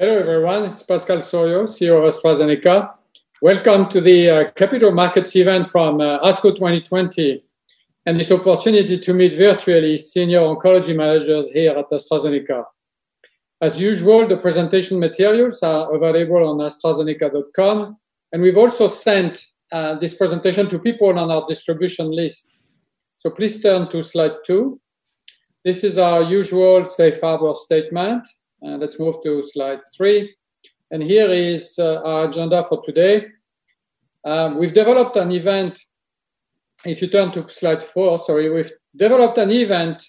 Hello, everyone. It's Pascal Soriot, CEO of AstraZeneca. Welcome to the Capital Markets event from ASCO 2020, this opportunity to meet virtually senior oncology managers here at AstraZeneca. As usual, the presentation materials are available on astrazeneca.com. We've also sent this presentation to people on our distribution list. Please turn to slide two. This is our usual safe harbor statement. Let's move to slide three. Here is our agenda for today. If you turn to slide four, sorry. We've developed an event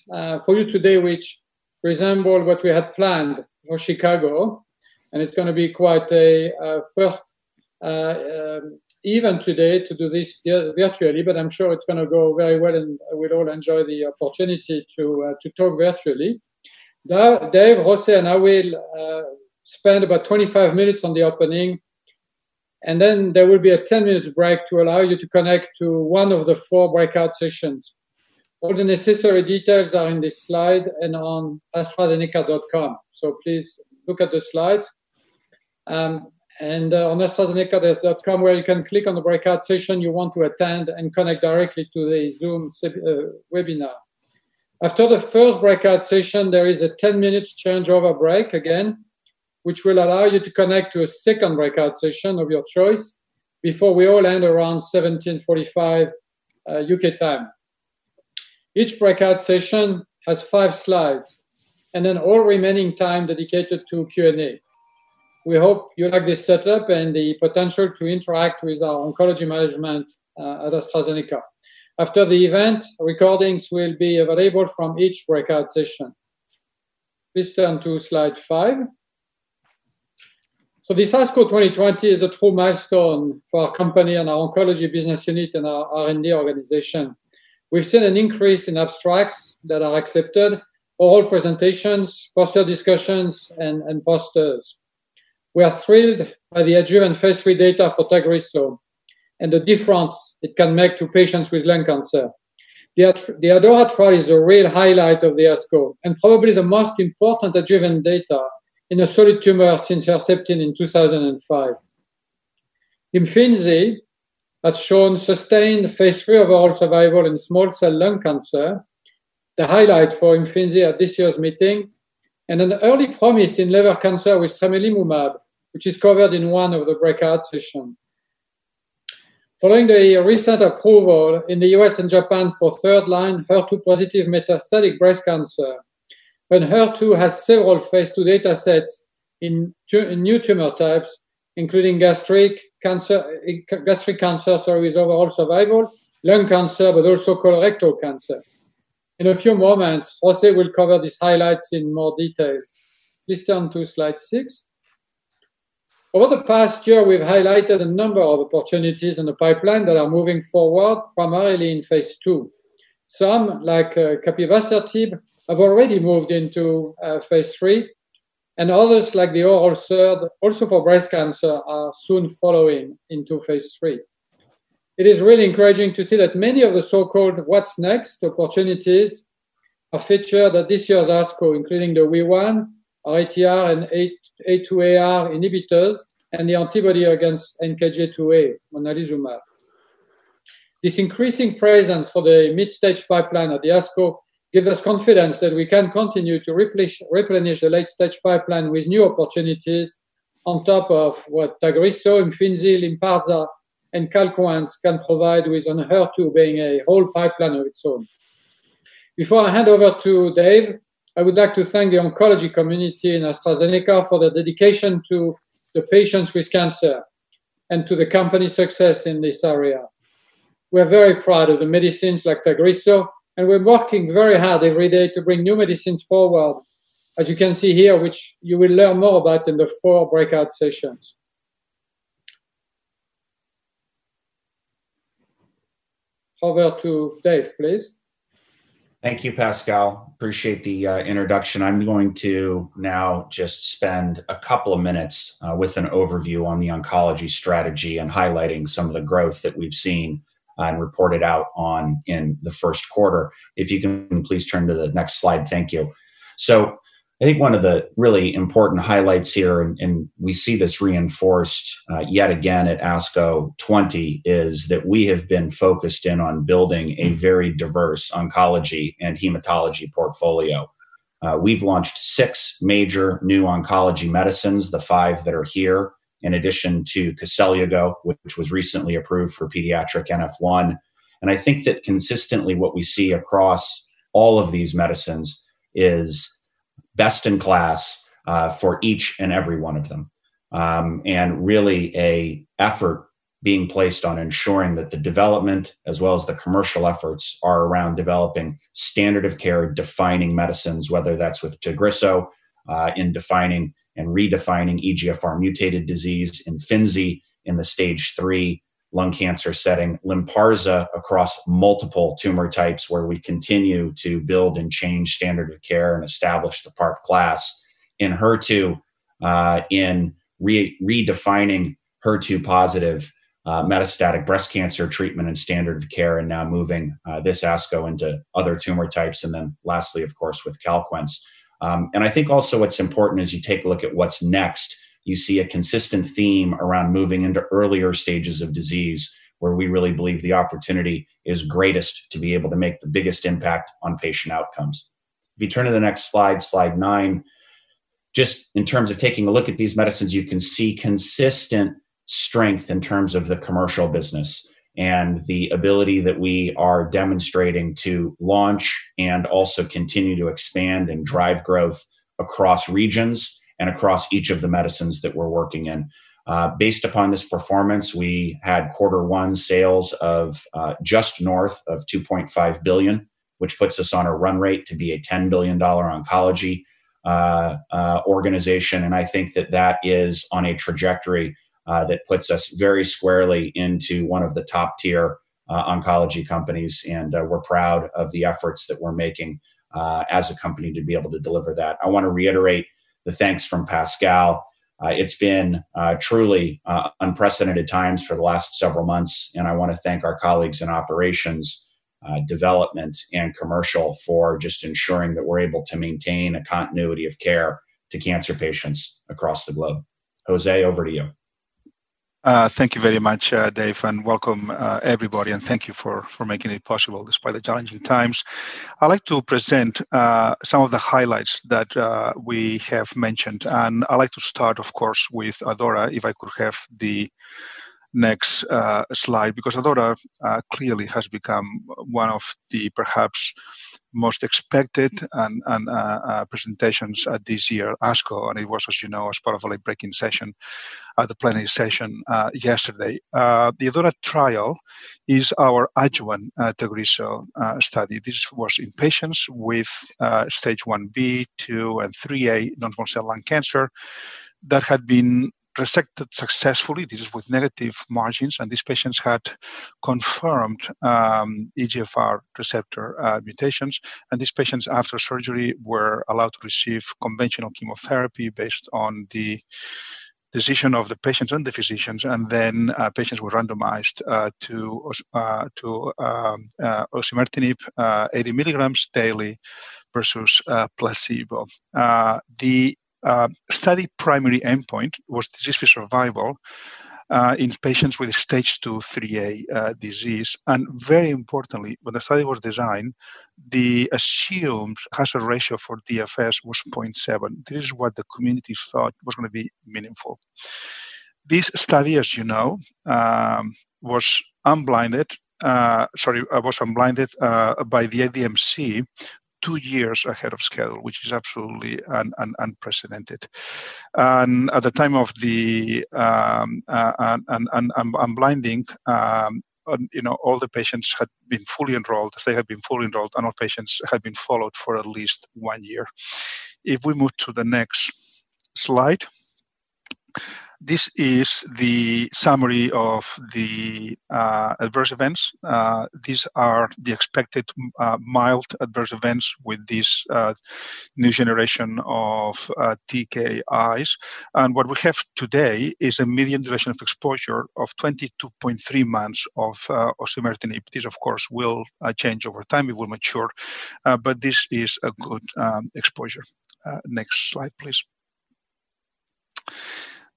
for you today which resemble what we had planned for Chicago. It's going to be quite a first event today to do this virtually. I'm sure it's going to go very well. We'll all enjoy the opportunity to talk virtually. Now, Dave, José, and I will spend about 25 minutes on the opening, and then there will be a 10-minute break to allow you to connect to one of the four breakout sessions. All the necessary details are in this slide and on astrazeneca.com. Please look at the slides. On astrazeneca.com where you can click on the breakout session you want to attend and connect directly to the Zoom webinar. After the first breakout session, there is a 10-minute changeover break again, which will allow you to connect to a second breakout session of your choice before we all end around 5:45 P.M. U.K. time. Each breakout session has five slides and then all remaining time dedicated to Q&A. We hope you like this setup and the potential to interact with our oncology management at AstraZeneca. After the event, recordings will be available from each breakout session. Please turn to slide five. This ASCO 2020 is a true milestone for our company and our oncology business unit and our R&D organization. We've seen an increase in abstracts that are accepted, all presentations, poster discussions, and posters. We are thrilled by the driven phase III data for Tagrisso and the difference it can make to patients with lung cancer. The ADAURA trial is a real highlight of the ASCO and probably the most important driven data in a solid tumor since Herceptin in 2005. Imfinzi has shown sustained phase III overall survival in small cell lung cancer, the highlight for Imfinzi at this year's meeting, and an early promise in liver cancer with tremelimumab, which is covered in one of the breakout session. Following the recent approval in the US and Japan for third line HER2-positive metastatic breast cancer. HER2 has several phase II data sets in new tumor types, including gastric cancer with overall survival, lung cancer, but also colorectal cancer. In a few moments, José will cover these highlights in more details. Please turn to slide six. Over the past year, we've highlighted a number of opportunities in the pipeline that are moving forward primarily in phase II. Some, like capivasertib, have already moved into phase III, and others, like the oral SERD also for breast cancer, are soon following into phase III. It is really encouraging to see that many of the so-called what's next opportunities are featured at this year's ASCO, including the WEE1, ATR and A2AR inhibitors, and the antibody against NKG2A, monalizumab. This increasing presence for the mid-stage pipeline at the ASCO gives us confidence that we can continue to replenish the late-stage pipeline with new opportunities on top of what Tagrisso, Imfinzi, Lynparza and Calquence can provide with Enhertu being a whole pipeline of its own. Before I hand over to Dave, I would like to thank the oncology community in AstraZeneca for their dedication to the patients with cancer and to the company's success in this area. We're very proud of the medicines like Tagrisso, and we're working very hard every day to bring new medicines forward, as you can see here, which you will learn more about in the four breakout sessions. Over to Dave, please. Thank you, Pascal. Appreciate the introduction. I'm going to now just spend a couple of minutes with an overview on the oncology strategy and highlighting some of the growth that we've seen and reported out on in the first quarter. If you can please turn to the next slide. Thank you. I think one of the really important highlights here, and we see this reinforced yet again at ASCO 20, is that we have been focused in on building a very diverse oncology and hematology portfolio. We've launched six major new oncology medicines, the five that are here in addition to Koselugo, which was recently approved for pediatric NF1. I think that consistently what we see across all of these medicines is best in class for each and every one of them. Really an effort being placed on ensuring that the development as well as the commercial efforts are around developing standard of care defining medicines, whether that's with Tagrisso in defining and redefining EGFR mutated disease, Imfinzi in the stage three lung cancer setting, Lynparza across multiple tumor types where we continue to build and change standard of care and establish the PARP class. Enhertu in redefining HER2 positive metastatic breast cancer treatment and standard of care, and now moving this ASCO into other tumor types, and then lastly, of course, with CALQUENCE. I think also what's important as you take a look at what's next, you see a consistent theme around moving into earlier stages of disease, where we really believe the opportunity is greatest to be able to make the biggest impact on patient outcomes. If you turn to the next slide nine, just in terms of taking a look at these medicines, you can see consistent strength in terms of the commercial business and the ability that we are demonstrating to launch and also continue to expand and drive growth across regions and across each of the medicines that we're working in. Based upon this performance, we had Q1 sales of just north of $2.5 billion, which puts us on a run rate to be a $10 billion oncology organization. I think that that is on a trajectory that puts us very squarely into one of the top tier oncology companies, and we're proud of the efforts that we're making as a company to be able to deliver that. I want to reiterate the thanks from Pascal. It's been truly unprecedented times for the last several months. I want to thank our colleagues in operations, development, and commercial for just ensuring that we're able to maintain a continuity of care to cancer patients across the globe. José, over to you. Thank you very much, Dave, and welcome everybody, and thank you for making it possible despite the challenging times. I'd like to present some of the highlights that we have mentioned, and I'd like to start, of course, with ADAURA, if I could have the next slide, because ADAURA clearly has become one of the perhaps most expected presentations at this year ASCO, and it was, as you know, as part of a late-breaking session at the plenary session yesterday. The ADAURA trial is our adjuvant Tagrisso study. This was in patients with Stage IB, II and IIIA non-small cell lung cancer that had been resected successfully. This is with negative margins, and these patients had confirmed EGFR receptor mutations, and these patients after surgery were allowed to receive conventional chemotherapy based on the decision of the patients and the physicians. Patients were randomized to osimertinib 80mg daily versus placebo. The study primary endpoint was disease-free survival in patients with Stage 2, 3A disease. Very importantly, when the study was designed, the assumed hazard ratio for DFS was 0.7. This is what the community thought was going to be meaningful. This study, as you know, was unblinded by the IDMC two years ahead of schedule, which is absolutely unprecedented. At the time of the unblinding, all the patients had been fully enrolled. They had been fully enrolled, and all patients had been followed for at least one year. If we move to the next slide. This is the summary of the adverse events. These are the expected mild adverse events with this new generation of TKIs. What we have today is a median duration of exposure of 22.3 months of osimertinib. This, of course, will change over time. It will mature. This is a good exposure. Next slide, please.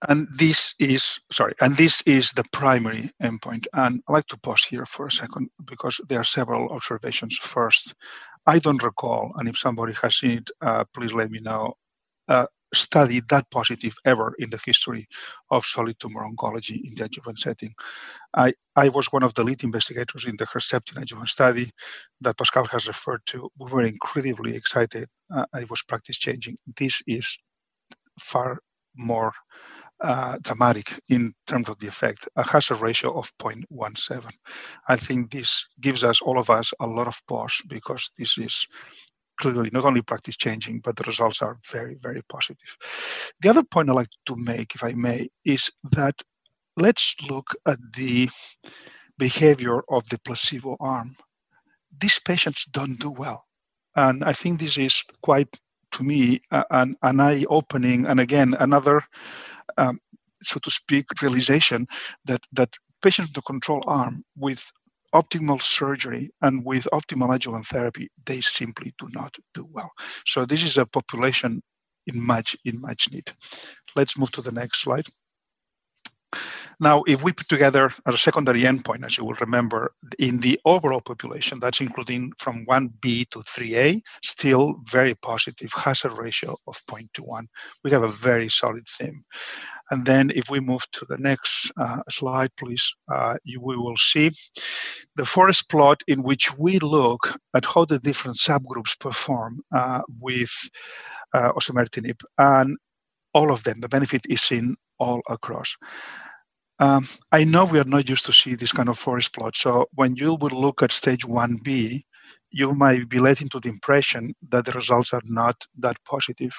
This is the primary endpoint. I'd like to pause here for a second because there are several observations. First, I don't recall, and if somebody has it, please let me know, a study that positive ever in the history of solid tumor oncology in the adjuvant setting. I was one of the lead investigators in the Herceptin adjuvant study that Pascal has referred to. We were incredibly excited. It was practice-changing. This is far more dramatic in terms of the effect. A hazard ratio of 0.17. I think this gives all of us a lot of pause because this is clearly not only practice-changing, but the results are very, very positive. The other point I'd like to make, if I may, is that let's look at the behavior of the placebo arm. These patients don't do well, and I think this is quite, to me, an eye-opening, and again, another, so to speak, realization that patients in the control arm with optimal surgery and with optimal adjuvant therapy, they simply do not do well. This is a population in much need. Let's move to the next slide. If we put together a secondary endpoint, as you will remember, in the overall population, that's including from 1B to 3A, still very positive, hazard ratio of 0.21. We have a very solid theme. If we move to the next slide, please, we will see the forest plot in which we look at how the different subgroups perform with osimertinib. All of them, the benefit is seen all across. I know we are not used to see this kind of forest plot. When you would look at Stage 1B, you might be led into the impression that the results are not that positive.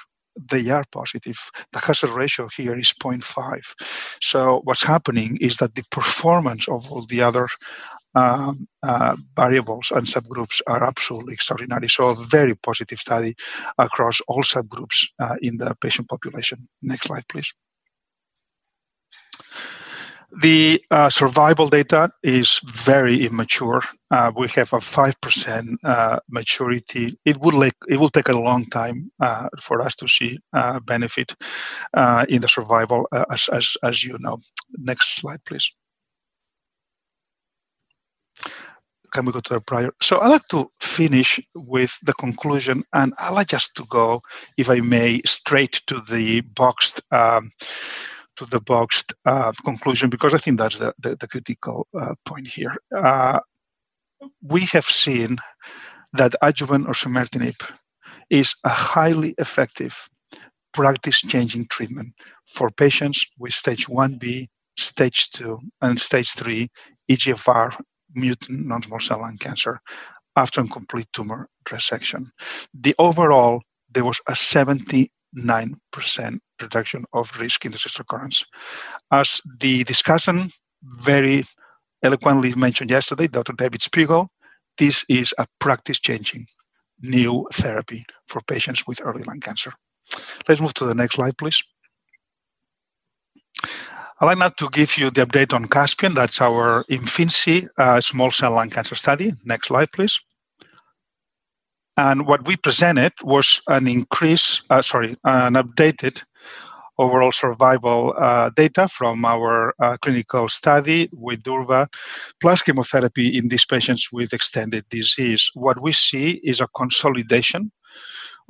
They are positive. The hazard ratio here is 0.5. What's happening is that the performance of all the other variables and subgroups are absolutely extraordinary. A very positive study across all subgroups in the patient population. Next slide, please. The survival data is very immature. We have a 5% maturity. It will take a long time for us to see a benefit in the survival, as you know. Next slide, please. Can we go to the prior? I'd like to finish with the conclusion, and I'd like us to go, if I may, straight to the boxed conclusion because I think that's the critical point here. We have seen that adjuvant osimertinib is a highly effective practice-changing treatment for patients with Stage IB, Stage II, and Stage III EGFR mutant non-small cell lung cancer after incomplete tumor resection. Overall, there was a 79% reduction of risk in the recurrence. As the discussant very eloquently mentioned yesterday, Dr. David Spigel, this is a practice-changing, new therapy for patients with early lung cancer. Let's move to the next slide, please. I'd like now to give you the update on CASPIAN, that's our Imfinzi small cell lung cancer study. Next slide, please. What we presented was an updated overall survival data from our clinical study with durva plus chemotherapy in these patients with extended disease. What we see is a consolidation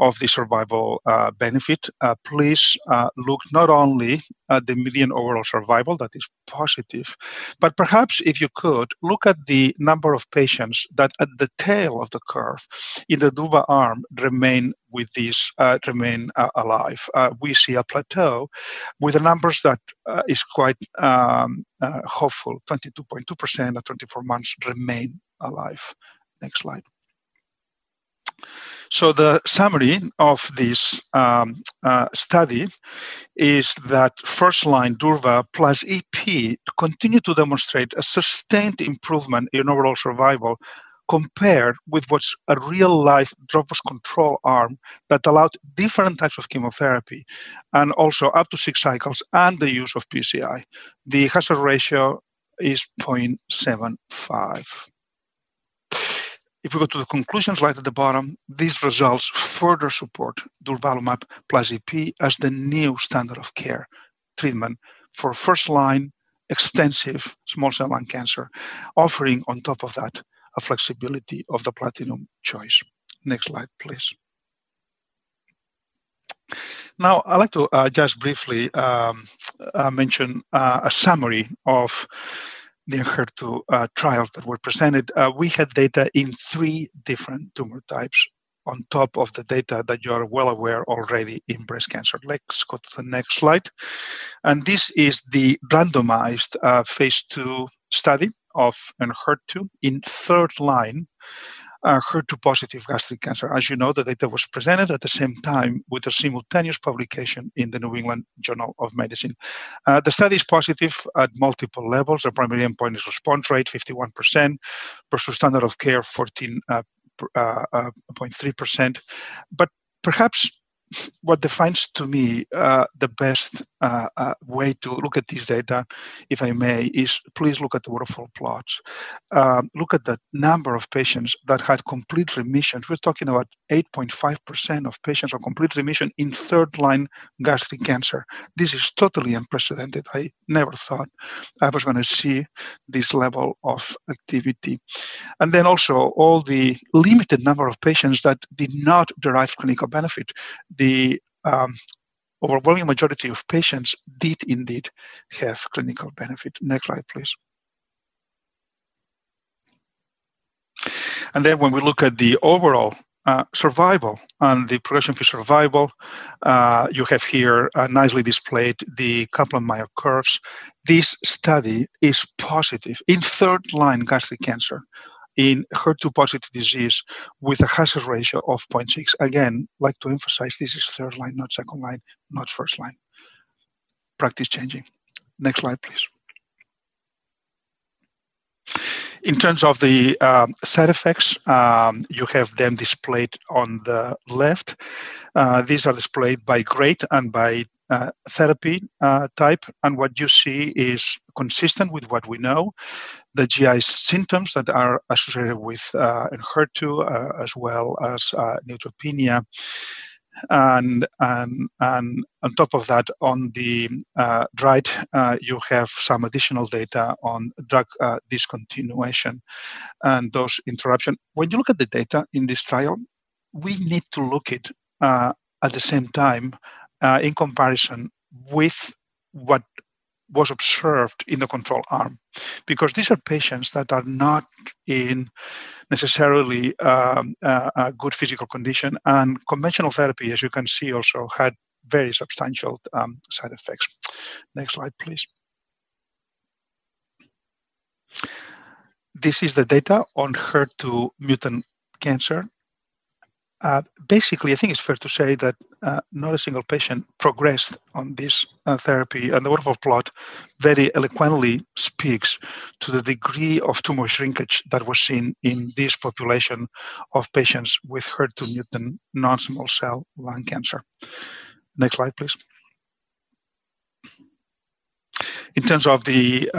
of the survival benefit. Please look not only at the median overall survival that is positive, but perhaps if you could, look at the number of patients that at the tail of the curve in the durvalumab arm remain alive. We see a plateau with the numbers that is quite hopeful, 22.2% at 24 months remain alive. Next slide. The summary of this study is that first-line durvalumab plus EP continue to demonstrate a sustained improvement in overall survival compared with what's a real-life dropout control arm that allowed different types of chemotherapy, and also up to six cycles and the use of PCI. The hazard ratio is 0.75. We go to the conclusions right at the bottom, these results further support durvalumab plus EP as the new standard of care treatment for first-line extensive small cell lung cancer, offering on top of that, a flexibility of the platinum choice. Next slide, please. I'd like to just briefly mention a summary of the Enhertu trials that were presented. We had data in three different tumor types on top of the data that you're well aware already in breast cancer. Let's go to the next slide. This is the randomized phase II study of Enhertu in third-line, HER2-positive gastric cancer. As you know, the data was presented at the same time with a simultaneous publication in the New England Journal of Medicine. The study is positive at multiple levels. The primary endpoint is response rate, 51%, versus standard of care, 14.3%. Perhaps what defines to me the best way to look at this data, if I may, is please look at the waterfall plots. Look at the number of patients that had complete remissions. We're talking about 8.5% of patients on complete remission in third-line gastric cancer. This is totally unprecedented. I never thought I was going to see this level of activity. Also all the limited number of patients that did not derive clinical benefit. The overwhelming majority of patients did indeed have clinical benefit. Next slide, please. When we look at the overall survival and the progression-free survival, you have here nicely displayed the Kaplan-Meier curves. This study is positive in third-line gastric cancer in HER2-positive disease with a hazard ratio of 0.6. Again, like to emphasize this is third-line, not second line, not first line. Practice changing. Next slide, please. In terms of the side effects, you have them displayed on the left. These are displayed by grade and by therapy type, and what you see is consistent with what we know, the GI symptoms that are associated with Enhertu, as well as neutropenia. On top of that, on the right, you have some additional data on drug discontinuation and dose interruption. When you look at the data in this trial, we need to look it at the same time, in comparison with what was observed in the control arm. These are patients that are not in necessarily a good physical condition, and conventional therapy, as you can see, also had very substantial side effects. Next slide, please. This is the data on HER2 mutant cancer. I think it's fair to say that not a single patient progressed on this therapy, and the waterfall plot very eloquently speaks to the degree of tumor shrinkage that was seen in this population of patients with HER2 mutant non-small cell lung cancer. Next slide, please. In terms of the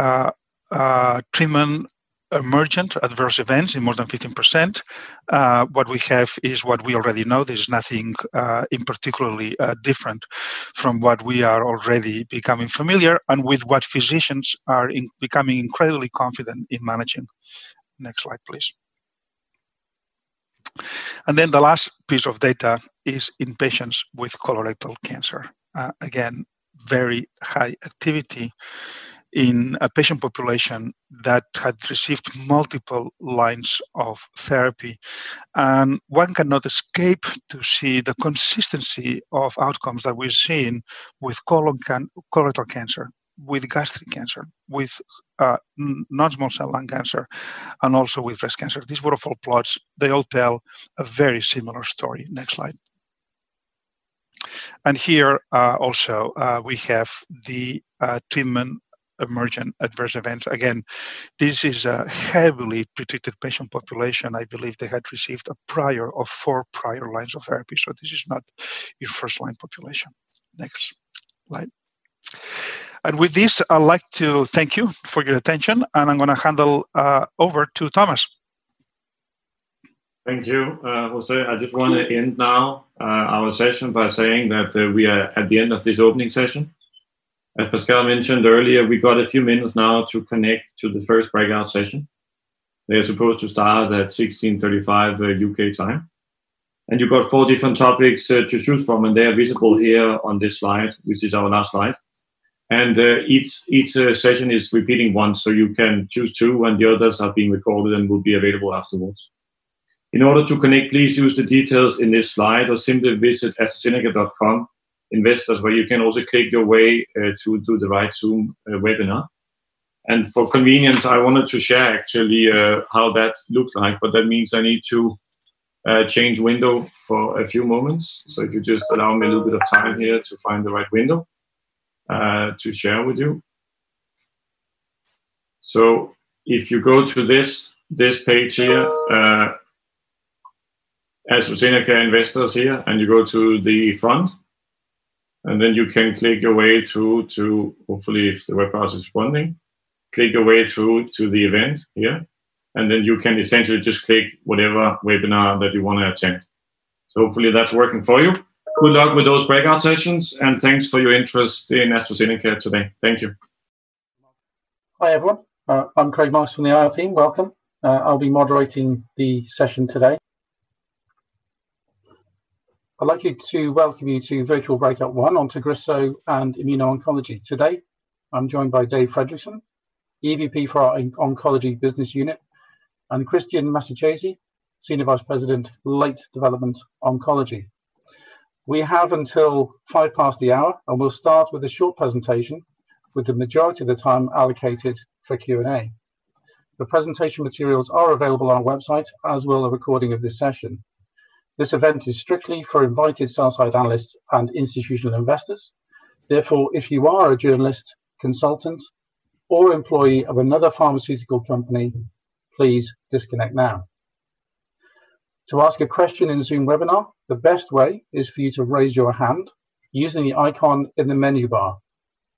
treatment emergent adverse events in more than 15%, what we have is what we already know. There's nothing in particularly different from what we are already becoming familiar and with what physicians are becoming incredibly confident in managing. Next slide, please. The last piece of data is in patients with colorectal cancer. Again, very high activity in a patient population that had received multiple lines of therapy. One cannot escape to see the consistency of outcomes that we've seen with colorectal cancer, with gastric cancer, with non-small cell lung cancer, and also with breast cancer. These waterfall plots, they all tell a very similar story. Next slide. Here, also we have the treatment emergent adverse events. Again, this is a heavily treated patient population. I believe they had received a prior of four prior lines of therapy, so this is not your first-line population. Next slide. With this, I'd like to thank you for your attention, and I'm going to hand over to Thomas. Thank you, José. I just want to end now our session by saying that we are at the end of this opening session. As Pascal mentioned earlier, we got a few minutes now to connect to the first breakout session. They're supposed to start at 16:35 U.K. time. You've got four different topics to choose from, and they are visible here on this slide, which is our last slide. Each session is repeating once, so you can choose two, and the others are being recorded and will be available afterwards. In order to connect, please use the details in this slide or simply visit astrazeneca.com investors, where you can also click your way through to the right Zoom webinar. For convenience, I wanted to share actually how that looks like, but that means I need to change window for a few moments. If you just allow me a little bit of time here to find the right window to share with you. If you go to this page here, AstraZeneca Investors here, you go to the front, you can click your way through to, hopefully if the web browser is functioning, click your way through to the event here, you can essentially just click whatever webinar that you want to attend. Hopefully that's working for you. Good luck with those breakout sessions, thanks for your interest in AstraZeneca today. Thank you. Hi, everyone. I'm Craig Marks from the IR team. Welcome. I'll be moderating the session today. I'd like you to welcome you to virtual breakout one on Tagrisso and immuno-oncology. Today, I'm joined by Dave Fredrickson, EVP for our Oncology Business Unit, and Cristian Massacesi, Senior Vice President, Late Development Oncology. We have until five past the hour, and we'll start with a short presentation with the majority of the time allocated for Q&A. The presentation materials are available on our website, as will a recording of this session. This event is strictly for invited sell-side analysts and institutional investors. Therefore, if you are a journalist, consultant, or employee of another pharmaceutical company, please disconnect now. To ask a question in the Zoom webinar, the best way is for you to raise your hand using the icon in the menu bar.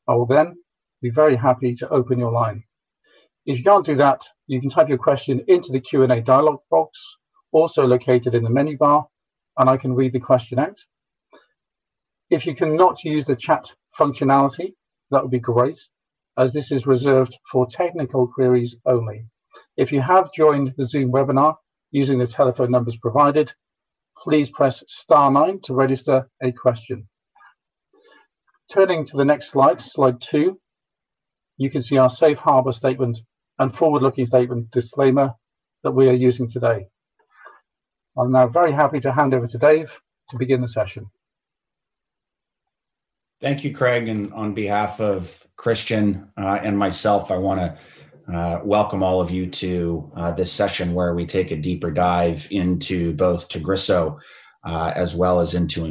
I will then be very happy to open your line. If you can't do that, you can type your question into the Q&A dialogue box, also located in the menu bar, and I can read the question out. If you cannot use the chat functionality, that would be great, as this is reserved for technical queries only. If you have joined the Zoom webinar using the telephone numbers provided, please press star nine to register a question. Turning to the next slide two, you can see our safe harbor statement and forward-looking statement disclaimer that we are using today. I'm now very happy to hand over to Dave to begin the session. Thank you, Craig. On behalf of Cristian and myself, I want to welcome all of you to this session where we take a deeper dive into both Tagrisso, as well as into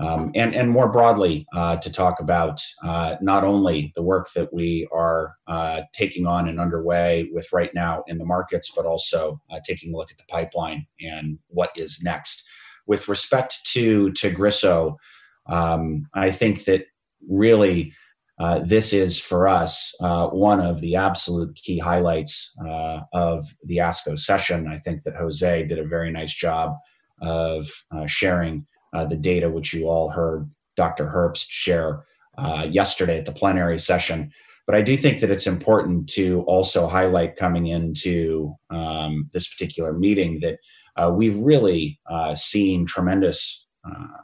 Imfinzi. More broadly, to talk about not only the work that we are taking on and underway with right now in the markets, but also taking a look at the pipeline and what is next. With respect to Tagrisso, I think that really, this is for us one of the absolute key highlights of the ASCO session. I think that Jose did a very nice job of sharing the data which you all heard Dr. Herbst share yesterday at the plenary session. I do think that it's important to also highlight coming into this particular meeting that we've really seen tremendous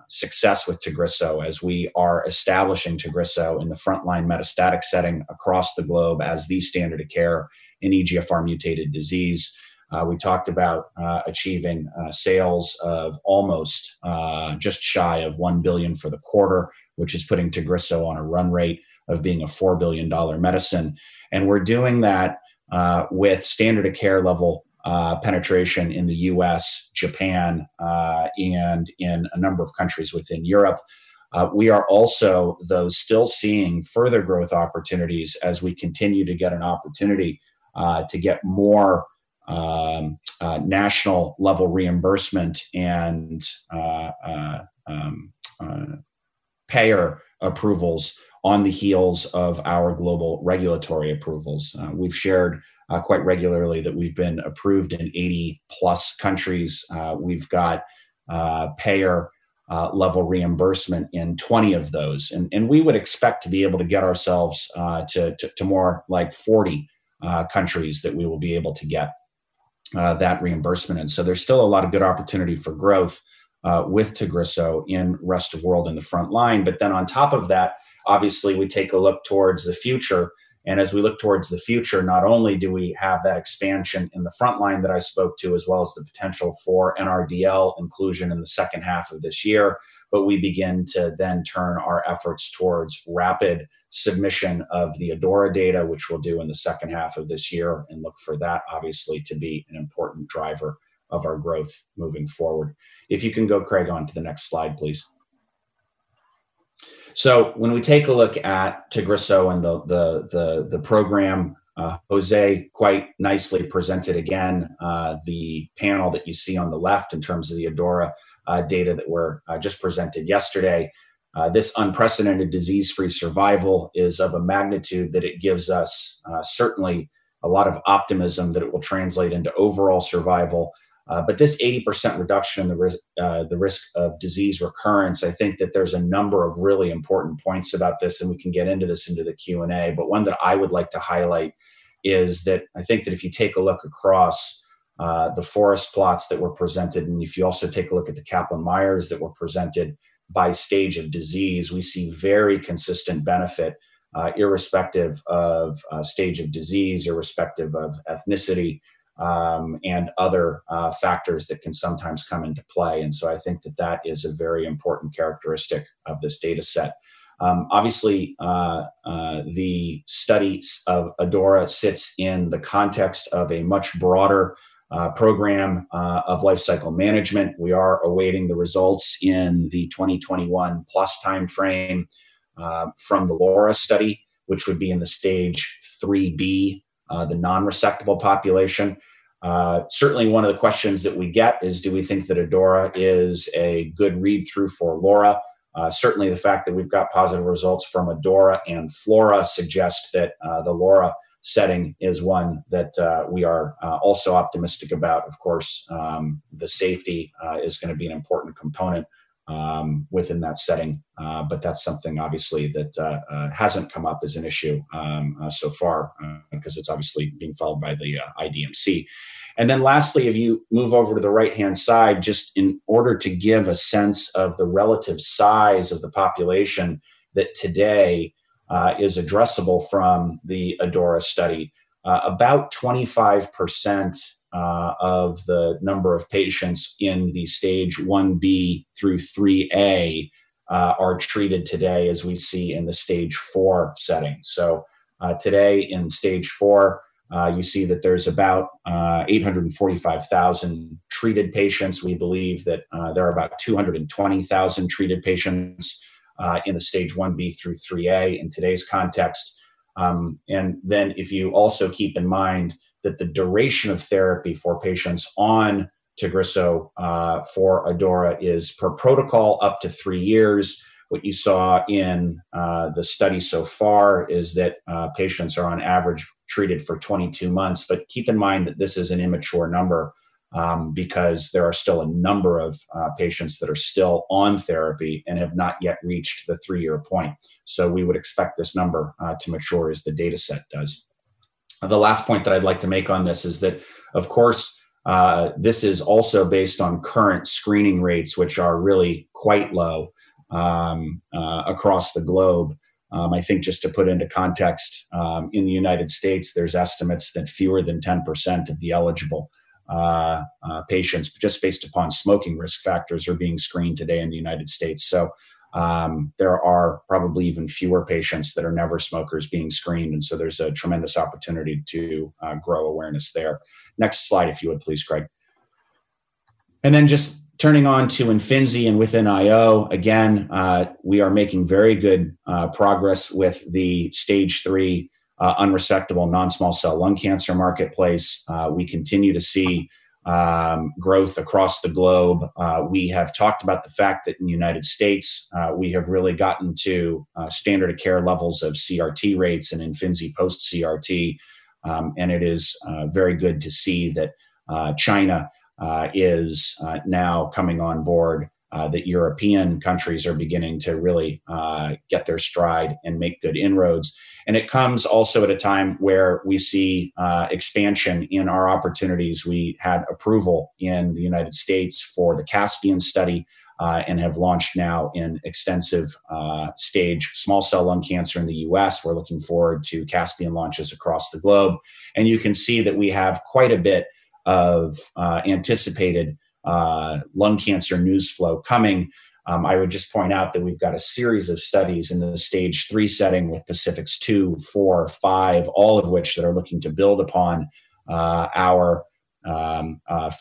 success with Tagrisso as we are establishing Tagrisso in the frontline metastatic setting across the globe as the standard of care in EGFR mutated disease. We talked about achieving sales of almost just shy of $1 billion for the quarter, which is putting Tagrisso on a run rate of being a $4 billion medicine. We're doing that with standard of care level penetration in the U.S., Japan, and in a number of countries within Europe. We are also, though, still seeing further growth opportunities as we continue to get an opportunity to get more national level reimbursement and payer approvals on the heels of our global regulatory approvals. We've shared quite regularly that we've been approved in 80+ countries. We've got payer level reimbursement in 20 of those. We would expect to be able to get ourselves to more like 40 countries, that we will be able to get that reimbursement in. There's still a lot of good opportunity for growth with Tagrisso in rest of world in the front line. On top of that, obviously we take a look towards the future, and as we look towards the future, not only do we have that expansion in the front line that I spoke to, as well as the potential for an NRDL inclusion in the second half of this year. We begin to then turn our efforts towards rapid submission of the ADAURA data, which we'll do in the second half of this year, and look for that, obviously, to be an important driver of our growth moving forward. If you can go, Craig, on to the next slide, please. When we take a look at Tagrisso and the program, José quite nicely presented again the panel that you see on the left in terms of the ADAURA data that were just presented yesterday. This unprecedented disease-free survival is of a magnitude that it gives us certainly a lot of optimism that it will translate into overall survival. This 80% reduction in the risk of disease recurrence, I think that there's a number of really important points about this, and we can get into this into the Q&A. One that I would like to highlight is that I think that if you take a look across the forest plots that were presented, and if you also take a look at the Kaplan-Meier curves that were presented by stage of disease, we see very consistent benefit, irrespective of stage of disease, irrespective of ethnicity, and other factors that can sometimes come into play. I think that that is a very important characteristic of this data set. Obviously, the studies of ADAURA sits in the context of a much broader program of life cycle management. We are awaiting the results in the 2021 plus timeframe from the LAURA study, which would be in the Stage IIIB, the non-resectable population. Certainly one of the questions that we get is, do we think that ADAURA is a good read-through for LAURA? Certainly the fact that we've got positive results from ADAURA and Flaura suggest that the LAURA setting is one that we are also optimistic about. Of course, the safety is going to be an important component within that setting. That's something, obviously, that hasn't come up as an issue so far, because it's obviously being followed by the IDMC. Lastly, if you move over to the right-hand side, just in order to give a sense of the relative size of the population that today is addressable from the ADAURA study. About 25% of the number of patients in the Stage IB through IIIA are treated today, as we see in the Stage IV setting. Today in Stage IV, you see that there's about 845,000 treated patients. We believe that there are about 220,000 treated patients in the Stage IB through IIIA in today's context. If you also keep in mind that the duration of therapy for patients on Tagrisso for ADAURA is per protocol up to three years. What you saw in the study so far is that patients are on average treated for 22 months. Keep in mind that this is an immature number, because there are still a number of patients that are still on therapy and have not yet reached the 3-year point. We would expect this number to mature as the data set does. The last point that I'd like to make on this is that, of course, this is also based on current screening rates, which are really quite low across the globe. I think just to put into context, in the U.S., there's estimates that fewer than 10% of the eligible patients, just based upon smoking risk factors, are being screened today in the U.S. There are probably even fewer patients that are never smokers being screened. There's a tremendous opportunity to grow awareness there. Next slide if you would please, Craig. Then just turning on to Imfinzi and with NIO, again, we are making very good progress with the Stage III unresectable non-small cell lung cancer marketplace. We continue to see growth across the globe. We have talked about the fact that in the U.S., we have really gotten to standard of care levels of CRT rates and Imfinzi post CRT. It is very good to see that China is now coming on board, that European countries are beginning to really get their stride and make good inroads. It comes also at a time where we see expansion in our opportunities. We had approval in the United States for the CASPIAN study, and have launched now in extensive stage small cell lung cancer in the U.S. We're looking forward to CASPIAN launches across the globe. You can see that we have quite a bit of anticipated lung cancer news flow coming. I would just point out that we've got a series of studies in the Stage III setting with PACIFIC's 2, 4, 5, all of which that are looking to build upon our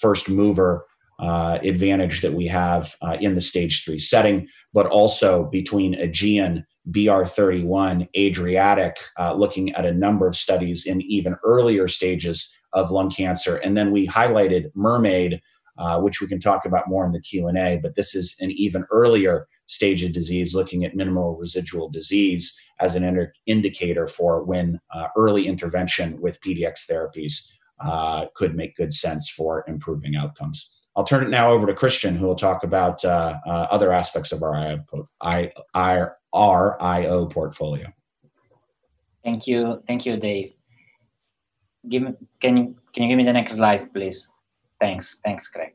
first-mover advantage that we have in the Stage III setting, but also between AEGEAN, BR.31, ADRIATIC, looking at a number of studies in even earlier stages of lung cancer. We highlighted MERMAID, which we can talk about more in the Q&A, but this is an even earlier stage of disease, looking at minimal residual disease as an indicator for when early intervention with PDX therapies could make good sense for improving outcomes. I'll turn it now over to Cristian, who will talk about other aspects of our IO portfolio. Thank you, Dave. Can you give me the next slide, please? Thanks, Craig.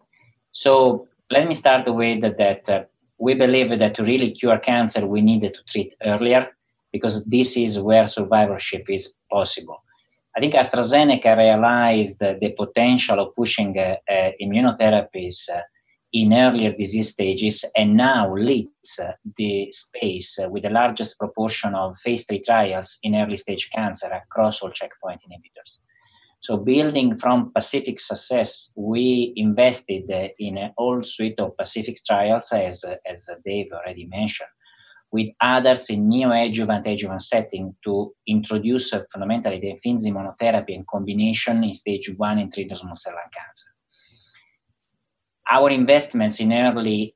Let me start with that we believe that to really cure cancer, we need to treat earlier, because this is where survivorship is possible. I think AstraZeneca realized the potential of pushing immunotherapies in earlier disease stages, and now leads the space with the largest proportion of phase III trials in early-stage cancer across all checkpoint inhibitors. Building from PACIFIC success, we invested in a whole suite of PACIFIC's trials, as Dave already mentioned, with others in neo-adjuvant/adjuvant setting to introduce fundamentally the Imfinzi monotherapy in combination in stage I and II non-small cell lung cancer. Our investments in early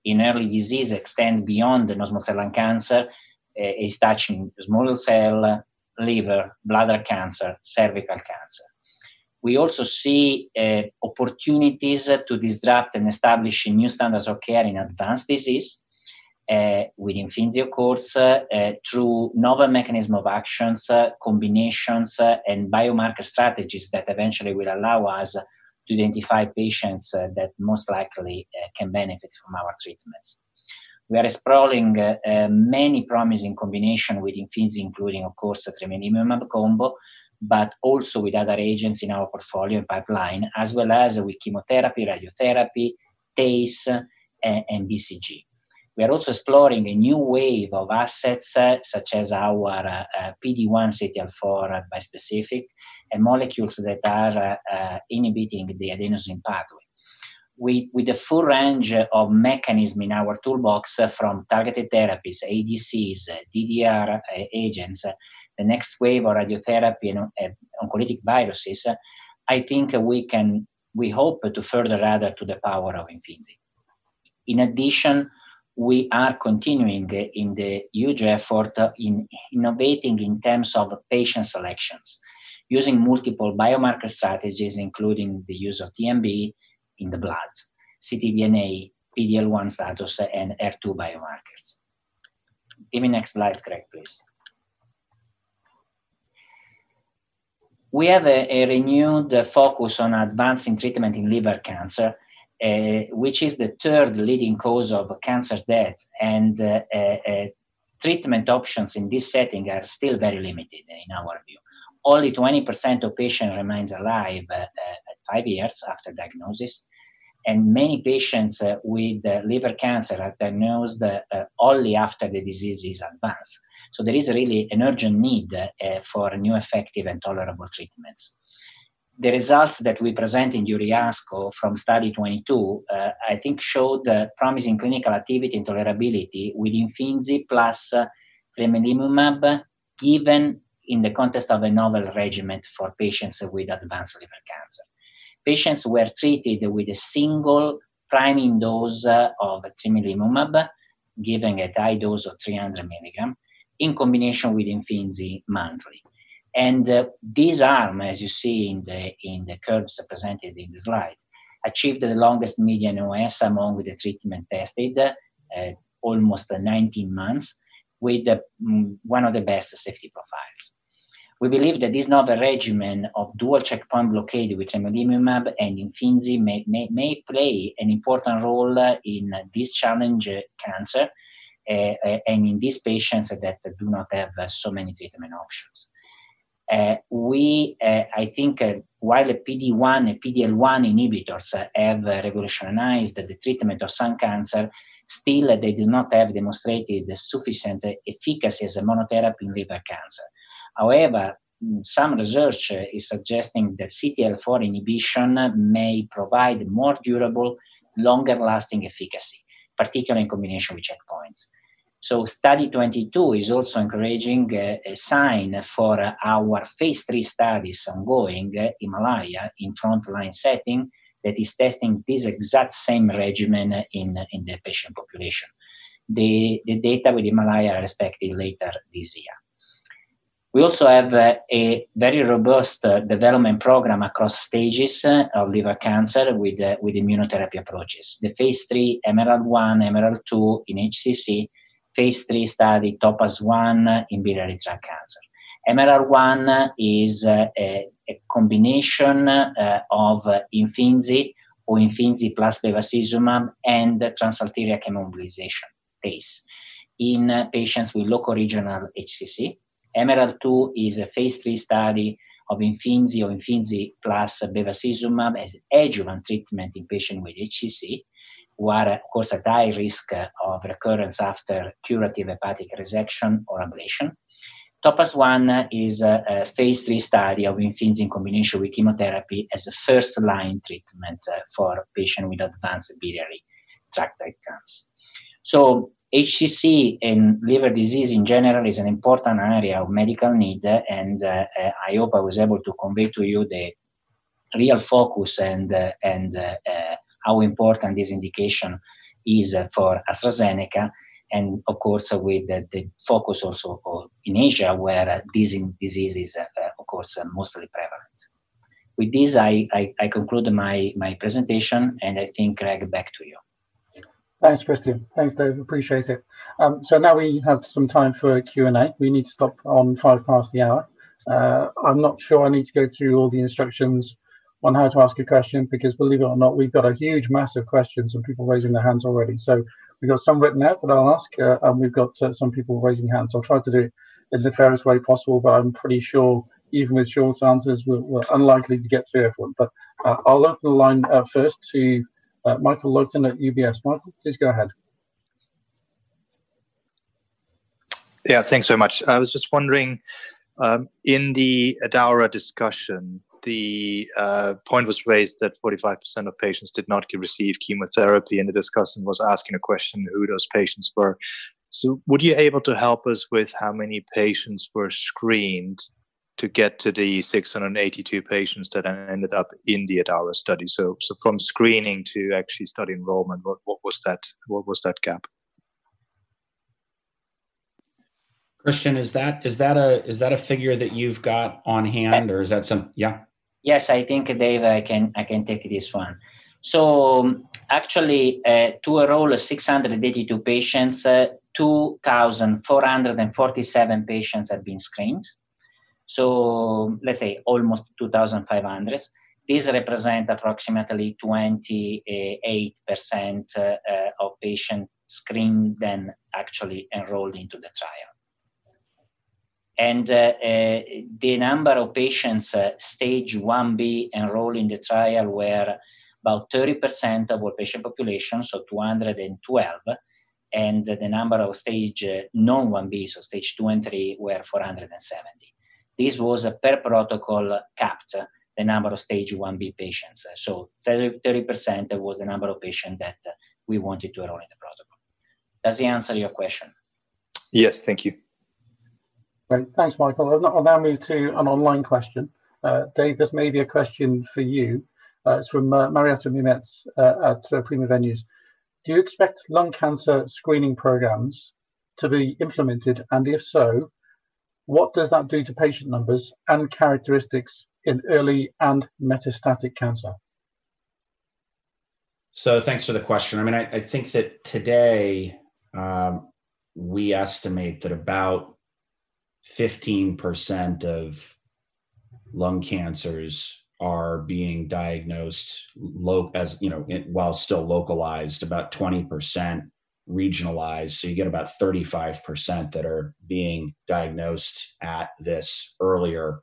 disease extend beyond non-small cell lung cancer, is touching small cell, liver, bladder cancer, cervical cancer. We also see opportunities to disrupt and establish new standards of care in advanced disease, with Imfinzi, of course, through novel mechanism of actions, combinations, and biomarker strategies that eventually will allow us to identify patients that most likely can benefit from our treatments. We are exploring many promising combination with Imfinzi, including, of course, the tremelimumab combo, but also with other agents in our portfolio pipeline, as well as with chemotherapy, radiotherapy, ACE, and BCG. We are also exploring a new wave of assets, such as our PD-1/CTLA-4 bispecific and molecules that are inhibiting the adenosine pathway. With the full range of mechanism in our toolbox from targeted therapies, ADCs, DDR agents, the next wave of radiotherapy, oncolytic viruses, I think we hope to further add up to the power of Imfinzi. In addition, we are continuing in the huge effort in innovating in terms of patient selections, using multiple biomarker strategies, including the use of TMB in the blood, ctDNA, PD-L1 status, and F2 biomarkers. Give me next slide, Craig, please. We have a renewed focus on advancing treatment in liver cancer, which is the third leading cause of cancer death, and treatment options in this setting are still very limited in our view. Only 20% of patients remains alive at five years after diagnosis, and many patients with liver cancer are diagnosed only after the disease is advanced. There is really an urgent need for new effective and tolerable treatments. The results that we present in Uriasco from Study 22, I think showed promising clinical activity and tolerability with Imfinzi plus tremelimumab, given in the context of a novel regimen for patients with advanced liver cancer. Patients were treated with a single priming dose of tremelimumab, given a high dose of 300mg, in combination with Imfinzi monthly. This arm, as you see in the curves presented in the slides, achieved the longest median OS among the treatment tested at almost 19 months, with one of the best safety profiles. We believe that this novel regimen of dual checkpoint blockade with tremelimumab and Imfinzi may play an important role in this challenging cancer, and in these patients that do not have so many treatment options. I think while the PD-1 and PD-L1 inhibitors have revolutionized the treatment of some cancer, still they do not have demonstrated sufficient efficacy as a monotherapy in liver cancer. However, some research is suggesting that CTLA-4 inhibition may provide more durable, longer-lasting efficacy, particularly in combination with checkpoints. Study 22 is also encouraging a sign for our phase III studies ongoing, HIMALAYA, in frontline setting that is testing this exact same regimen in the patient population. The data with HIMALAYA are expected later this year. We also have a very robust development program across stages of liver cancer with immunotherapy approaches. The phase III EMERALD-1, EMERALD-2 in HCC, phase III study, TOPAZ-1 in biliary tract cancer. EMERALD-1 is a combination of Imfinzi or Imfinzi plus bevacizumab and transarterial chemoembolization, TACE, in patients with loco-regional HCC. EMERALD-2 is a phase III study of Imfinzi or Imfinzi plus bevacizumab as adjuvant treatment in patients with HCC who are at, of course, a high risk of recurrence after curative hepatic resection or ablation. TOPAZ-1 is a phase III study of Imfinzi in combination with chemotherapy as a first-line treatment for patients with advanced biliary tract cancer. HCC and liver disease in general is an important area of medical need, and I hope I was able to convey to you the real focus and how important this indication is for AstraZeneca. Of course, with the focus also in Asia where this disease is, of course, mostly prevalent. With this, I conclude my presentation, and I think, Craig, back to you. Thanks, Cristian. Thanks, Dave. Appreciate it. Now we have some time for Q&A. We need to stop on five past the hour. I'm not sure I need to go through all the instructions on how to ask a question, because believe it or not, we've got a huge mass of questions, some people raising their hands already. We've got some written out that I'll ask, and we've got some people raising hands. I'll try to do it in the fairest way possible, but I'm pretty sure even with short answers, we're unlikely to get through everything. I'll open the line first to Michael Leuchten at UBS. Michael, please go ahead. Yeah. Thanks so much. I was just wondering, in the ADAURA discussion, the point was raised that 45% of patients did not receive chemotherapy, and the discussant was asking a question who those patients were. Would you able to help us with how many patients were screened to get to the 682 patients that ended up in the ADAURA study? From screening to actually study enrollment, what was that gap? Cristian, is that a figure that you've got on hand? Yes. Is that some Yeah. Yes, I think, Dave, I can take this one. Actually, to enroll 682 patients, 2,447 patients have been screened. Let's say almost 2,500. These represent approximately 28% of patients screened, then actually enrolled into the trial. The number of patients Stage 1B enrolled in the trial were about 30% of our patient population, 212. The number of Stage non-1B, Stage II and III, were 470. This was a per protocol cap, the number of Stage 1B patients. 30% was the number of patients that we wanted to enroll in the protocol. Does it answer your question? Yes. Thank you. Great. Thanks, Michael. I'll now move to an online question. Dave, this may be a question for you. It's from Marietta Munetz at Primavenues. Do you expect lung cancer screening programs to be implemented, and if so, what does that do to patient numbers and characteristics in early and metastatic cancer? Thanks for the question. I think that today, we estimate that about 15% of lung cancers are being diagnosed while still localized, about 20% regionalized. You get about 35% that are being diagnosed at this earlier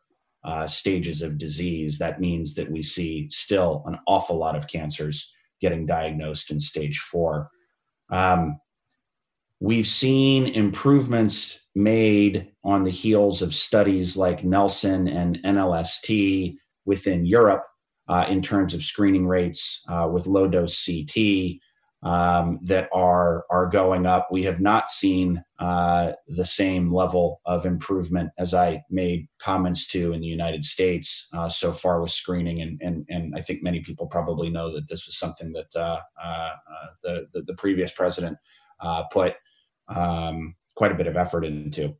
stages of disease. That means that we see still an awful lot of cancers getting diagnosed in Stage IV. We've seen improvements made on the heels of studies like Nelson and NLST within Europe, in terms of screening rates with low-dose CT that are going up. We have not seen the same level of improvement as I made comments to in the U.S. so far with screening. I think many people probably know that this was something that the previous president put quite a bit of effort into.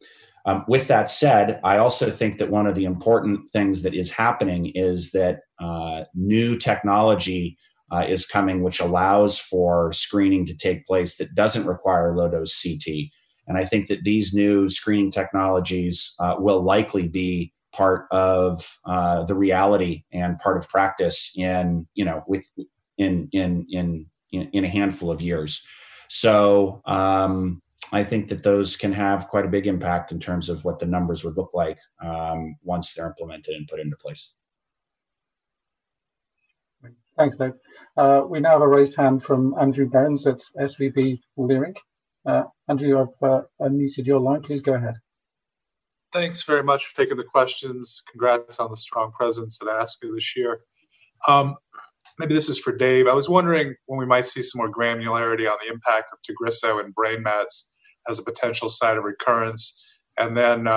With that said, I also think that one of the important things that is happening is that new technology is coming which allows for screening to take place that doesn't require low-dose CT. I think that these new screening technologies will likely be part of the reality and part of practice in a handful of years. I think that those can have quite a big impact in terms of what the numbers would look like once they're implemented and put into place. Thanks, Dave. We now have a raised hand from Andrew Berens at SVB Leerink. Andrew, I've unmuted your line. Please go ahead. Thanks very much for taking the questions. Congrats on the strong presence at ASCO this year. Maybe this is for Dave. I was wondering when we might see some more granularity on the impact of Tagrisso and brain mets as a potential site of recurrence, and then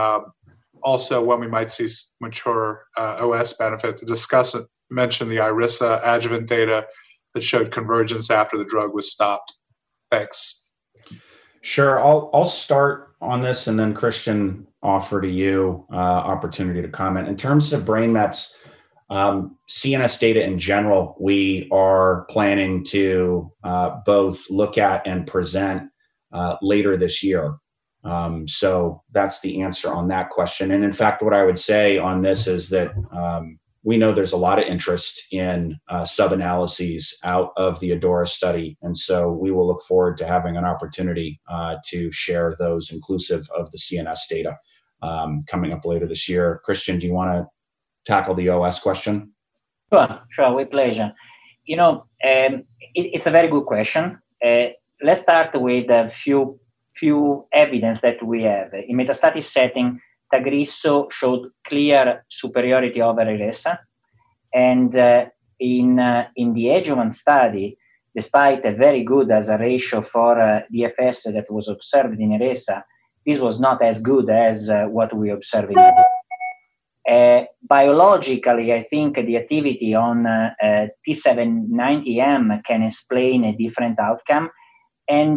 also when we might see mature OS benefit. The discussant mentioned the IRESSA adjuvant data that showed convergence after the drug was stopped. Thanks. Sure. I'll start on this and then Cristian, offer to you opportunity to comment. In terms of brain mets, CNS data in general, we are planning to both look at and present later this year. That's the answer on that question. In fact, what I would say on this is that we know there's a lot of interest in sub-analyses out of the ADAURA study, and so we will look forward to having an opportunity to share those inclusive of the CNS data coming up later this year. Cristian, do you want to tackle the OS question? Sure, with pleasure. It's a very good question. Let's start with a few evidence that we have. In metastatic setting, Tagrisso showed clear superiority over IRESSA. In the adjuvant study, despite a very good hazard ratio for DFS that was observed in IRESSA, this was not as good as what we observed in. Biologically, I think the activity on T790M can explain a different outcome and as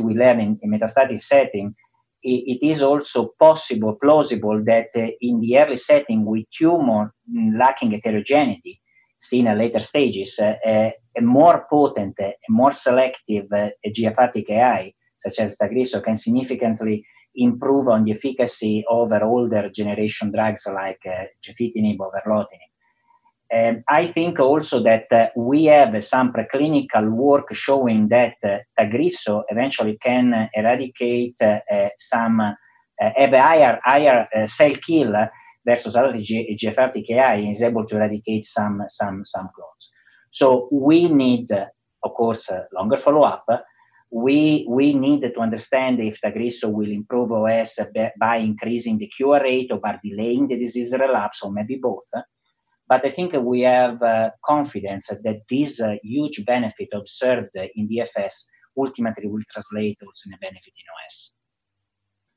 we learn in metastatic setting, it is also possible, plausible that in the early setting with tumor lacking heterogeneity, seen at later stages, a more potent, a more selective EGFR TKI such as Tagrisso can significantly improve on the efficacy over older generation drugs like gefitinib, or erlotinib. I think also that we have some preclinical work showing that Tagrisso eventually is able to eradicate some clones. We need, of course, longer follow-up. We need to understand if Tagrisso will improve OS by increasing the cure rate or by delaying the disease relapse, or maybe both. I think we have confidence that this huge benefit observed in DFS ultimately will translate also in a benefit in OS.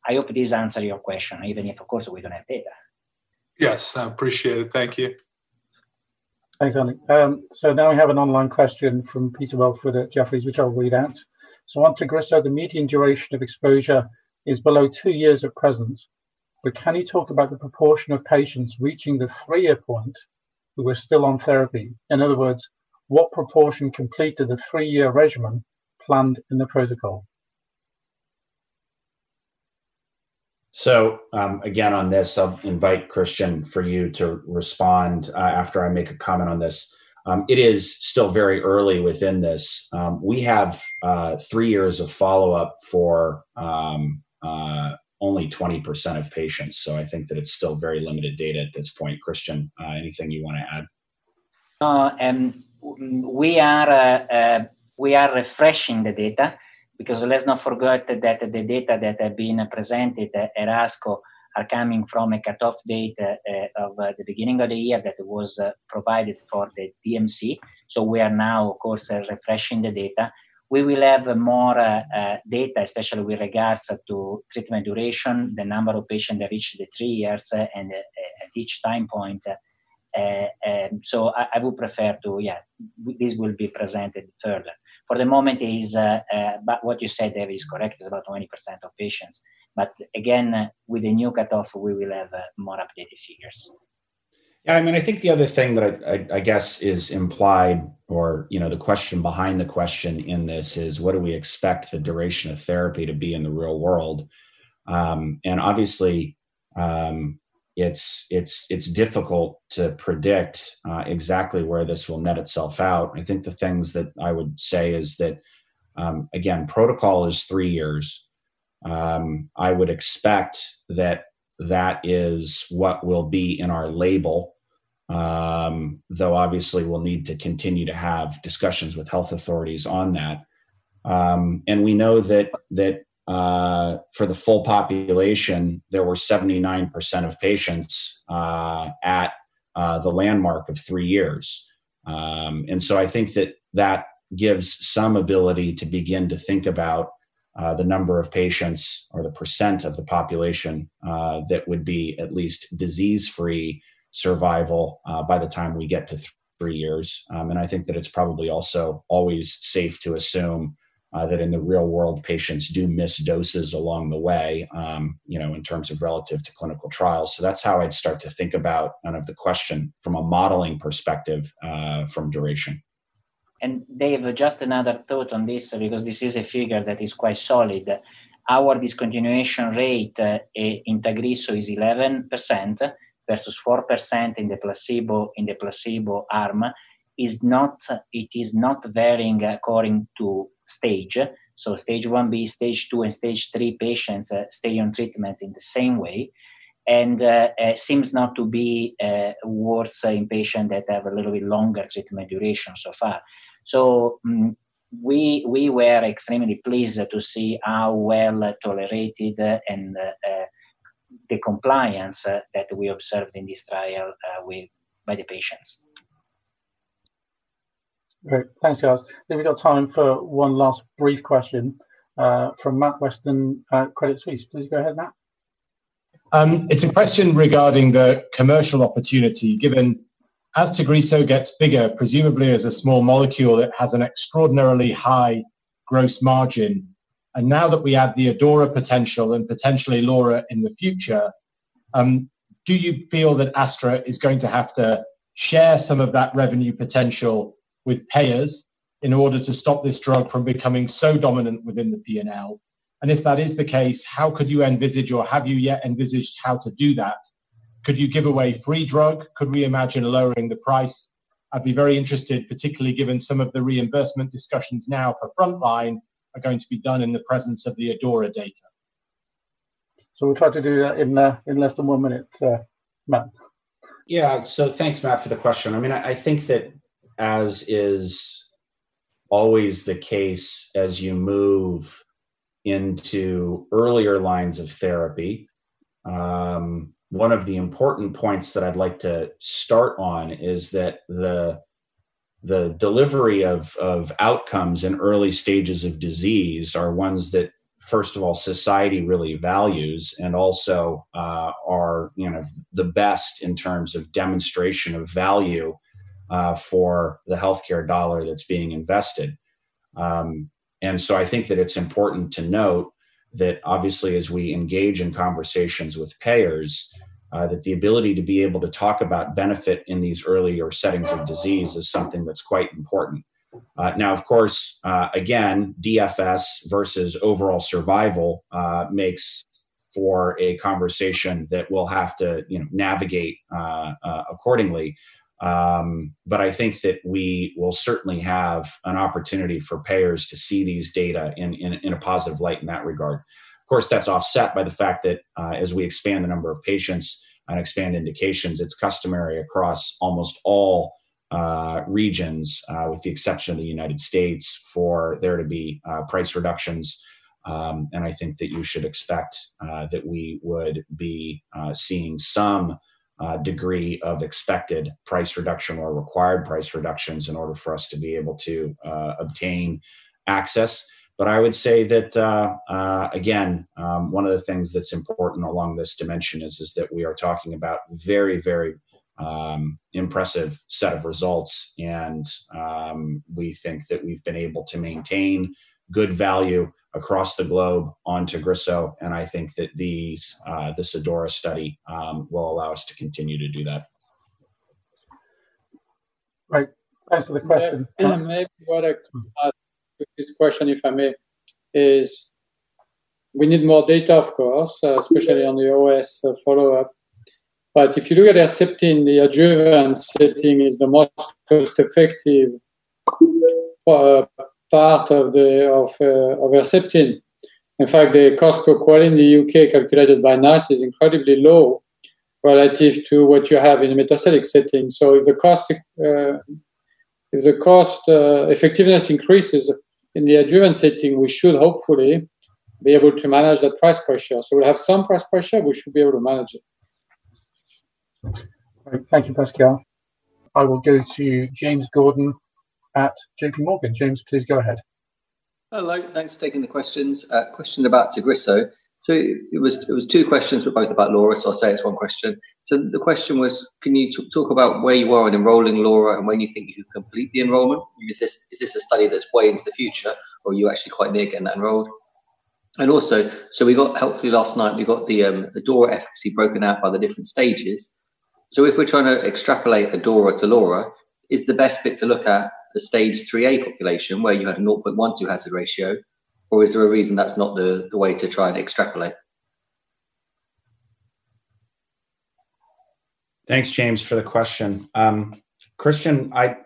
I hope this answer your question, even if, of course, we don't have data. Yes. I appreciate it. Thank you. Thanks, Andy. Now we have an online question from Peter Welford at Jefferies, which I'll read out. On Tagrisso, the median duration of exposure is below two years of presence, but can you talk about the proportion of patients reaching the three-year point who are still on therapy? In other words, what proportion completed the three-year regimen planned in the protocol? Again, on this, I'll invite Cristian, for you to respond, after I make a comment on this. It is still very early within this. We have three years of follow-up for only 20% of patients, so I think that it's still very limited data at this point. Cristian, anything you want to add? We are refreshing the data because let's not forget that the data that have been presented at ASCO are coming from a cutoff date of the beginning of the year that was provided for the DMC. We are now, of course, refreshing the data. We will have more data, especially with regards to treatment duration, the number of patients that reach the three years, and at each time point. I would prefer to, yeah, this will be presented further. For the moment, what you said, Dave, is correct, it's about 20% of patients. Again, with the new cutoff, we will have more updated figures. Yeah, I think the other thing that I guess is implied or the question behind the question in this is what do we expect the duration of therapy to be in the real world? Obviously, it's difficult to predict exactly where this will net itself out. I think the things that I would say is that, again, protocol is three years. I would expect that that is what will be in our label, though obviously we'll need to continue to have discussions with health authorities on that. We know that for the full population, there were 79% of patients at the landmark of three years. I think that that gives some ability to begin to think about the number of patients or the percent of the population that would be at least disease-free survival by the time we get to three years. I think that it's probably also always safe to assume that in the real world, patients do miss doses along the way, in terms of relative to clinical trials. That's how I'd start to think about the question from a modeling perspective, from duration. Dave, just another thought on this, because this is a figure that is quite solid. Our discontinuation rate in Tagrisso is 11% versus 4% in the placebo arm. It is not varying according to stage. Stage IB, Stage II, and Stage III patients stay on treatment in the same way and seems not to be worse in patient that have a little bit longer treatment duration so far. We were extremely pleased to see how well tolerated and the compliance that we observed in this trial by the patients. Great. Thanks, guys. I think we've got time for one last brief question, from Matt Weston, Credit Suisse. Please go ahead, Matt. It's a question regarding the commercial opportunity given. As Tagrisso gets bigger, presumably as a small molecule, it has an extraordinarily high gross margin. Now that we have the ADAURA potential and potentially LAURA in the future, do you feel that Astra is going to have to share some of that revenue potential with payers in order to stop this drug from becoming so dominant within the P&L? If that is the case, how could you envisage or have you yet envisaged how to do that? Could you give away free drug? Could we imagine lowering the price? I'd be very interested, particularly given some of the reimbursement discussions now for frontline are going to be done in the presence of the ADAURA data. We'll try to do that in less than one minute. Matt. Yeah. Thanks, Matt, for the question. I think that as is always the case, as you move into earlier lines of therapy, one of the important points that I'd like to start on is that the delivery of outcomes in early stages of disease are ones that, first of all, society really values and also are the best in terms of demonstration of value for the healthcare dollar that's being invested. I think that it's important to note that obviously as we engage in conversations with payers, that the ability to be able to talk about benefit in these earlier settings of disease is something that's quite important. Now, of course, again, DFS versus overall survival, makes for a conversation that we'll have to navigate accordingly. I think that we will certainly have an opportunity for payers to see these data in a positive light in that regard. Of course, that's offset by the fact that, as we expand the number of patients and expand indications, it's customary across almost all regions, with the exception of the U.S., for there to be price reductions. I think that you should expect that we would be seeing some degree of expected price reduction or required price reductions in order for us to be able to obtain access. I would say that, again, one of the things that's important along this dimension is that we are talking about very impressive set of results. We think that we've been able to maintain good value across the globe on Tagrisso, and I think that the ADAURA study will allow us to continue to do that. Right. Answer the question. Maybe what I could add to this question, if I may, is we need more data, of course, especially on the OS follow-up. If you look at erlotinib, the adjuvant setting is the most cost-effective part of erlotinib. In fact, the cost per quality in the U.K. calculated by NICE is incredibly low relative to what you have in a metastatic setting. If the cost effectiveness increases in the adjuvant setting, we should hopefully be able to manage that price pressure. We'll have some price pressure, we should be able to manage it. Thank you, Pascal. I will go to James Gordon at J.P. Morgan. James, please go ahead. Hello. Thanks for taking the questions. A question about Tagrisso. It was two questions, but both about LAURA, so I'll say it's one question. The question was, can you talk about where you are in enrolling LAURA and when you think you could complete the enrollment? Is this a study that's way into the future, or are you actually quite near getting that enrolled? Also, hopefully last night, we got the ADAURA efficacy broken out by the different stages. If we're trying to extrapolate ADAURA to LAURA, is the best bit to look at the Stage 3A population where you had a 0.12 hazard ratio, or is there a reason that's not the way to try and extrapolate? Thanks, James, for the question. Christian, I'd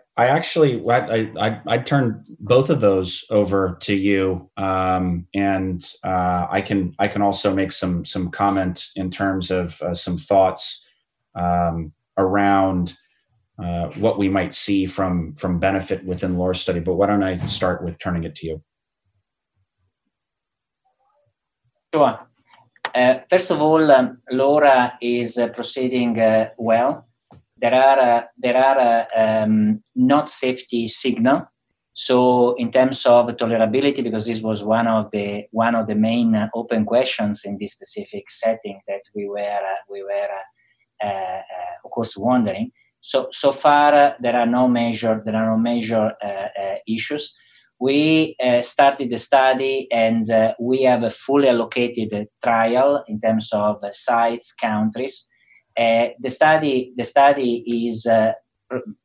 turn both of those over to you. I can also make some comment in terms of some thoughts around what we might see from benefit within LAURA study. Why don't I start with turning it to you? Sure. First of all, LAURA is proceeding well. There are not safety signal. In terms of tolerability, because this was one of the main open questions in this specific setting that we were of course wondering. So far there are no major issues. We started the study, and we have a fully allocated trial in terms of sites, countries. The study is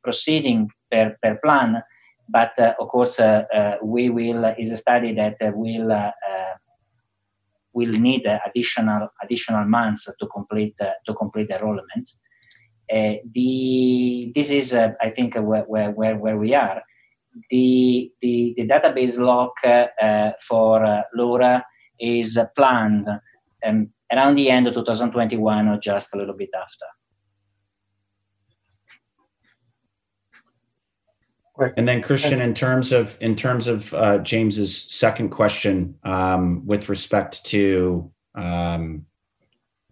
proceeding per plan, but of course, it's a study that will need additional months to complete the enrollment. This is I think where we are. The database lock for LAURA is planned around the end of 2021 or just a little bit after. Great. Cristian, in terms of James' second question, with respect to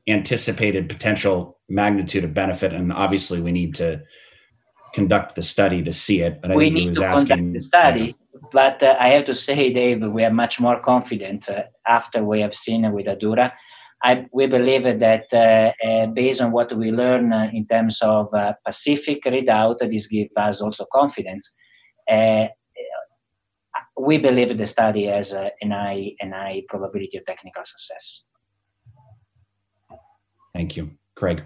anticipated potential magnitude of benefit, and obviously we need to conduct the study to see it. We need to conduct the study, but I have to say, Dave, we are much more confident after we have seen with ADAURA. We believe that based on what we learn in terms of PACIFIC readout, this give us also confidence. We believe the study has a high probability of technical success. Thank you. Craig.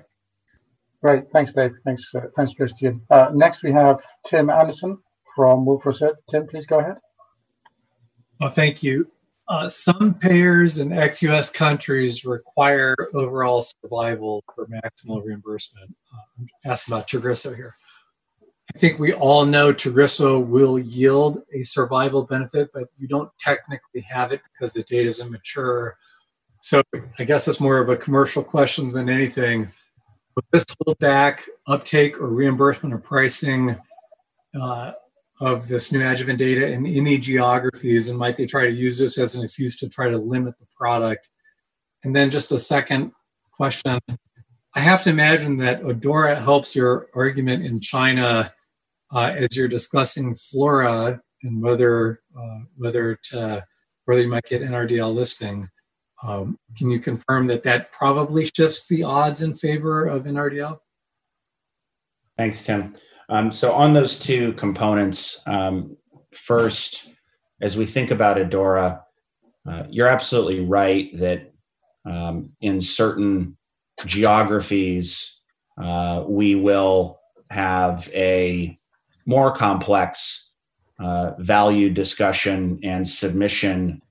Great. Thanks, Dave. Thanks, Cristian. Next we have Tim Anderson from Wolfe Research. Tim, please go ahead. Thank you. Some payers in ex-U.S. countries require overall survival for maximal reimbursement. I'm asking about Tagrisso here. I think we all know Tagrisso will yield a survival benefit, you don't technically have it because the data's immature. I guess it's more of a commercial question than anything. Will this hold back uptake or reimbursement or pricing of this new adjuvant data in any geographies, and might they try to use this as an excuse to try to limit the product? Just a second question. I have to imagine that ADAURA helps your argument in China, as you're discussing Flaura and whether you might get an NRDL listing. Can you confirm that that probably shifts the odds in favor of an NRDL? Thanks, Tim. On those two components, first, as we think about ADAURA, you're absolutely right that in certain geographies, we will have a more complex value discussion and submission by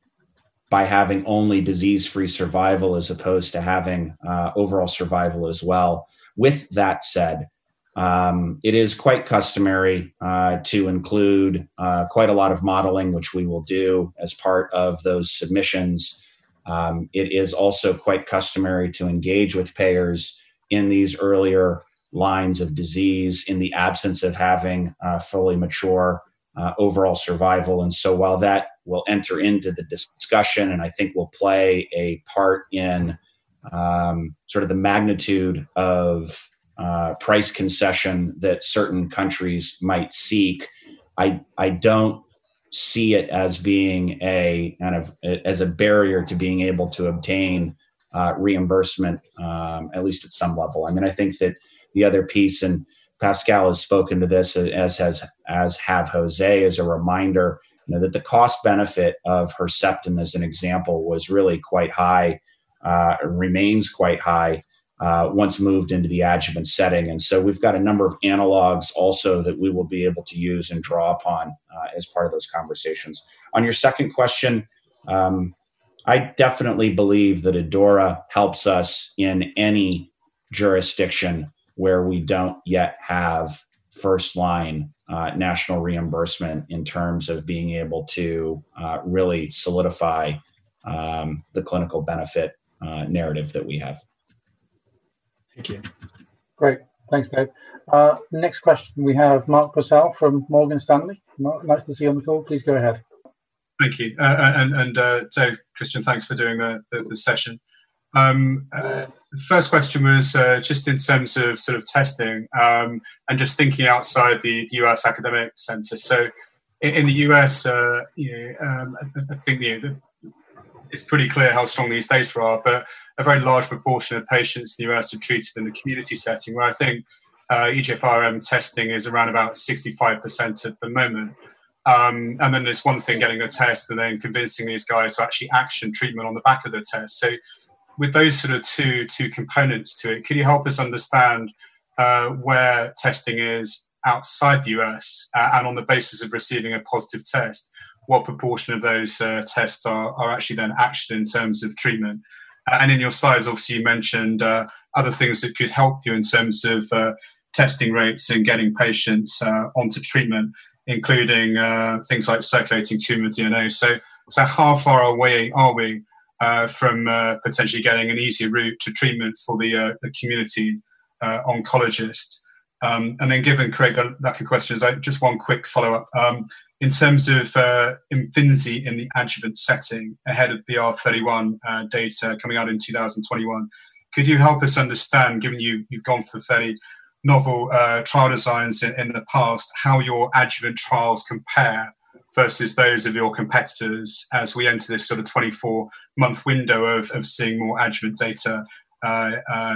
having only disease-free survival as opposed to having overall survival as well. With that said, it is quite customary to include quite a lot of modeling, which we will do as part of those submissions. It is also quite customary to engage with payers in these earlier lines of disease in the absence of having fully mature overall survival. While that will enter into the discussion and I think will play a part in sort of the magnitude of price concession that certain countries might seek, I don't see it as a barrier to being able to obtain reimbursement, at least at some level. I think that the other piece, and Pascal has spoken to this, as have José, as a reminder that the cost benefit of Herceptin, as an example, was really quite high, and remains quite high, once moved into the adjuvant setting. We've got a number of analogs also that we will be able to use and draw upon as part of those conversations. On your second question, I definitely believe that ADAURA helps us in any jurisdiction where we don't yet have first-line national reimbursement in terms of being able to really solidify the clinical benefit narrative that we have. Thank you. Great. Thanks, Dave. Next question we have Mark Purcell from Morgan Stanley. Mark, nice to see you on the call. Please go ahead. Thank you. Dave, Christian, thanks for doing the session. First question was just in terms of sort of testing, and just thinking outside the U.S. academic center. In the U.S., it's pretty clear how strong these data are. A very large proportion of patients in the U.S. are treated in the community setting, where I think EGFR testing is around about 65% at the moment. Then it's one thing getting a test and then convincing these guys to actually action treatment on the back of the test. With those sort of two components to it, can you help us understand where testing is outside the U.S., and on the basis of receiving a positive test, what proportion of those tests are actually then actioned in terms of treatment? In your slides, obviously, you mentioned other things that could help you in terms of testing rates and getting patients onto treatment, including things like circulating tumor DNA. How far away are we from potentially getting an easier route to treatment for the community oncologist? Given Craig got that question, just one quick follow-up. In terms of Imfinzi in the adjuvant setting ahead of BR.31 data coming out in 2021, could you help us understand, given you've gone for fairly novel trial designs in the past, how your adjuvant trials compare versus those of your competitors as we enter this sort of 24-month window of seeing more adjuvant data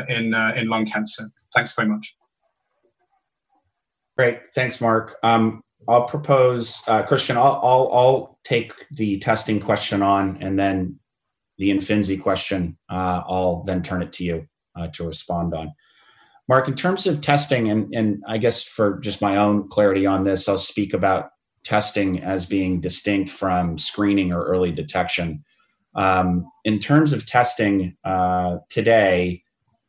in lung cancer? Thanks very much. Great. Thanks, Mark. Cristian, I'll take the testing question on, and then the Imfinzi question, I'll then turn it to you to respond on. Mark, in terms of testing, I guess for just my own clarity on this, I'll speak about testing as being distinct from screening or early detection. In terms of testing today,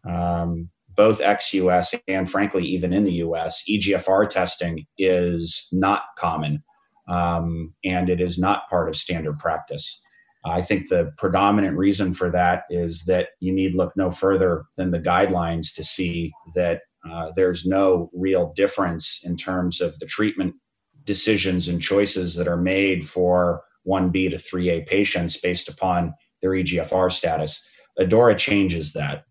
both ex-U.S. and frankly even in the U.S., EGFR testing is not common. It is not part of standard practice. I think the predominant reason for that is that you need look no further than the guidelines to see that there's no real difference in terms of the treatment decisions and choices that are made for IB to IIIA patients based upon their EGFR status. ADAURA changes that,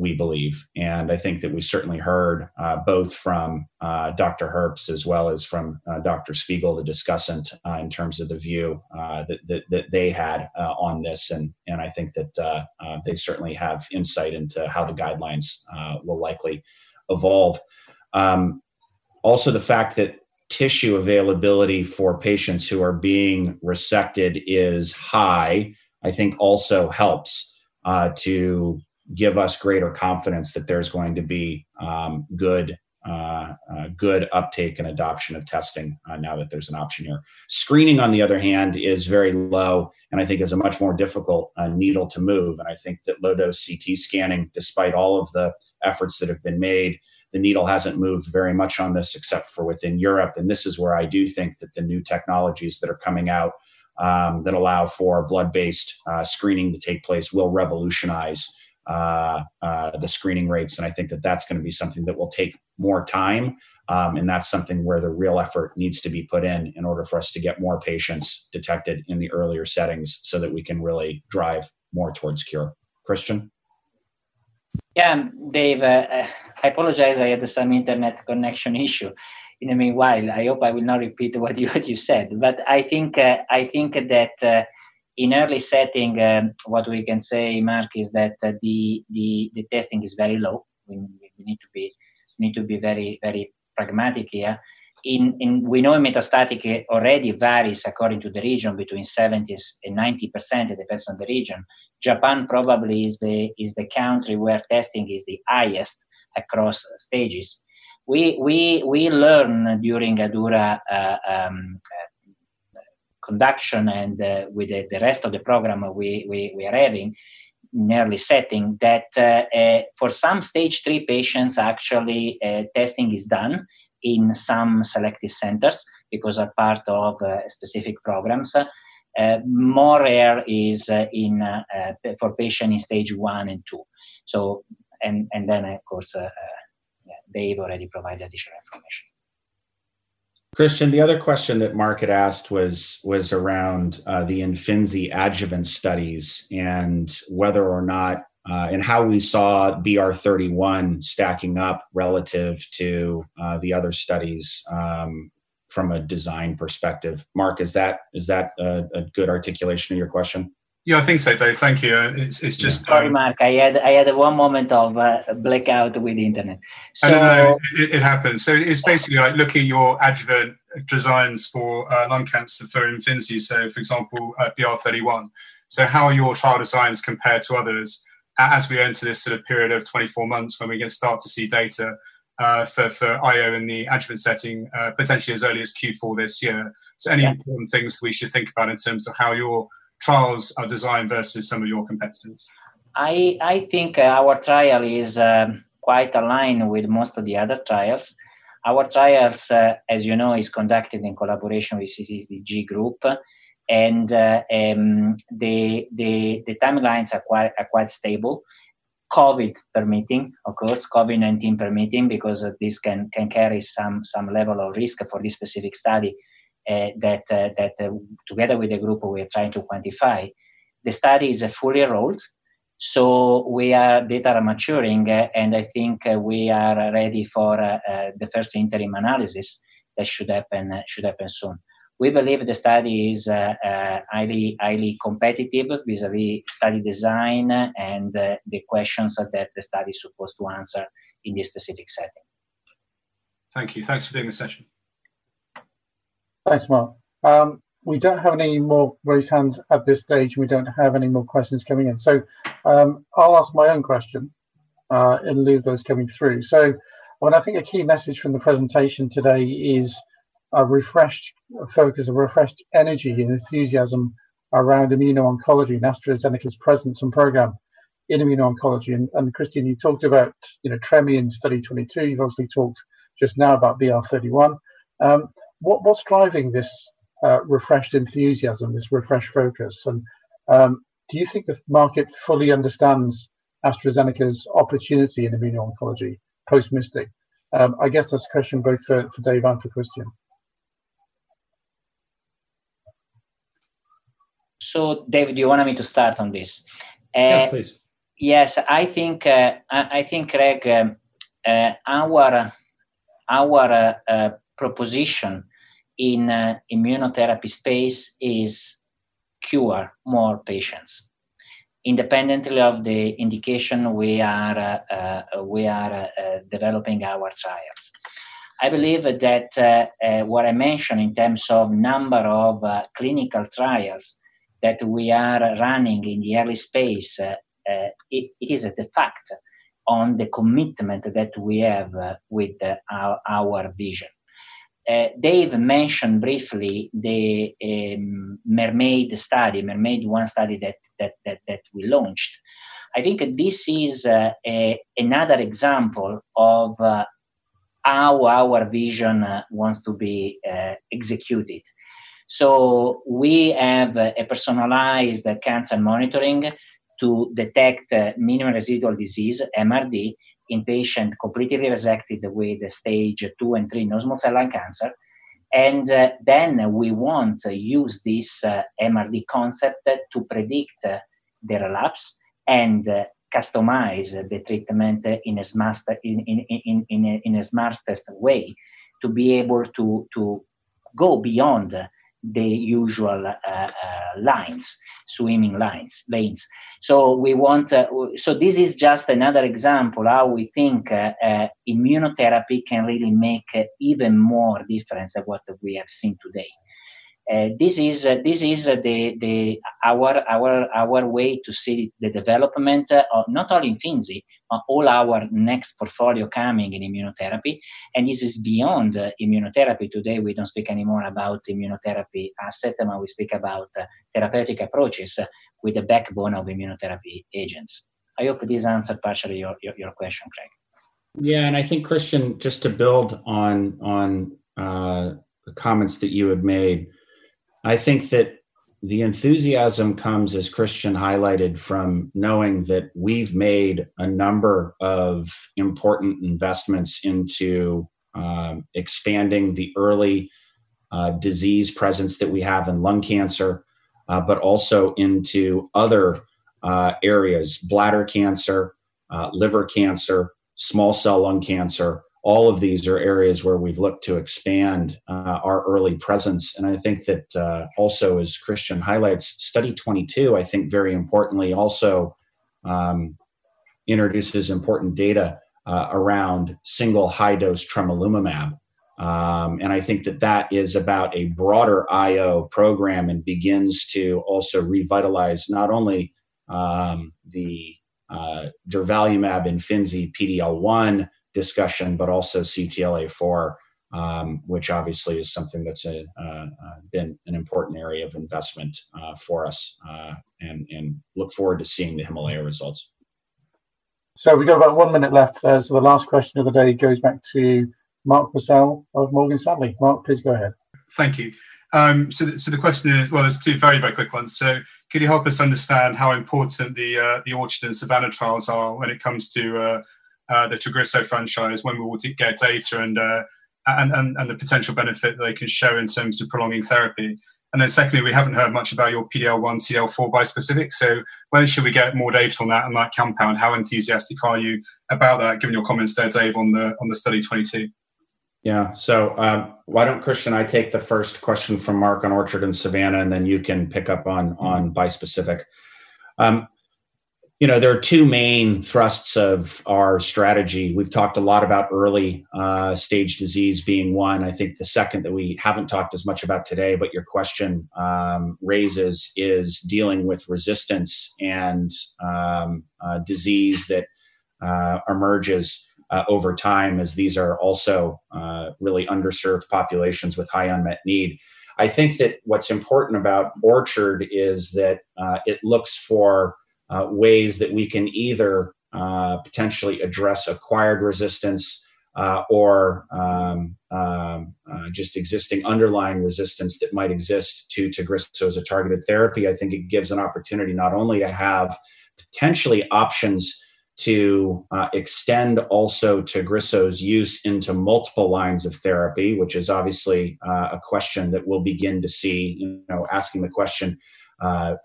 we believe. I think that we certainly heard both from Dr. Herbst as well as from Dr. Spigel, the discussant, in terms of the view that they had on this. I think that they certainly have insight into how the guidelines will likely evolve. The fact that tissue availability for patients who are being resected is high, I think also helps to give us greater confidence that there's going to be good uptake and adoption of testing now that there's an option here. Screening, on the other hand, is very low and I think is a much more difficult needle to move. I think that low-dose CT scanning, despite all of the efforts that have been made, the needle hasn't moved very much on this except for within Europe. This is where I do think that the new technologies that are coming out, that allow for blood-based screening to take place will revolutionize the screening rates. I think that's going to be something that will take more time, and that's something where the real effort needs to be put in order for us to get more patients detected in the earlier settings so that we can really drive more towards cure. Cristian? Yeah. Dave, I apologize I had some internet connection issue. In the meanwhile, I hope I will not repeat what you said. I think that in early setting, what we can say, Mark, is that the testing is very low. We need to be very pragmatic here. We know metastatic already varies according to the region between 70% and 90%, it depends on the region. Japan probably is the country where testing is the highest across stages. We learn during ADAURA conduction and with the rest of the program we are having in early setting that for some stage III patients, actually, testing is done in some selected centers because are part of specific programs. More rare is for patient in stage I and II. Then, of course, Dave already provided additional information. Cristian, the other question that Mark had asked was around the Imfinzi adjuvant studies and whether or not and how we saw BR.31 stacking up relative to the other studies from a design perspective. Mark, is that a good articulation of your question? Yeah, I think so, Dave. Thank you. Sorry, Mark. I had one moment of a blackout with the internet. No. It happens. It's basically like looking at your adjuvant designs for lung cancer for Imfinzi, for example, BR.31. How are your trial designs compared to others as we go into this period of 24 months when we're going to start to see data for IO in the adjuvant setting, potentially as early as Q4 this year? Yeah. Any important things we should think about in terms of how your trials are designed versus some of your competitors? I think our trial is quite aligned with most of the other trials. Our trials, as you know, is conducted in collaboration with CCTG group. The timelines are quite stable. COVID permitting, of course. COVID-19 permitting, because this can carry some level of risk for this specific study that together with the group we are trying to quantify. The study is fully enrolled. Data are maturing, and I think we are ready for the first interim analysis that should happen soon. We believe the study is highly competitive vis-à-vis study design and the questions that the study is supposed to answer in this specific setting. Thank you. Thanks for doing the session. Thanks, Mark. We don't have any more raised hands at this stage, and we don't have any more questions coming in, so I'll ask my own question in lieu of those coming through. What I think a key message from the presentation today is a refreshed focus, a refreshed energy and enthusiasm around immuno-oncology and AstraZeneca's presence and program in immuno-oncology. Cristian, you talked about tremelimumab Study 22. You've obviously talked just now about BR.31. What's driving this refreshed enthusiasm, this refreshed focus? Do you think the market fully understands AstraZeneca's opportunity in immuno-oncology post-MYSTIC? I guess that's a question both for Dave and for Cristian. Dave, do you want me to start on this? Yeah, please. Yes. I think, Greg, our proposition in immunotherapy space is cure more patients independently of the indication we are developing our trials. I believe that what I mentioned in terms of number of clinical trials that we are running in the early space, it is a factor on the commitment that we have with our vision. Dave mentioned briefly the MERMAID study, MERMAID I study that we launched. I think this is another example of how our vision wants to be executed. We have a personalized cancer monitoring to detect minimal residual disease, MRD, in patient completely rejected with stage II and III non-small cell lung cancer. We want to use this MRD concept to predict the relapse and customize the treatment in a smarter way to be able to go beyond the usual lines, swimming lines, lanes. This is just another example how we think immunotherapy can really make even more difference than what we have seen today. This is our way to see the development of not only Imfinzi, but all our next portfolio coming in immunotherapy. This is beyond immunotherapy. Today, we don't speak anymore about immunotherapy asset. Now we speak about therapeutic approaches with the backbone of immunotherapy agents. I hope this answered partially your question, Craig. Yeah. I think Cristian, just to build on the comments that you have made, I think that the enthusiasm comes, as Cristian highlighted, from knowing that we've made a number of important investments into expanding the early disease presence that we have in lung cancer, but also into other areas, bladder cancer, liver cancer, small cell lung cancer. All of these are areas where we've looked to expand our early presence. I think that also, as Cristian highlights, Study 22, I think very importantly also introduces important data around single high-dose tremelimumab. I think that is about a broader IO program and begins to also revitalize not only the durvalumab in Imfinzi PD-L1 discussion, but also CTLA-4, which obviously is something that's been an important area of investment for us, and look forward to seeing the HIMALAYA results. We've got about one minute left. The last question of the day goes back to Mark Purcell of Morgan Stanley. Mark, please go ahead. Thank you. The question is, well, there's two very quick ones. Can you help us understand how important the ORCHARD and SAVANNAH trials are when it comes to the Tagrisso franchise, when we would get data, and the potential benefit they could show in terms of prolonging therapy? Secondly, we haven't heard much about your PD-L1/CTLA-4 bispecific, when should we get more data on that and that compound? How enthusiastic are you about that, given your comments there, Dave, on the Study-22? Yeah. Why don't, Cristian, I take the first question from Mark on ORCHARD and SAVANNAH, and then you can pick up on bispecific. There are two main thrusts of our strategy. We've talked a lot about early stage disease being one. I think the second that we haven't talked as much about today, but your question raises, is dealing with resistance and disease that emerges over time, as these are also really underserved populations with high unmet need. I think that what's important about ORCHARD is that it looks for ways that we can either potentially address acquired resistance or just existing underlying resistance that might exist to Tagrisso as a targeted therapy. It gives an opportunity not only to have potentially options to extend also Tagrisso's use into multiple lines of therapy, which is obviously a question that we'll begin to see, asking the question,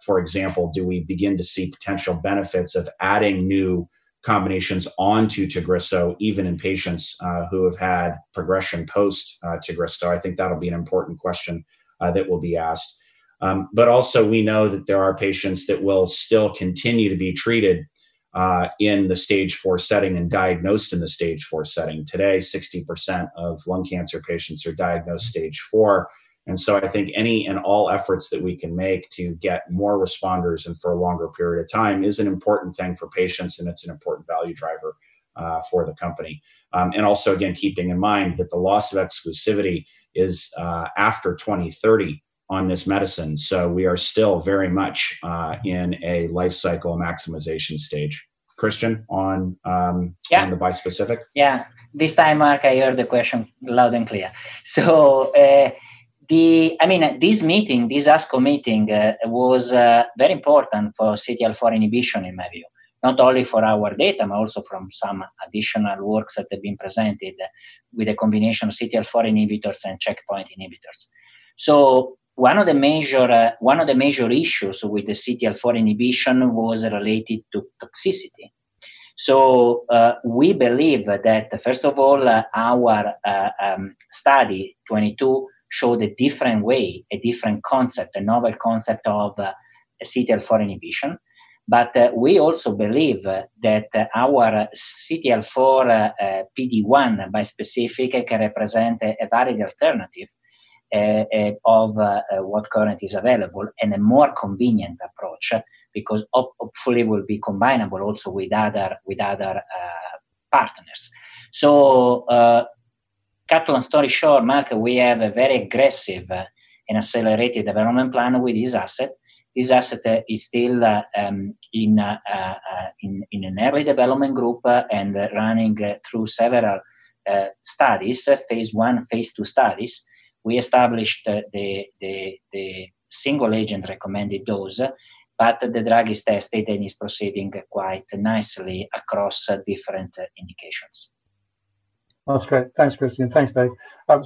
for example, do we begin to see potential benefits of adding new combinations onto Tagrisso, even in patients who have had progression post Tagrisso? That'll be an important question that will be asked. Also, we know that there are patients that will still continue to be treated in the Stage IV setting and diagnosed in the Stage IV setting. Today, 60% of lung cancer patients are diagnosed Stage 4, and so I think any and all efforts that we can make to get more responders and for a longer period of time is an important thing for patients, and it's an important value driver for the company. Also, again, keeping in mind that the loss of exclusivity is after 2030 on this medicine. We are still very much in a life cycle maximization stage. Cristian, on- Yeah on the bispecific. This time, Mark, I heard the question loud and clear. This ASCO meeting was very important for CTLA-4 inhibition in my view, not only for our data, but also from some additional works that have been presented with a combination of CTLA-4 inhibitors and checkpoint inhibitors. One of the major issues with the CTLA-4 inhibition was related to toxicity. We believe that first of all, our Study 22 showed a different way, a different concept, a novel concept of CTLA-4 inhibition. We also believe that our CTLA-4 PD-1 bispecific can represent a valid alternative of what currently is available and a more convenient approach, because hopefully will be combinable also with other partners. To cut a long story short, Mark, we have a very aggressive and accelerated development plan with this asset. This asset is still in an early development group and running through several studies, phase I, phase II studies. We established the single agent recommended dose. The drug is tested and is proceeding quite nicely across different indications. That's great. Thanks, Cristian. Thanks, Dave.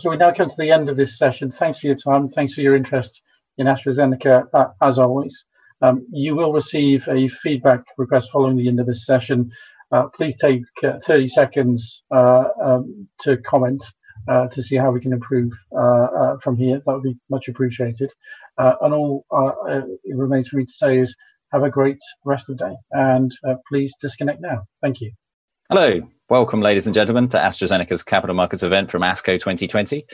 We now come to the end of this session. Thanks for your time. Thanks for your interest in AstraZeneca, as always. You will receive a feedback request following the end of this session. Please take 30 seconds to comment to see how we can improve from here. That would be much appreciated. All it remains for me to say is have a great rest of the day, and please disconnect now. Thank you. Hello. Welcome, ladies and gentlemen, to AstraZeneca's Capital Markets event from ASCO 2020.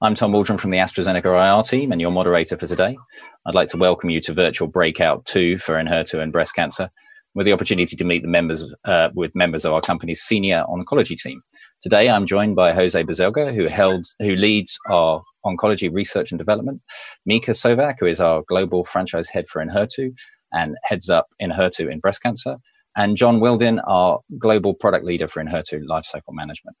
I'm Tom Waldron from the AstraZeneca IR team and your moderator for today. I'd like to welcome you to virtual breakout two for Enhertu in breast cancer, with the opportunity to meet with members of our company's senior oncology team. Today, I'm joined by José Baselga, who leads our oncology research and development, Mika Sovak, who is our global franchise head for Enhertu and heads up Enhertu in breast cancer, and John Wilding, our global product leader for Enhertu lifecycle management.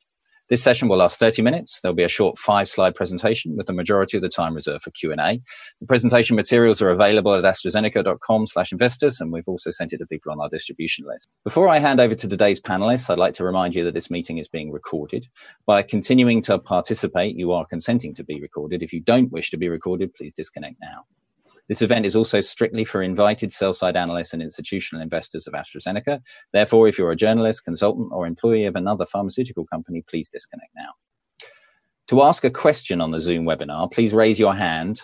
This session will last 30 minutes. There'll be a short five-slide presentation with the majority of the time reserved for Q&A. The presentation materials are available at astrazeneca.com/investors. We've also sent it to people on our distribution list. Before I hand over to today's panelists, I'd like to remind you that this meeting is being recorded. By continuing to participate, you are consenting to be recorded. If you don't wish to be recorded, please disconnect now. This event is also strictly for invited sell-side analysts and institutional investors of AstraZeneca. Therefore, if you're a journalist, consultant, or employee of another pharmaceutical company, please disconnect now. To ask a question on the Zoom webinar, please raise your hand,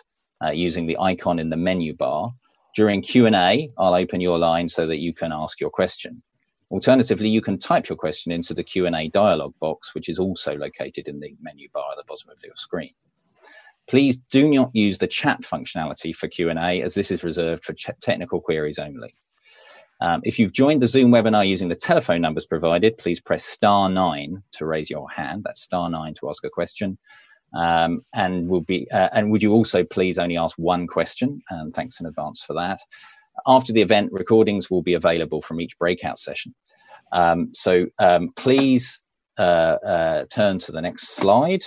using the icon in the menu bar. During Q&A, I'll open your line so that you can ask your question. Alternatively, you can type your question into the Q&A dialogue box, which is also located in the menu bar at the bottom of your screen. Please do not use the chat functionality for Q&A, as this is reserved for technical queries only. If you've joined the Zoom webinar using the telephone numbers provided, please press star nine to raise your hand. That's star nine to ask a question. Would you also please only ask one question, thanks in advance for that. After the event, recordings will be available from each breakout session. Please turn to the next slide.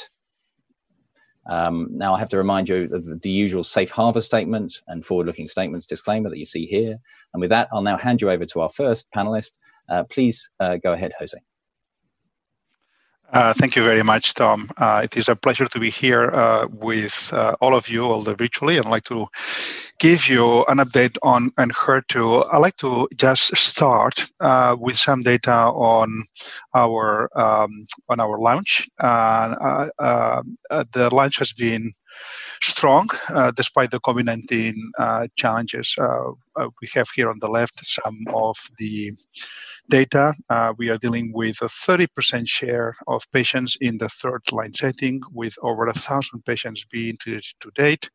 Now I have to remind you of the usual safe harbor statement and forward-looking statements disclaimer that you see here. With that, I'll now hand you over to our first panelist. Please go ahead, José. Thank you very much, Tom. It is a pleasure to be here with all of you, although virtually. I'd like to give you an update on Enhertu. I'd like to just start with some data on our launch. The launch has been strong, despite the COVID-19 challenges. We have here on the left some of the data. We are dealing with a 30% share of patients in the third line setting, with over 1,000 patients being treated to date.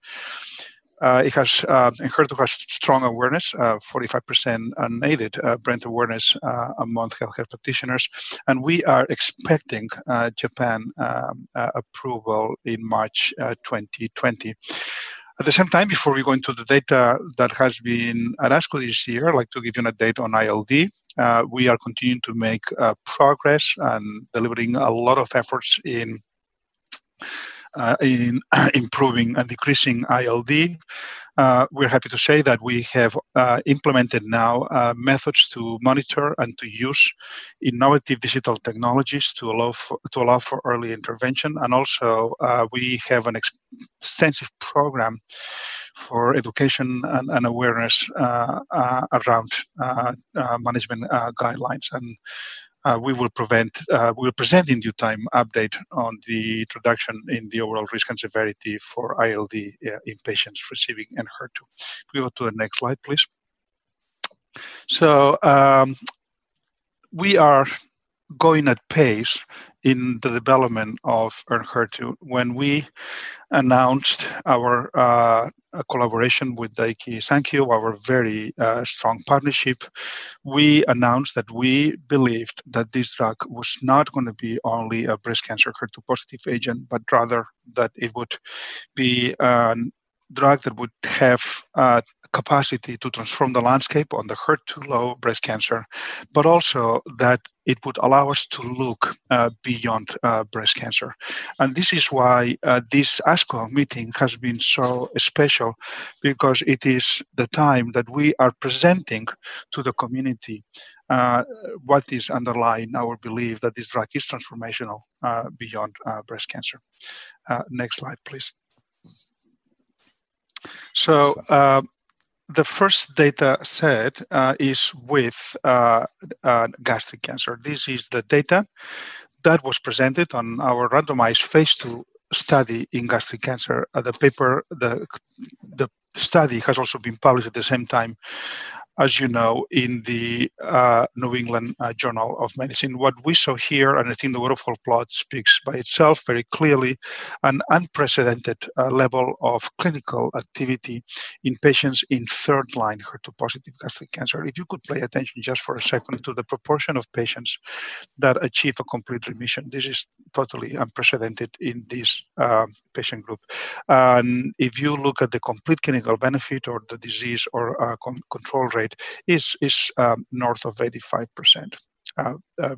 Enhertu has strong awareness, 45% unaided brand awareness among healthcare practitioners. We are expecting Japan approval in March 2020. At the same time, before we go into the data that has been at ASCO this year, I'd like to give you an update on ILD. We are continuing to make progress and delivering a lot of efforts in improving and decreasing ILD. We're happy to say that we have implemented now methods to monitor and to use innovative digital technologies to allow for early intervention. Also, we have an extensive program for education and awareness around management guidelines. We will present in due time update on the reduction in the overall risk and severity for ILD in patients receiving Enhertu. Can we go to the next slide, please? We are going at pace in the development of Enhertu. When we announced our collaboration with Daiichi Sankyo, our very strong partnership, we announced that we believed that this drug was not going to be only a breast cancer HER2-positive agent, but rather that it would be a drug that would have capacity to transform the landscape on the HER2-low breast cancer, but also that it would allow us to look beyond breast cancer. This is why this ASCO meeting has been so special because it is the time that we are presenting to the community what is underlying our belief that this drug is transformational beyond breast cancer. Next slide, please. The first data set is with gastric cancer. This is the data that was presented on our randomized phase II study in gastric cancer. The study has also been published at the same time, as you know, in The New England Journal of Medicine. What we saw here, and I think the waterfall plot speaks by itself very clearly, an unprecedented level of clinical activity in patients in third-line HER2-positive gastric cancer. If you could pay attention just for a second to the proportion of patients that achieve a complete remission, this is totally unprecedented in this patient group. If you look at the complete clinical benefit or the disease or control rate, it's north of 85%.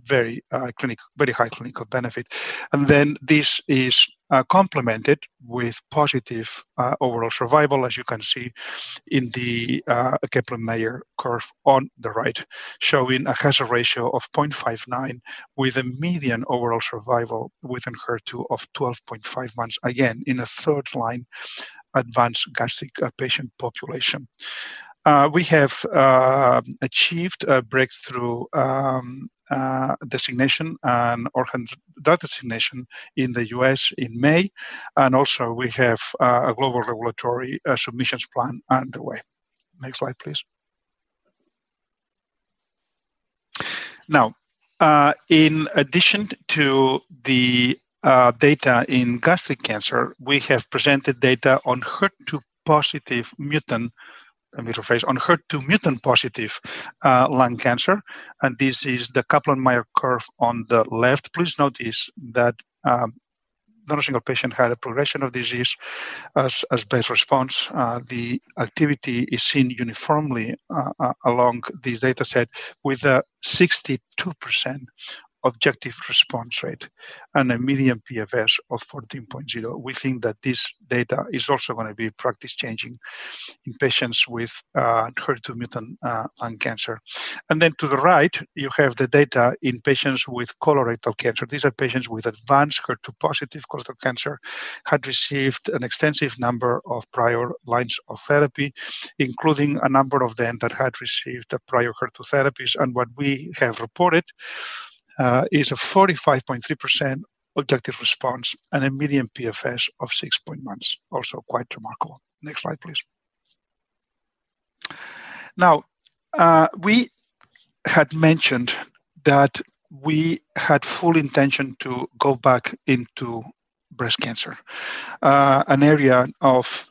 Very high clinical benefit. This is complemented with positive overall survival, as you can see in the Kaplan-Meier curve on the right, showing a hazard ratio of 0.59 with a median overall survival with Enhertu of 12.5 months, again in a third-line advanced gastric patient population. We have achieved a breakthrough designation, an orphan drug designation in the U.S. in May, and also we have a global regulatory submissions plan underway. Next slide, please. In addition to the data in gastric cancer, we have presented data on HER2 mutant-positive lung cancer, and this is the Kaplan-Meier curve on the left. Please notice that not a single patient had a progression of disease as best response. The activity is seen uniformly along this dataset with a 62% objective response rate and a median PFS of 14.0. We think that this data is also going to be practice-changing in patients with HER2 mutant lung cancer. To the right, you have the data in patients with colorectal cancer. These are patients with advanced HER2-positive colorectal cancer, had received an extensive number of prior lines of therapy, including a number of them that had received a prior HER2 therapies. What we have reported is a 45.3% objective response and a median PFS of 6.0 months. Also quite remarkable. Next slide, please. We had mentioned that we had full intention to go back into breast cancer, an area of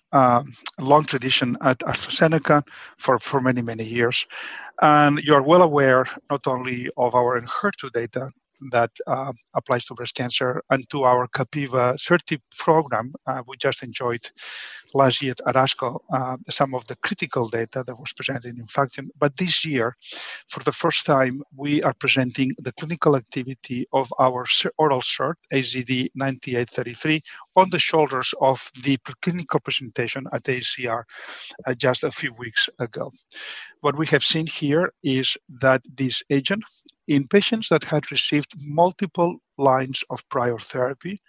long tradition at AstraZeneca for many, many years. You're well aware not only of our Enhertu data that applies to breast cancer and to our capivasertib program we just enjoyed last year at ASCO, some of the critical data that was presented in FAKTION. This year, for the first time, we are presenting the clinical activity of our oral SERD, AZD9833, on the shoulders of the clinical presentation at AACR just a few weeks ago. What we have seen here is that this agent, in patients that had received multiple lines of prior therapy,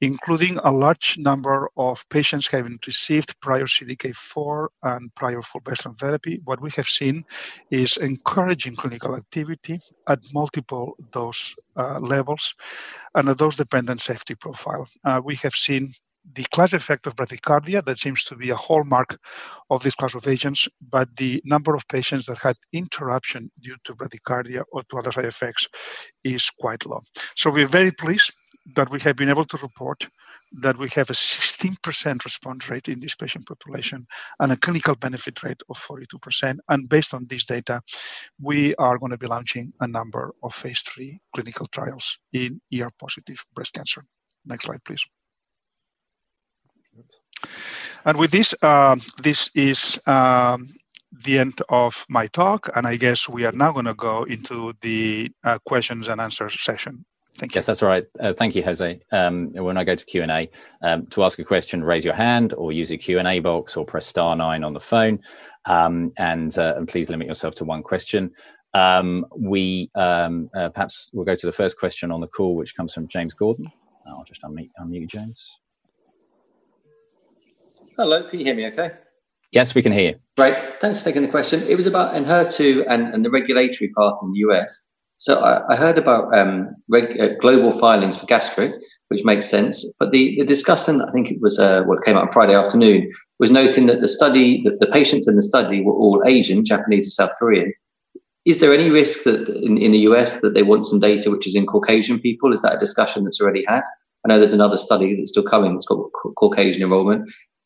including a large number of patients having received prior CDK4 and prior fulvestrant therapy, what we have seen is encouraging clinical activity at multiple dose levels and a dose-dependent safety profile. We have seen the class effect of bradycardia. That seems to be a hallmark of this class of agents, but the number of patients that had interruption due to bradycardia or to other side effects is quite low. We're very pleased that we have been able to report that we have a 16% response rate in this patient population and a clinical benefit rate of 42%. Based on this data, we are going to be launching a number of phase III clinical trials in ER-positive breast cancer. Next slide, please. With this is the end of my talk, and I guess we are now going to go into the questions and answer session. Thank you. Yes, that's all right. Thank you, José. When I go to Q&A, to ask a question, raise your hand or use the Q&A box or press star nine on the phone. Please limit yourself to one question. Perhaps we'll go to the first question on the call, which comes from James Gordon. I'll just unmute you, James. Hello. Can you hear me okay? Yes, we can hear you. Great. Thanks for taking the question. It was about Enhertu and the regulatory path in the U.S. I heard about global filings for gastric, which makes sense, but the discussant, I think it was what came out on Friday afternoon, was noting that the patients in the study were all Asian, Japanese, and South Korean. Is there any risk that in the U.S. that they want some data which is in Caucasian people? Is that a discussion that's already had? I know there's another study that's still coming that's got Caucasian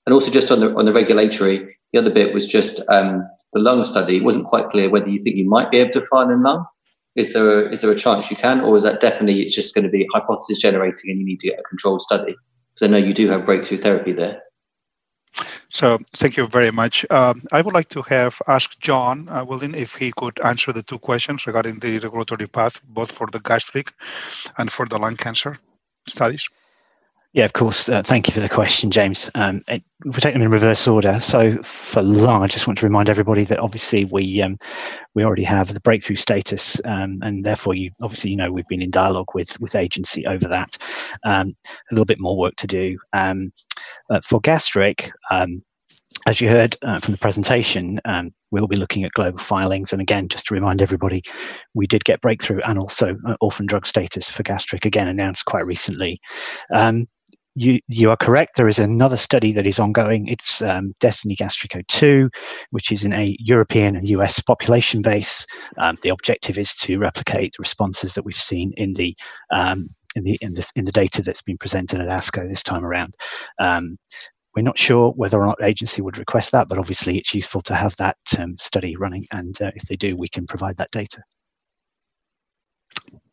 involvement. Also just on the regulatory, the other bit was just the lung study. It wasn't quite clear whether you think you might be able to file in lung. Is there a chance you can, or is that definitely it's just going to be hypothesis generating and you need to get a control study? I know you do have breakthrough therapy there. Thank you very much. I would like to have asked John Wilding if he could answer the two questions regarding the regulatory path, both for the gastric and for the lung cancer studies. Yeah, of course. Thank you for the question, James. We'll take them in reverse order. For lung, I just want to remind everybody that obviously we already have the breakthrough status, and therefore, you obviously know we've been in dialogue with agency over that. A little bit more work to do. For gastric, as you heard from the presentation, we'll be looking at global filings. Again, just to remind everybody, we did get breakthrough and also orphan drug status for gastric, again, announced quite recently. You are correct. There is another study that is ongoing. It's DESTINY-Gastric02, which is in a European and U.S. population base. The objective is to replicate responses that we've seen in the data that's been presented at ASCO this time around. We're not sure whether or not agency would request that, but obviously it's useful to have that study running, and if they do, we can provide that data.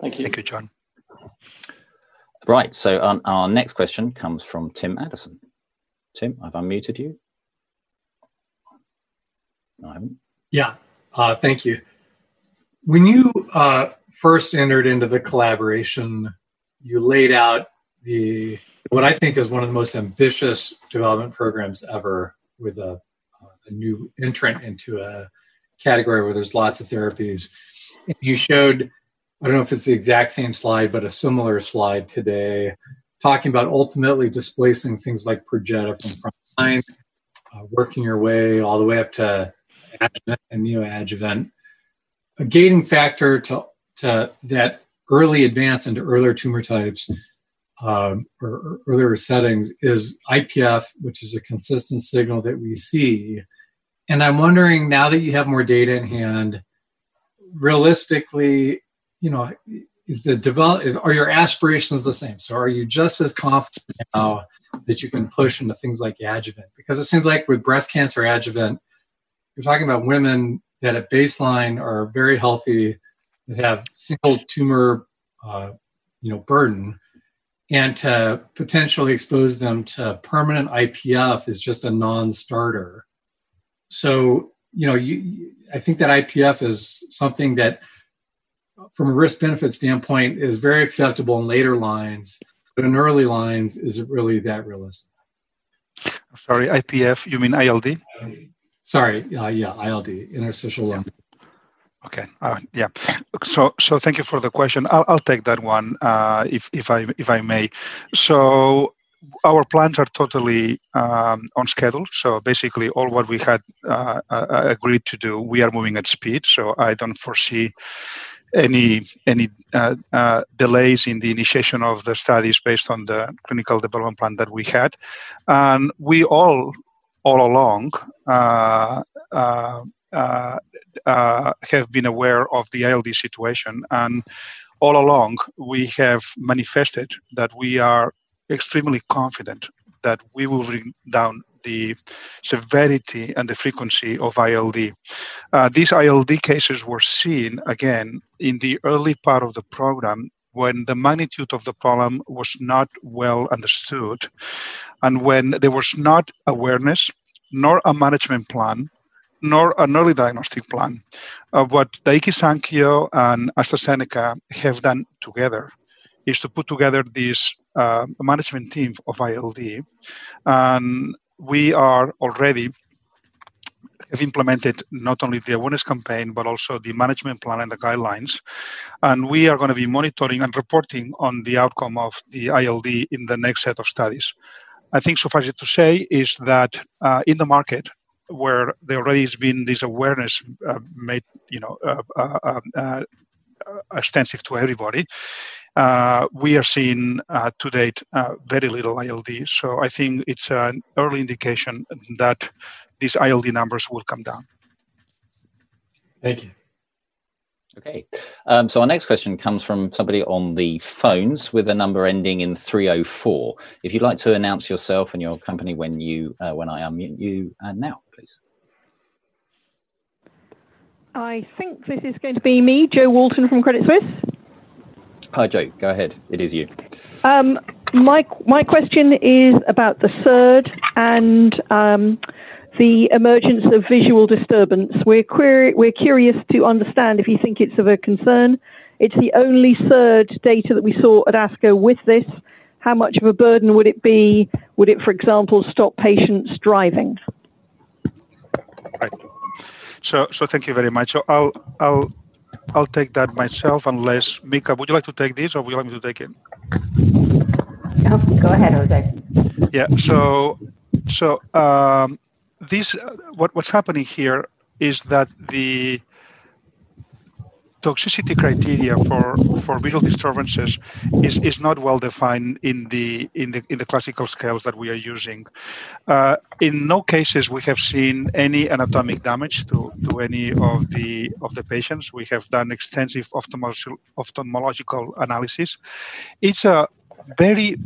Thank you. Thank you, John. Right. Our next question comes from Tim Anderson. Tim, have I unmuted you? No, I haven't. Yeah. Thank you. When you first entered into the collaboration, you laid out the, what I think is one of the most ambitious development programs ever with a new entrant into a category where there's lots of therapies. You showed, I don't know if it's the exact same slide, but a similar slide today, talking about ultimately displacing things like PERJETA from frontline, working your way all the way up to neoadjuvant, a key factor to that early advance into earlier tumor types, or earlier settings is IPF, which is a consistent signal that we see. I'm wondering now that you have more data in hand, realistically, are your aspirations the same? Are you just as confident now that you can push into things like adjuvant? It seems like with breast cancer adjuvant, you are talking about women that at baseline are very healthy, that have single tumor burden, and to potentially expose them to permanent IPF is just a non-starter. I think that IPF is something that from a risk-benefit standpoint is very acceptable in later lines, but in early lines, is it really that realistic? Sorry, IPF, you mean ILD? Sorry. Yeah, ILD, interstitial lung. Okay. All right. Yeah. Thank you for the question. I'll take that one if I may. Our plans are totally on schedule. Basically all what we had agreed to do, we are moving at speed. I don't foresee any delays in the initiation of the studies based on the Clinical Development Plan that we had. We all along have been aware of the ILD situation, and all along we have manifested that we are extremely confident that we will bring down the severity and the frequency of ILD. These ILD cases were seen again in the early part of the program when the magnitude of the problem was not well understood and when there was not awareness, nor a management plan, nor an early diagnostic plan. What Daiichi Sankyo and AstraZeneca have done together is to put together this management team of ILD, we are already have implemented not only the awareness campaign, but also the management plan and the guidelines. We are going to be monitoring and reporting on the outcome of the ILD in the next set of studies. I think suffice it to say is that, in the market where there already has been this awareness made extensive to everybody, we are seeing to date very little ILD. I think it's an early indication that these ILD numbers will come down. Thank you. Okay. Our next question comes from somebody on the phones with a number ending in 304. If you'd like to announce yourself and your company when I unmute you now, please. I think this is going to be me, Jo Walton from Credit Suisse. Hi, Jo. Go ahead. It is you. My question is about the SERD and the emergence of visual disturbance. We're curious to understand if you think it's of a concern. It's the only third data that we saw at ASCO with this. How much of a burden would it be? Would it, for example, stop patients driving? Right. Thank you very much. I'll take that myself unless, Mika, would you like to take this or would you like me to take it? No, go ahead, José. What's happening here is that the toxicity criteria for visual disturbances is not well-defined in the classical scales that we are using. In no cases we have seen any anatomic damage to any of the patients. We have done extensive ophthalmological analysis. It's a very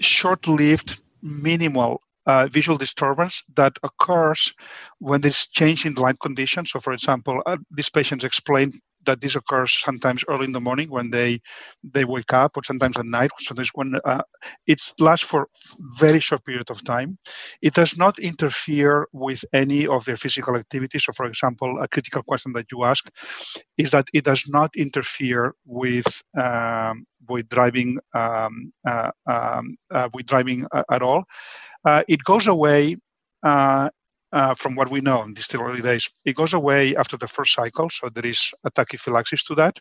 short-lived, minimal visual disturbance that occurs when there's change in light conditions. For example, these patients explain that this occurs sometimes early in the morning when they wake up, or sometimes at night. It lasts for very short period of time. It does not interfere with any of their physical activities. For example, a critical question that you ask is that it does not interfere with driving at all. It goes away from what we know in these still early days. It goes away after the first cycle, so there is a tachyphylaxis to that.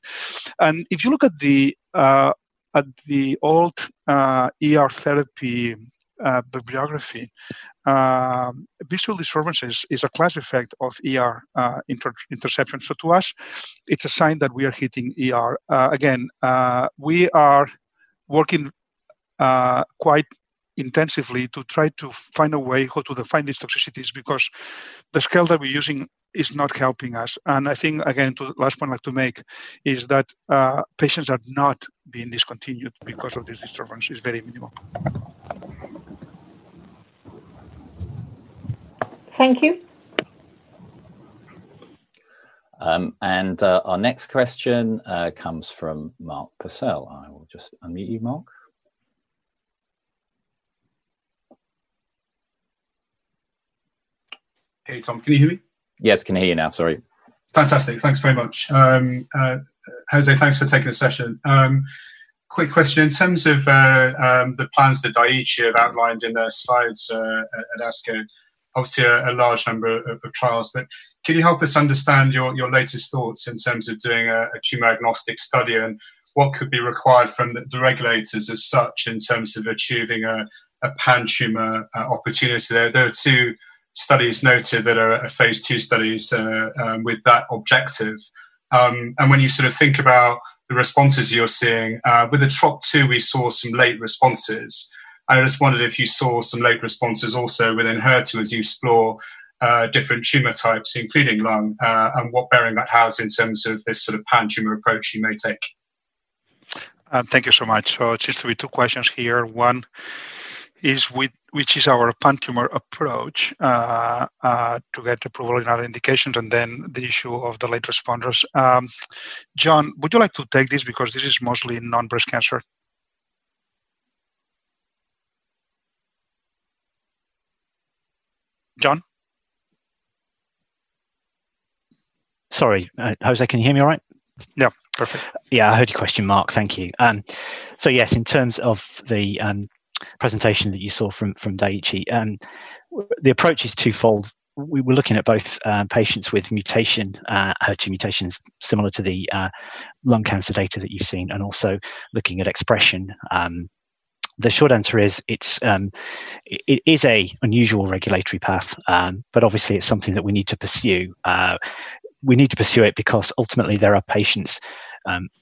If you look at the old ER therapy bibliography, visual disturbances is a class effect of ER interception. To us, it's a sign that we are hitting ER. We are working quite intensively to try to find a way how to define these toxicities because the scale that we're using is not helping us. I think, again, to the last point I'd like to make is that patients are not being discontinued because of this disturbance. It's very minimal. Thank you. Our next question comes from Mark Purcell. I will just unmute you, Mark. Hey, Tom. Can you hear me? Yes, can hear you now. Sorry. Fantastic. Thanks very much. José, thanks for taking the session. Quick question. In terms of the plans that Daiichi have outlined in their slides at ASCO, obviously a large number of trials, can you help us understand your latest thoughts in terms of doing a tumor-agnostic study and what could be required from the regulators as such in terms of achieving a pan-tumor opportunity there? There are two studies noted that are a phase II studies with that objective. When you think about the responses you're seeing, with the TROP2 we saw some late responses. I just wondered if you saw some late responses also within HER2 as you explore different tumor types, including lung, and what bearing that has in terms of this sort of pan-tumor approach you may take. Thank you so much. Just two questions here. One is which is our pan-tumor approach to get approval in our indications and then the issue of the late responders. John, would you like to take this because this is mostly non-breast cancer? John? Sorry. José, can you hear me all right? Yeah. Perfect. Yeah, I heard your question, Mark. Thank you. Yes, in terms of the presentation that you saw from Daiichi, the approach is twofold. We were looking at both patients with HER2 mutations similar to the lung cancer data that you've seen and also looking at expression. The short answer is it is a unusual regulatory path, but obviously it's something that we need to pursue. We need to pursue it because ultimately there are patients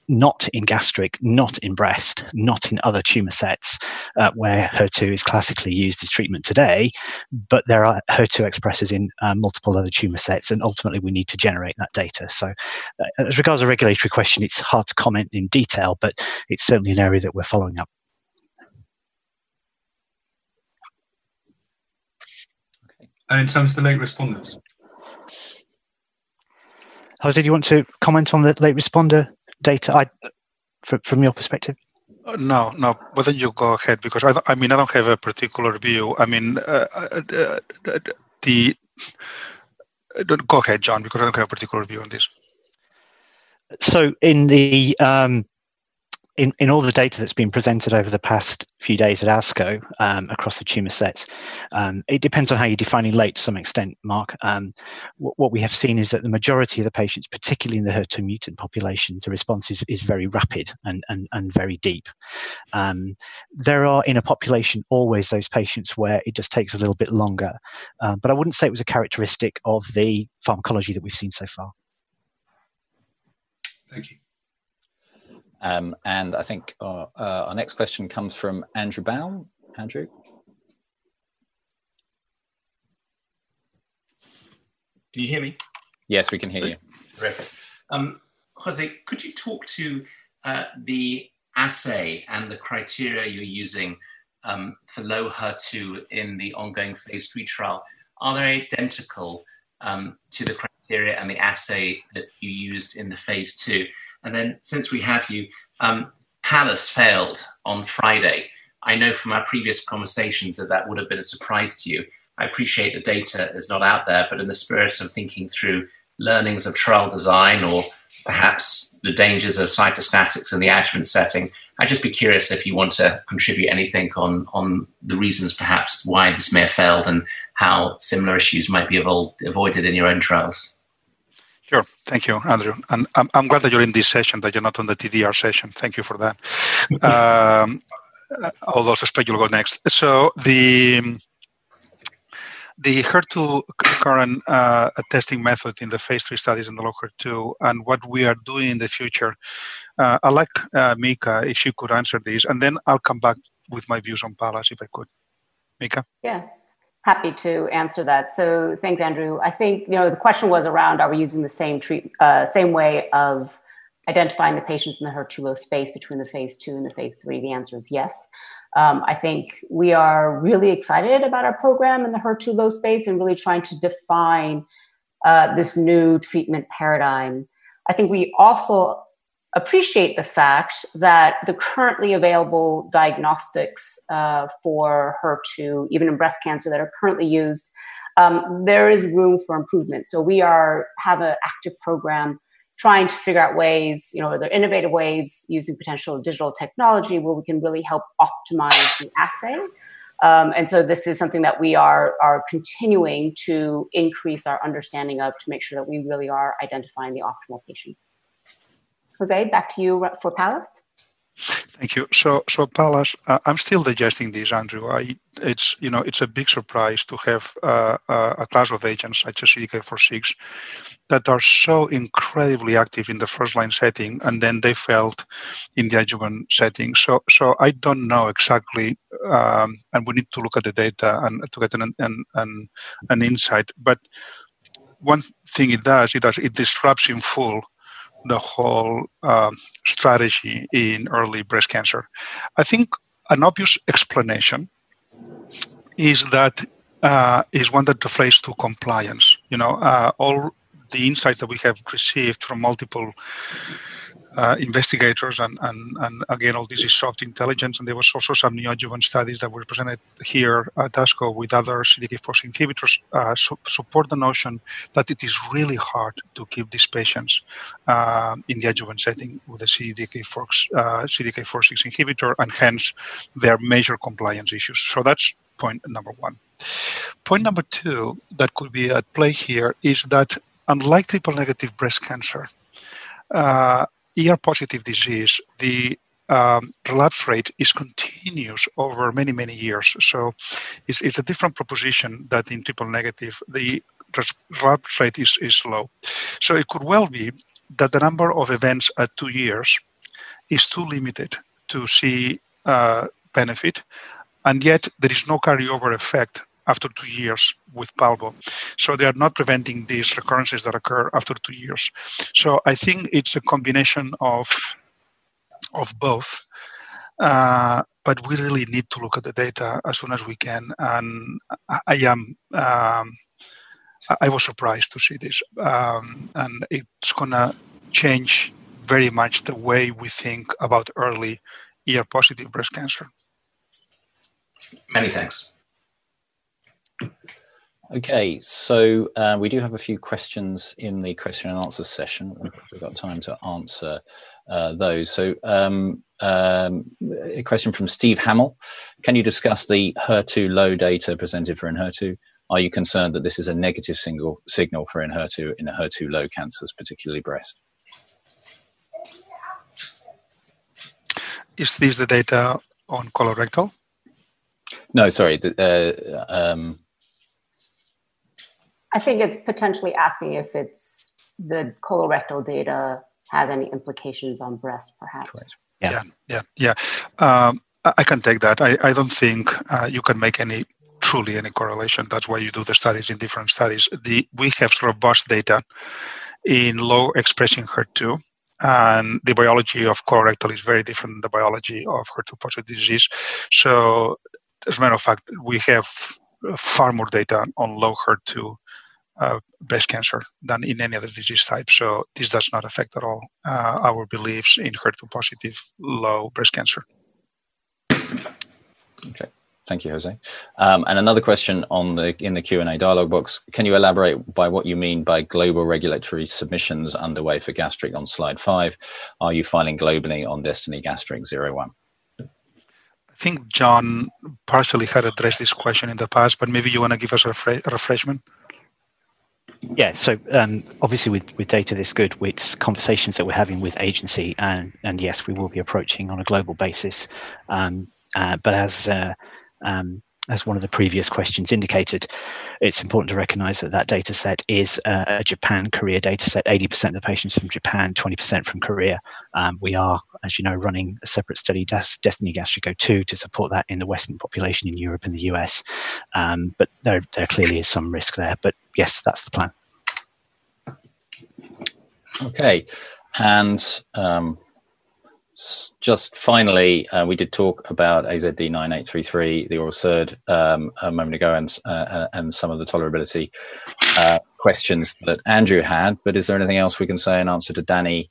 not in gastric, not in breast, not in other tumor sets where HER2 is classically used as treatment today, but there are HER2 expressers in multiple other tumor sets, and ultimately we need to generate that data. As regards a regulatory question, it's hard to comment in detail, but it's certainly an area that we're following up. Okay. In terms of the late responders? José, do you want to comment on the late responder data from your perspective? No, why don't you go ahead because I don't have a particular view. Go ahead, John, because I don't have a particular view on this. In all the data that's been presented over the past few days at ASCO, across the tumor sets, it depends on how you're defining late to some extent, Mark. What we have seen is that the majority of the patients, particularly in the HER2 mutant population, the response is very rapid and very deep. There are, in a population, always those patients where it just takes a little bit longer. I wouldn't say it was a characteristic of the pharmacology that we've seen so far. Thank you. I think our next question comes from Andrew Baum. Andrew? Can you hear me? Yes, we can hear you. Terrific. José, could you talk to the assay and the criteria you're using for low-HER2 in the ongoing phase III trial? Are they identical to the criteria and the assay that you used in the phase II? Then since we have you, PALLAS failed on Friday. I know from our previous conversations that that would have been a surprise to you. I appreciate the data is not out there, but in the spirit of thinking through learnings of trial design or perhaps the dangers of cytostatics in the adjuvant setting, I'd just be curious if you want to contribute anything on the reasons perhaps why this may have failed and how similar issues might be avoided in your own trials. Sure. Thank you, Andrew. I'm glad that you're in this session, that you're not on the TDR session. Thank you for that. I suspect you'll go next. The HER2 current testing method in the phase III studies in the low-HER2 and what we are doing in the future, I'd like Mika, if she could answer this, and then I'll come back with my views on PALLAS if I could. Mika? Yeah. Happy to answer that. Thanks, Andrew. I think the question was around are we using the same way of identifying the patients in the HER2-low space between the phase II and the phase III? The answer is yes. I think we are really excited about our program in the HER2-low space and really trying to define this new treatment paradigm. I think we also appreciate the fact that the currently available diagnostics for HER2, even in breast cancer that are currently used, there is room for improvement. We have an active program trying to figure out ways, are there innovative ways using potential digital technology where we can really help optimize the assay. This is something that we are continuing to increase our understanding of to make sure that we really are identifying the optimal patients. José, back to you for PALLAS. Thank you. PALLAS, I'm still digesting this, Andrew. It's a big surprise to have a class of agents such as CDK4/6 that are so incredibly active in the first-line setting, and then they failed in the adjuvant setting. I don't know exactly, and we need to look at the data and to get an insight. One thing it does, it disrupts in full the whole strategy in early breast cancer. I think an obvious explanation is one that the phase II compliance. All the insights that we have received from multiple investigators and again, all this is soft intelligence, and there was also some new adjuvant studies that were presented here at ASCO with other CDK4 inhibitors, support the notion that it is really hard to keep these patients in the adjuvant setting with a CDK4/6 inhibitor, and hence, there are major compliance issues. That's point number one. Point number two that could be at play here is that unlike triple-negative breast cancer, ER-positive disease, the relapse rate is continuous over many, many years. It's a different proposition that in triple negative, the relapse rate is low. It could well be that the number of events at two years is too limited to see benefit, and yet there is no carryover effect after two years with palbociclib. They are not preventing these recurrences that occur after two years. I think it's a combination of both. We really need to look at the data as soon as we can, and I was surprised to see this. It's going to change very much the way we think about early ER-positive breast cancer. Many thanks. Okay. We do have a few questions in the question and answer session. We've got time to answer those. A question from Steve Hamill. Can you discuss the HER2-low data presented for Enhertu? Are you concerned that this is a negative signal for Enhertu in the HER2-low cancers, particularly breast? Is this the data on colorectal? No, sorry. I think it's potentially asking if the colorectal data has any implications on breast, perhaps. Right. Yeah. Yeah. I can take that. I don't think you can make truly any correlation. That's why you do the studies in different studies. We have robust data in low-expressing HER2, and the biology of colorectal is very different than the biology of HER2-positive disease. As a matter of fact, we have far more data on low HER2 breast cancer than in any other disease type, so this does not affect at all our beliefs in HER2-positive low breast cancer. Okay. Thank you, José. Another question in the Q&A dialogue box. Can you elaborate by what you mean by global regulatory submissions underway for gastric on slide five? Are you filing globally on DESTINY-Gastric01? I think John partially had addressed this question in the past. Maybe you want to give us a refreshment? Yeah. Obviously with data this good, with conversations that we're having with agency, and yes, we will be approaching on a global basis. As one of the previous questions indicated, it's important to recognize that that data set is a Japan-Korea data set, 80% of the patients from Japan, 20% from Korea. We are, as you know, running a separate study, DESTINY-Gastric02, to support that in the Western population in Europe and the U.S. There clearly is some risk there. Yes, that's the plan. Okay. Just finally, we did talk about AZD9833, the oral SERD, a moment ago, and some of the tolerability questions that Andrew had, is there anything else we can say in answer to Danny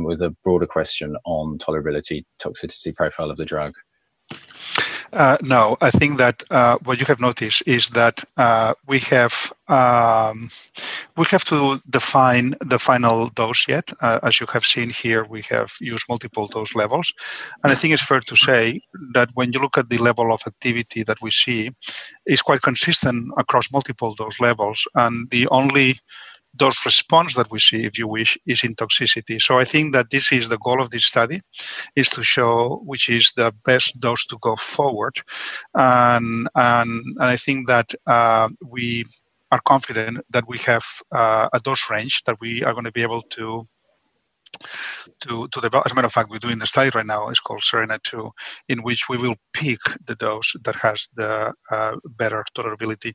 with a broader question on tolerability, toxicity profile of the drug? No. I think that what you have noticed is that we have to define the final dose yet. As you have seen here, we have used multiple dose levels. I think it's fair to say that when you look at the level of activity that we see, it's quite consistent across multiple dose levels. The only dose response that we see, if you wish, is in toxicity. I think that this is the goal of this study, is to show which is the best dose to go forward. I think that we are confident that we have a dose range that we are going to be able to develop. As a matter of fact, we're doing the study right now, it's called SERENA-2, in which we will pick the dose that has the better tolerability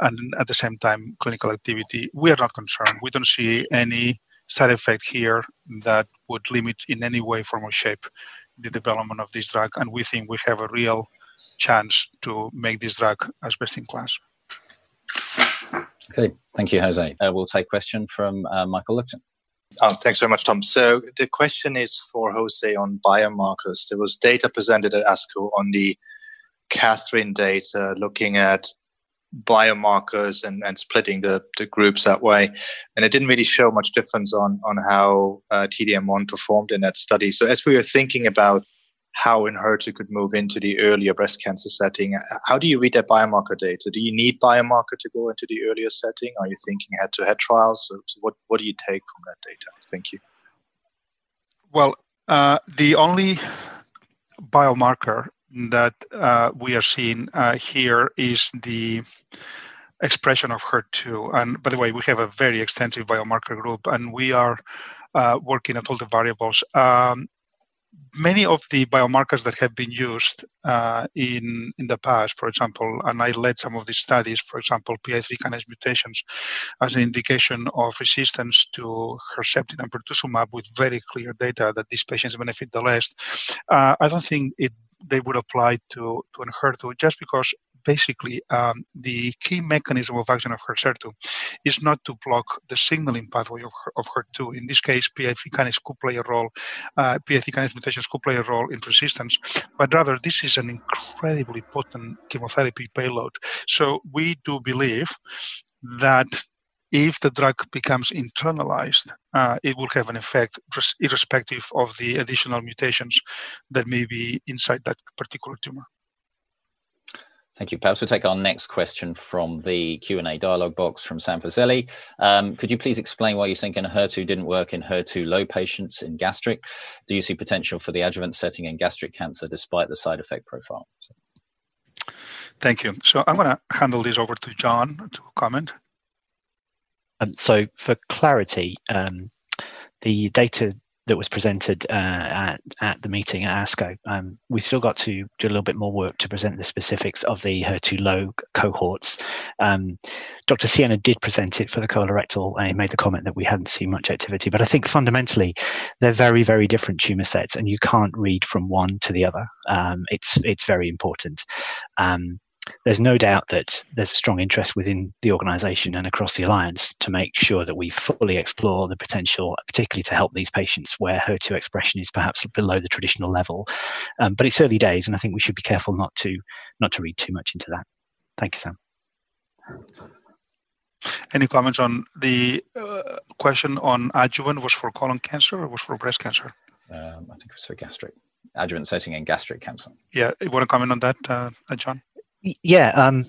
and at the same time, clinical activity. We are not concerned. We don't see any side effect here that would limit in any way, form, or shape the development of this drug. We think we have a real chance to make this drug as best in class. Okay. Thank you, José. We'll take question from Michael Leuchten. Thanks very much, Tom. The question is for José on biomarkers. There was data presented at ASCO on the KATHERINE data looking at biomarkers and splitting the groups that way. It didn't really show much difference on how T-DM1 performed in that study. As we are thinking about how Enhertu could move into the earlier breast cancer setting, how do you read that biomarker data? Do you need biomarker to go into the earlier setting? Are you thinking head-to-head trials? What do you take from that data? Thank you. Well, the only biomarker that we are seeing here is the expression of HER2. By the way, we have a very extensive biomarker group, and we are working at all the variables. Many of the biomarkers that have been used in the past, for example, and I led some of these studies, for example, PI3 kinase mutations as an indication of resistance to Herceptin and pertuzumab with very clear data that these patients benefit the least. I don't think they would apply to Enhertu, just because basically, the key mechanism of action of Enhertu is not to block the signaling pathway of HER2. In this case, PI3 kinase could play a role, PI3 kinase mutations could play a role in resistance. Rather, this is an incredibly potent chemotherapy payload. We do believe that if the drug becomes internalized, it will have an effect irrespective of the additional mutations that may be inside that particular tumor. Thank you, José. We'll take our next question from the Q&A dialogue box from Sam Fazeli. Could you please explain why you think Enhertu didn't work in HER2-low patients in gastric? Do you see potential for the adjuvant setting in gastric cancer despite the side effect profile? Thank you. I'm going to handle this over to John to comment. For clarity, the data that was presented at the meeting at ASCO, we still got to do a little bit more work to present the specifics of the HER2-low cohorts. Dr. Siena did present it for the colorectal and he made the comment that we hadn't seen much activity, but I think fundamentally, they're very different tumor sets, and you can't read from one to the other. It's very important. There's no doubt that there's a strong interest within the organization and across the alliance to make sure that we fully explore the potential, particularly to help these patients where HER2 expression is perhaps below the traditional level. It's early days, and I think we should be careful not to read too much into that. Thank you, Sam. Any comment on the question on adjuvant? Was for colon cancer or was for breast cancer? I think it was for gastric. Adjuvant setting in gastric cancer. Yeah. You want to comment on that, John? Yeah.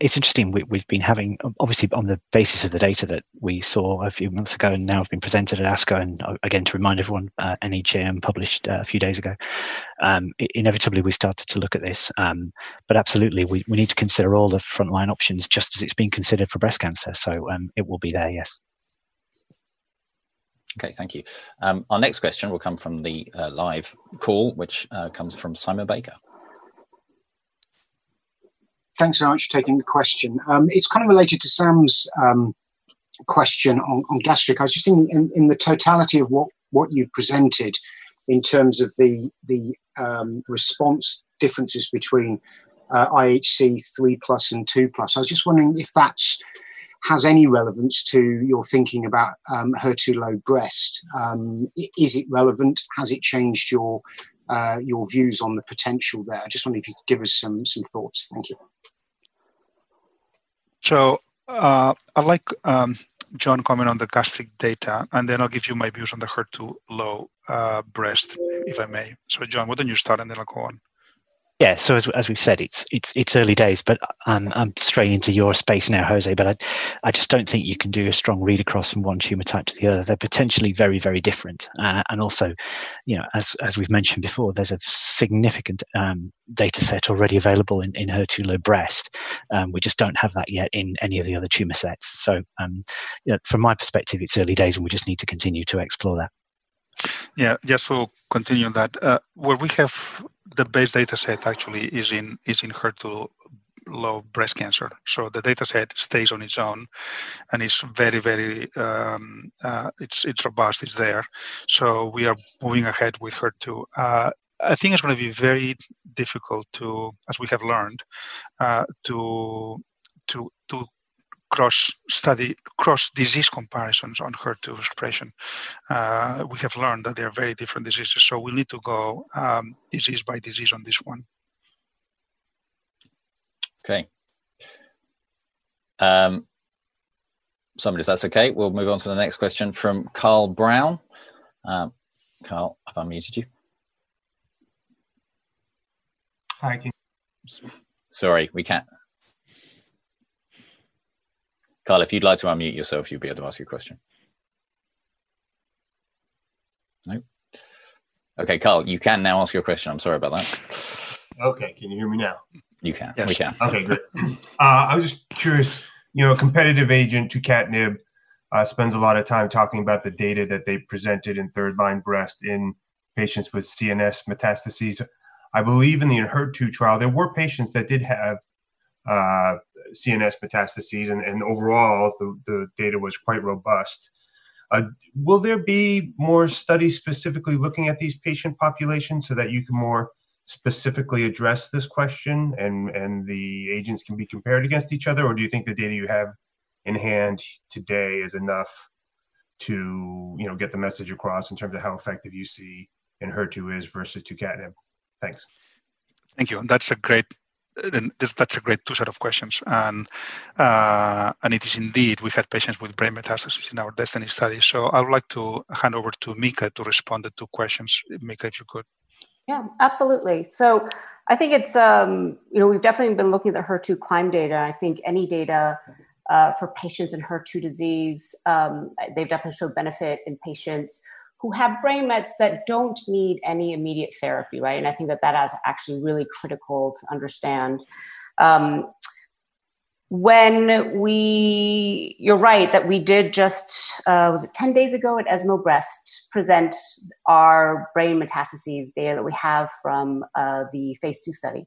It's interesting. We've been having, obviously on the basis of the data that we saw a few months ago and now have been presented at ASCO, and again, to remind everyone, NEJM published a few days ago. Inevitably, we started to look at this. Absolutely, we need to consider all the frontline options just as it's being considered for breast cancer. It will be there, yes. Okay, thank you. Our next question will come from the live call, which comes from Simon Baker. Thanks very much for taking the question. It's kind of related to Sam's question on gastric. I was just thinking in the totality of what you presented in terms of the response differences between IHC 3+ and 2+, I was just wondering if that has any relevance to your thinking about HER2-low breast. Is it relevant? Has it changed your views on the potential there? I just wonder if you could give us some thoughts. Thank you. I'd like John comment on the gastric data, and then I'll give you my views on the HER2-low breast, if I may. John, why don't you start and then I'll go on. Yeah. As we've said, it's early days, but I'm straying into your space now, José, I just don't think you can do a strong read across from one tumor type to the other. They're potentially very different. Also, as we've mentioned before, there's a significant data set already available in HER2-low breast. We just don't have that yet in any of the other tumor sets. From my perspective, it's early days, and we just need to continue to explore that. Yeah. Continuing that, where we have the base data set actually is in HER2-low breast cancer. The data set stays on its own, and it's robust. It's there. We are moving ahead with HER2. I think it's going to be very difficult to, as we have learned, to cross study, cross disease comparisons on HER2 expression. We have learned that they are very different diseases, so we need to go disease by disease on this one. Okay. Somebody says that's okay. We'll move on to the next question from Carl Brown. Carl, have I unmuted you? Hi. Sorry, we can't. Carl, if you'd like to unmute yourself, you'll be able to ask your question. No? Okay, Carl, you can now ask your question. I'm sorry about that. Okay. Can you hear me now? You can. Yes. We can. Okay, great. I was just curious, competitive agent to tucatinib spends a lot of time talking about the data that they presented in third line breast in patients with CNS metastases. I believe in the Enhertu trial, there were patients that did have CNS metastases. Overall, the data was quite robust. Will there be more studies specifically looking at these patient populations so that you can more specifically address this question and the agents can be compared against each other? Do you think the data you have in hand today is enough to get the message across in terms of how effective you see Enhertu is versus tucatinib? Thanks. Thank you. That's a great two set of questions. It is indeed, we've had patients with brain metastases in our DESTINY study. I would like to hand over to Mika to respond the two questions. Mika, if you could. Yeah, absolutely. I think we've definitely been looking at the HER2CLIMB data. I think any data for patients in HER2 disease, they've definitely showed benefit in patients who have brain mets that don't need any immediate therapy, right? I think that that is actually really critical to understand. You're right, that we did just, was it 10 days ago at ESMO Breast, present our brain metastases data that we have from the phase II study,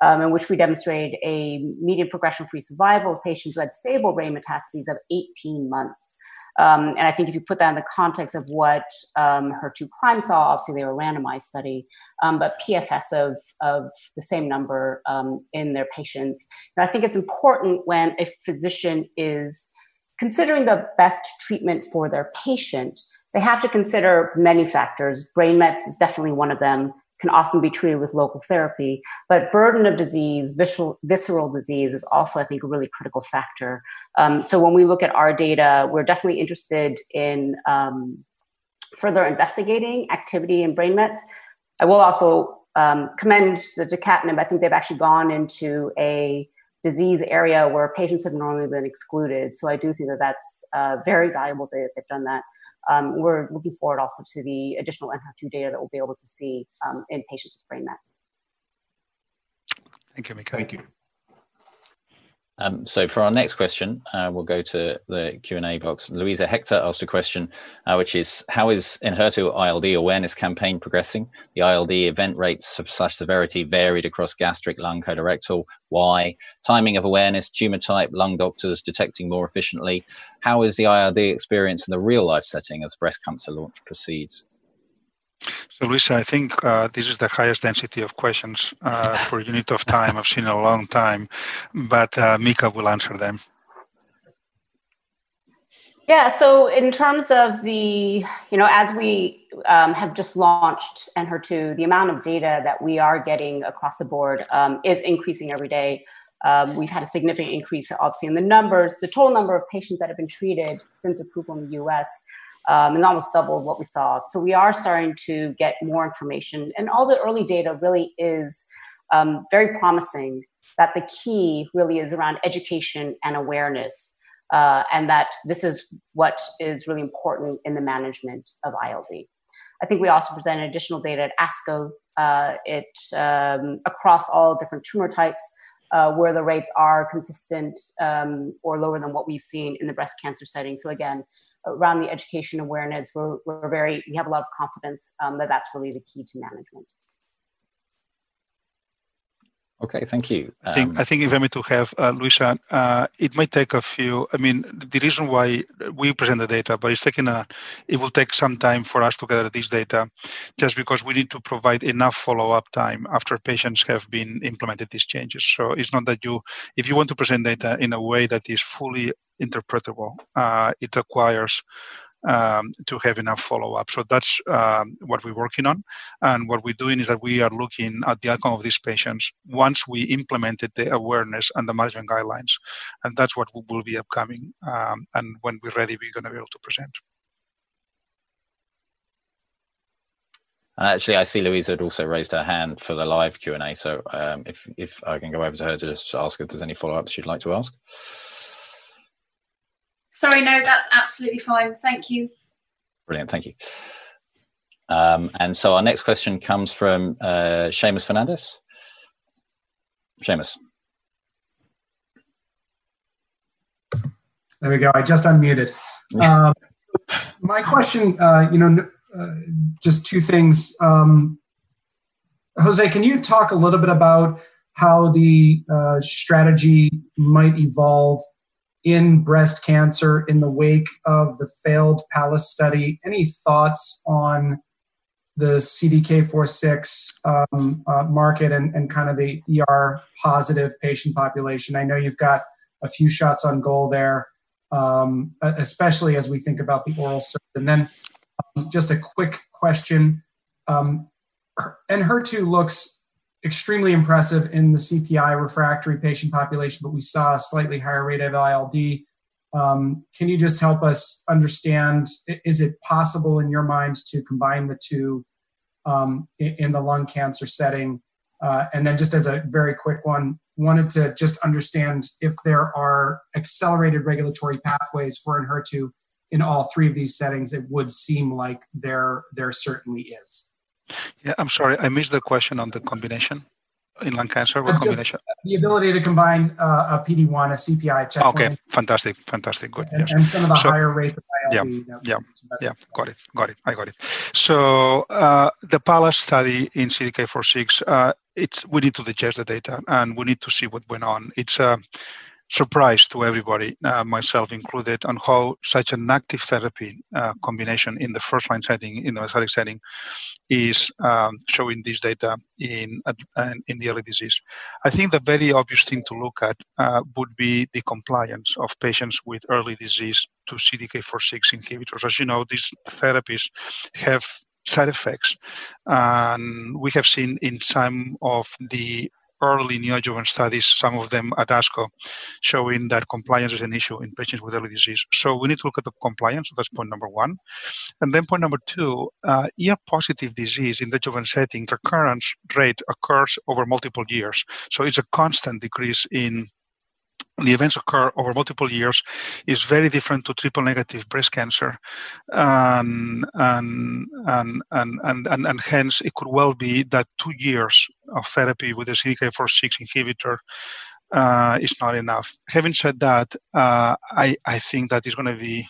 in which we demonstrated a median progression-free survival of patients who had stable brain metastases of 18 months. I think if you put that in the context of what HER2CLIMB saw, obviously, they were a randomized study, but PFS of the same number in their patients. I think it's important when a physician is considering the best treatment for their patient, they have to consider many factors. Brain mets is definitely one of them, can often be treated with local therapy. Burden of disease, visceral disease is also, I think, a really critical factor. When we look at our data, we're definitely interested in further investigating activity in brain mets. I will also commend the tucatinib. I think they've actually gone into a disease area where patients have normally been excluded, so I do think that that's very valuable data if they've done that. We're looking forward also to the additional Enhertu data that we'll be able to see in patients with brain mets. Thank you, Mika. Thank you. For our next question, we'll go to the Q&A box. Luisa Hector asked a question, which is, "How is Enhertu ILD awareness campaign progressing? The ILD event rates/severity varied across gastric lung colorectal. Why? Timing of awareness, tumor type, lung doctors detecting more efficiently. How is the ILD experience in the real-life setting as breast cancer launch proceeds? Luisa, I think this is the highest density of questions per unit of time I've seen in a long time, but Mika will answer them. As we have just launched Enhertu, the amount of data that we are getting across the board is increasing every day. We've had a significant increase, obviously, in the numbers. The total number of patients that have been treated since approval in the U.S. is almost double what we saw. We are starting to get more information, and all the early data really is very promising, that the key really is around education and awareness, and that this is what is really important in the management of ILDs. I think we also presented additional data at ASCO, across all different tumor types, where the rates are consistent, or lower than what we've seen in the breast cancer setting. Again, around the education awareness, we have a lot of confidence that that's really the key to management. Okay. Thank you. I think if I may too, have Luisa, the reason why we present the data, but it will take some time for us to gather this data just because we need to provide enough follow-up time after patients have been implemented these changes. If you want to present data in a way that is fully interpretable, it requires to have enough follow-up. That's what we're working on, and what we're doing is that we are looking at the outcome of these patients once we implemented the awareness and the management guidelines, and that's what will be upcoming. When we're ready, we're going to be able to present. Actually, I see Luisa had also raised her hand for the live Q&A. If I can go over to her just to ask if there's any follow-ups she'd like to ask. Sorry, no, that's absolutely fine. Thank you. Brilliant. Thank you. Our next question comes from Seamus Fernandez. Seamus. There we go. I just unmuted. Yeah. My question, just two things. José, can you talk a little bit about how the strategy might evolve in breast cancer in the wake of the failed Pallas study? Any thoughts on the CDK4/6 market and the ER-positive patient population? I know you've got a few shots on goal there, especially as we think about the oral SERD. Just a quick question. Enhertu looks extremely impressive in the CPI-refractory patient population, but we saw a slightly higher rate of ILD. Can you just help us understand, is it possible, in your mind, to combine the two in the lung cancer setting? Just as a very quick one, wanted to just understand if there are accelerated regulatory pathways for Enhertu in all three of these settings. It would seem like there certainly is. Yeah. I am sorry. I missed the question on the combination in lung cancer. What combination? The ability to combine a PD-1, a CPI checkpoint- Okay. Fantastic. Good. Yeah. some of the higher rate of ILD. Yeah. Got it. I got it. The PALLAS study in CDK4/6, we need to digest the data, and we need to see what went on. It's a surprise to everybody, myself included, on how such an active therapy combination in the first-line setting, in the metastatic setting, is showing this data in the early disease. I think the very obvious thing to look at would be the compliance of patients with early disease to CDK4/6 inhibitors. As you know, these therapies have side effects, and we have seen in some of the early neoadjuvant studies, some of them at ASCO, showing that compliance is an issue in patients with early disease. We need to look at the compliance. That's point number one. Point number two, ER-positive disease in the adjuvant setting, recurrence rate occurs over multiple years. It's a constant decrease in the events occur over multiple years. It's very different to triple-negative breast cancer. Hence, it could well be that two years of therapy with a CDK4/6 inhibitor is not enough. Having said that, I think that it's going to be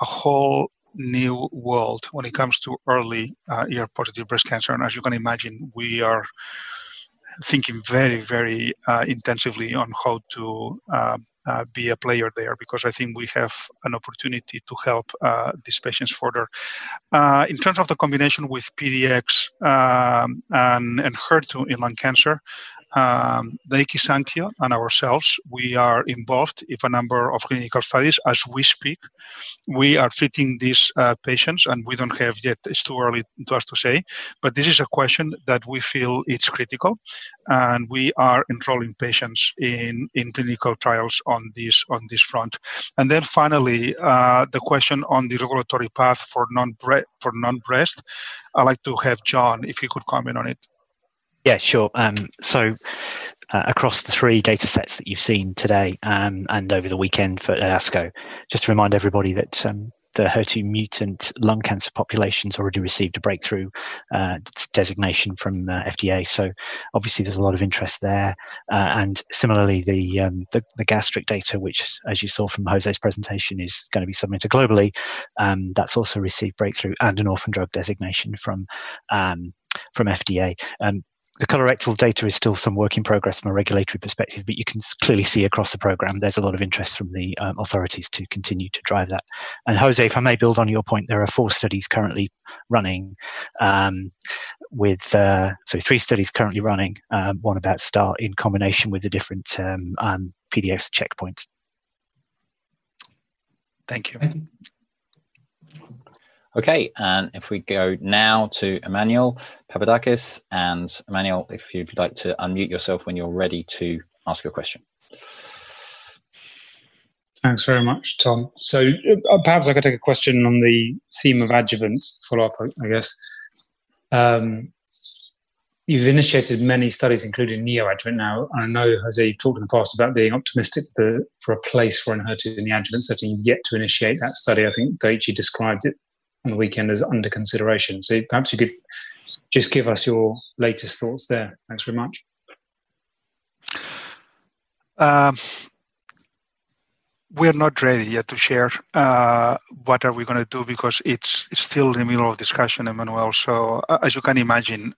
a whole new world when it comes to early ER-positive breast cancer. As you can imagine, we are thinking very intensively on how to be a player there because I think we have an opportunity to help these patients further. In terms of the combination with PD-L1 and Enhertu in lung cancer, Daiichi Sankyo and ourselves, we are involved in a number of clinical studies as we speak. We are treating these patients, and we don't have yet, it's too early to us to say, but this is a question that we feel it's critical, and we are enrolling patients in clinical trials on this front. Finally, the question on the regulatory path for non-breast, I'd like to have John, if you could comment on it. Yeah, sure. Across the three data sets that you've seen today and over the weekend for ASCO, just to remind everybody that the HER2 mutant lung cancer population's already received a breakthrough designation from FDA. Obviously there's a lot of interest there. Similarly, the gastric data, which as you saw from José's presentation, is going to be submitted globally. That's also received breakthrough and an orphan drug designation from FDA. The colorectal data is still some work in progress from a regulatory perspective, but you can clearly see across the program there's a lot of interest from the authorities to continue to drive that. José, if I may build on your point, there are four studies currently running. Sorry, three studies currently running, one about to start in combination with the different PD-1 checkpoints. Thank you. Okay. If we go now to Emmanuel Papadakis. Emmanuel, if you'd like to unmute yourself when you're ready to ask your question. Thanks very much, Tom. Perhaps I could take a question on the theme of adjuvant follow-up, I guess. You've initiated many studies including neo-adjuvant. Now, I know José talked in the past about being optimistic for a place for an Enhertu in the adjuvant setting. Yet to initiate that study. I think Daiichi described it on the weekend as under consideration. Perhaps you could just give us your latest thoughts there. Thanks very much. We're not ready yet to share what are we going to do because it's still in the middle of discussion, Emmanuel. As you can imagine,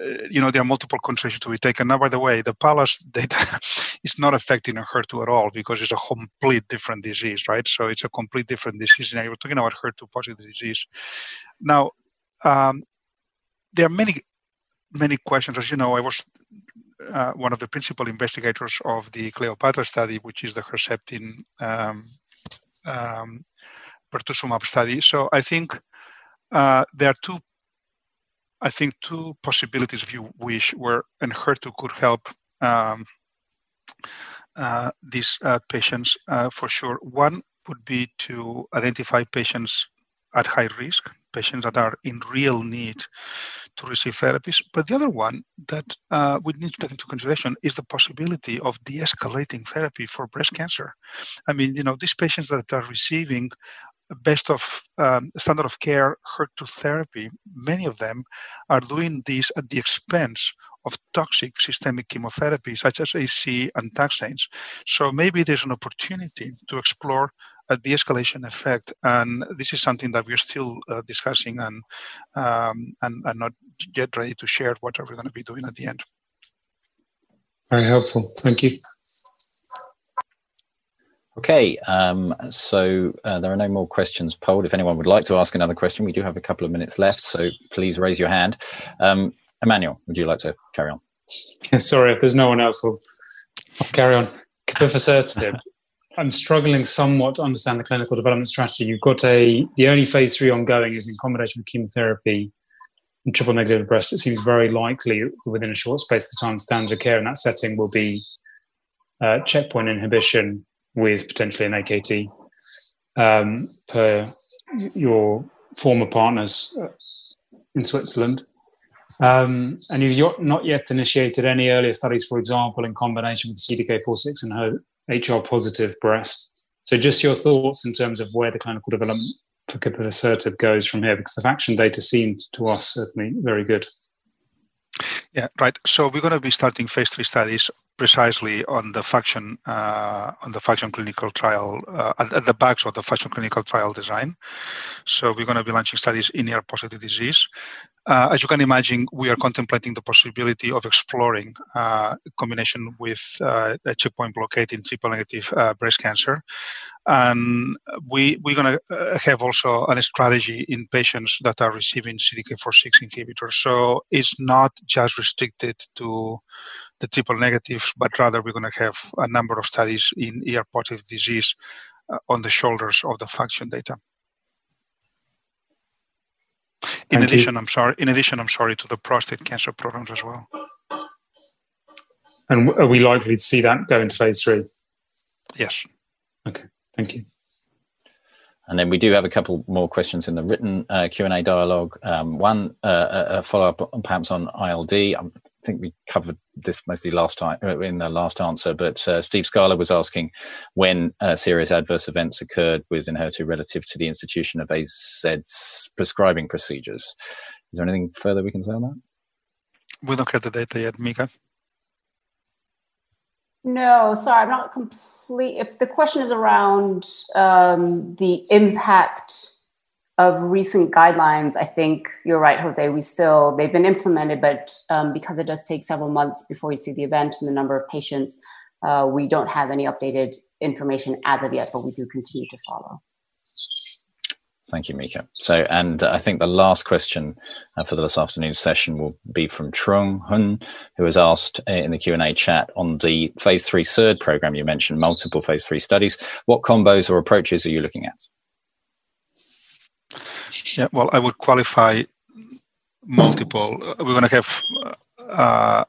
there are multiple considerations to be taken. By the way, the PALLAS data is not affecting Enhertu at all because it's a complete different disease, right? It's a complete different disease scenario. We're talking about HER2-positive disease. There are many questions. As you know, I was one of the principal investigators of the CLEOPATRA study, which is the Herceptin pertuzumab study. I think there are two possibilities, if you wish, where Enhertu could help these patients for sure. One would be to identify patients at high risk, patients that are in real need to receive therapies. The other one that we need to take into consideration is the possibility of de-escalating therapy for breast cancer. I mean, these patients that are receiving best of standard of care HER2 therapy, many of them are doing this at the expense of toxic systemic chemotherapy, such as AC and taxanes. Maybe there's an opportunity to explore a de-escalation effect. This is something that we are still discussing and not yet ready to share what are we going to be doing at the end. Very helpful. Thank you. Okay, there are no more questions polled. If anyone would like to ask another question, we do have a couple of minutes left, so please raise your hand. Emmanuel, would you like to carry on? Sorry. If there's no one else, I'll carry on. capivasertib. I'm struggling somewhat to understand the clinical development strategy. The only phase III ongoing is in combination with chemotherapy in triple-negative breast. It seems very likely that within a short space of time, standard of care in that setting will be checkpoint inhibition with potentially an AKT, per your former partners in Switzerland. You've not yet initiated any earlier studies, for example, in combination with CDK4/6 and HR-positive breast. Just your thoughts in terms of where the clinical development for capivasertib goes from here, because the Faktion data seemed to us certainly very good. Yeah. Right. We're going to be starting phase III studies precisely on the FAKTION clinical trial, at the backs of the FAKTION clinical trial design. We're going to be launching studies in ER-positive disease. As you can imagine, we are contemplating the possibility of exploring combination with a checkpoint blockade in triple-negative breast cancer. We're going to have also a strategy in patients that are receiving CDK4/6 inhibitors. It's not just restricted to the triple negative, but rather we're going to have a number of studies in ER-positive disease on the shoulders of the Faktion data. In addition, I'm sorry, to the prostate cancer programs as well. Are we likely to see that go into phase III? Yes. Okay. Thank you. We do have a couple more questions in the written Q&A dialogue. One, a follow-up perhaps on ILD. I think we covered this mostly in the last answer. Steve Scala was asking when serious adverse events occurred with Enhertu relative to the institution of ASIDS prescribing procedures. Is there anything further we can say on that? We don't have the data yet. Mika? If the question is around the impact of recent guidelines, I think you're right, José. They've been implemented, but because it does take several months before we see the event and the number of patients, we don't have any updated information as of yet, but we do continue to follow. Thank you, Mika. I think the last question for this afternoon's session will be from Trung Huynh, who has asked in the Q&A chat on the phase III third program, you mentioned multiple phase III studies. What combos or approaches are you looking at? Well, I would qualify. Multiple. We're going to have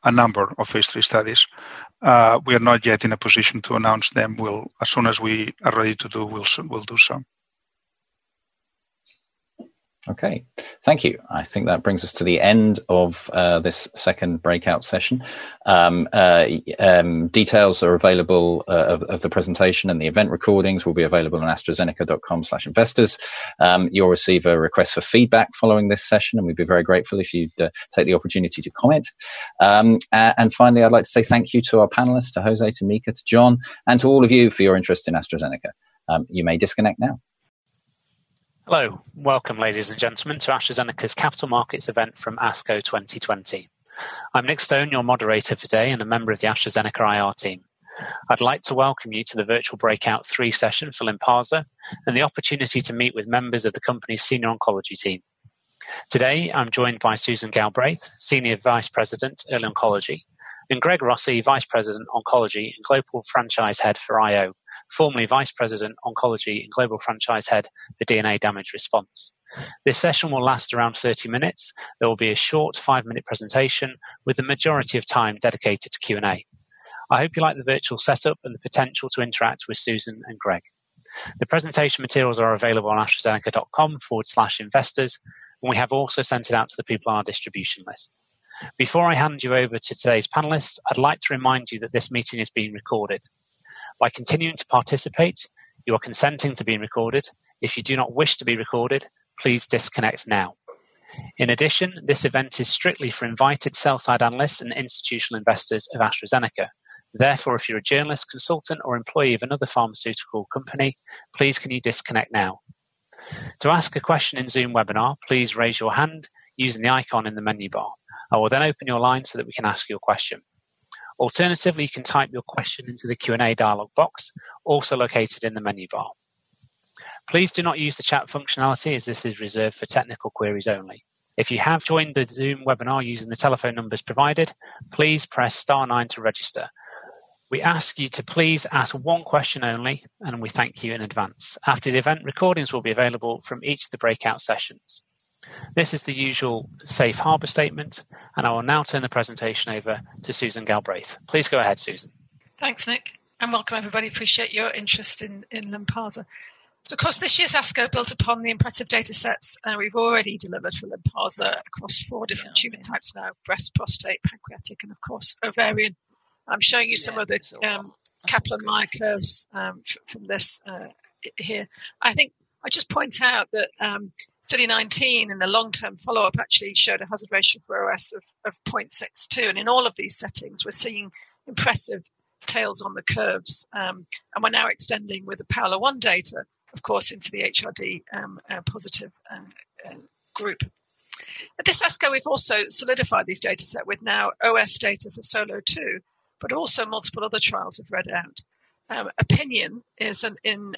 a number of phase III studies. We are not yet in a position to announce them. As soon as we are ready to do, we'll do so. Okay. Thank you. I think that brings us to the end of this second breakout session. Details are available of the presentation, and the event recordings will be available on astrazeneca.com/investors. You'll receive a request for feedback following this session, and we'd be very grateful if you'd take the opportunity to comment. Finally, I'd like to say thank you to our panelists, to José, to Mika, to John, and to all of you for your interest in AstraZeneca. You may disconnect now. Hello. Welcome, ladies and gentlemen, to AstraZeneca's Capital Markets event from ASCO 2020. I'm Nick Stone, your moderator today and a member of the AstraZeneca IR team. I'd like to welcome you to the virtual breakout three session for Lynparza, and the opportunity to meet with members of the company's senior oncology team. Today, I'm joined by Susan Galbraith, Senior Vice President, Early Oncology, and Greg Rossi, Vice President, Oncology and Global Franchise Head for IO, formerly Vice President, Oncology and Global Franchise Head for DNA Damage Response. This session will last around 30 minutes. There will be a short five-minute presentation with the majority of time dedicated to Q&A. I hope you like the virtual setup and the potential to interact with Susan and Greg. The presentation materials are available on astrazeneca.com/investors, and we have also sent it out to the people on our distribution list. Before I hand you over to today's panelists, I'd like to remind you that this meeting is being recorded. By continuing to participate, you are consenting to being recorded. If you do not wish to be recorded, please disconnect now. In addition, this event is strictly for invited sell-side analysts and institutional investors of AstraZeneca. Therefore, if you're a journalist, consultant, or employee of another pharmaceutical company, please can you disconnect now. To ask a question in Zoom webinar, please raise your hand using the icon in the menu bar. I will then open your line so that we can ask you a question. Alternatively, you can type your question into the Q&A dialog box, also located in the menu bar. Please do not use the chat functionality as this is reserved for technical queries only. If you have joined the Zoom webinar using the telephone numbers provided, please press star nine to register. We ask you to please ask one question only, and we thank you in advance. After the event, recordings will be available from each of the breakout sessions. This is the usual safe harbor statement, and I will now turn the presentation over to Susan Galbraith. Please go ahead, Susan. Thanks, Nick. Welcome everybody. Appreciate your interest in Lynparza. Of course, this year's ASCO built upon the impressive data sets we've already delivered for Lynparza across four different tumor types now, breast, prostate, pancreatic and of course, ovarian. I'm showing you some of the Kaplan-Meier curves from this here. I think I'll just point out that Study 19 in the long-term follow-up actually showed a hazard ratio for OS of 0.62. In all of these settings, we're seeing impressive tails on the curves. We're now extending with the PAOLA-1 data, of course, into the HRD positive group. At this ASCO, we've also solidified these data set with now OS data for SOLO2. Also multiple other trials have read out. OPINION is in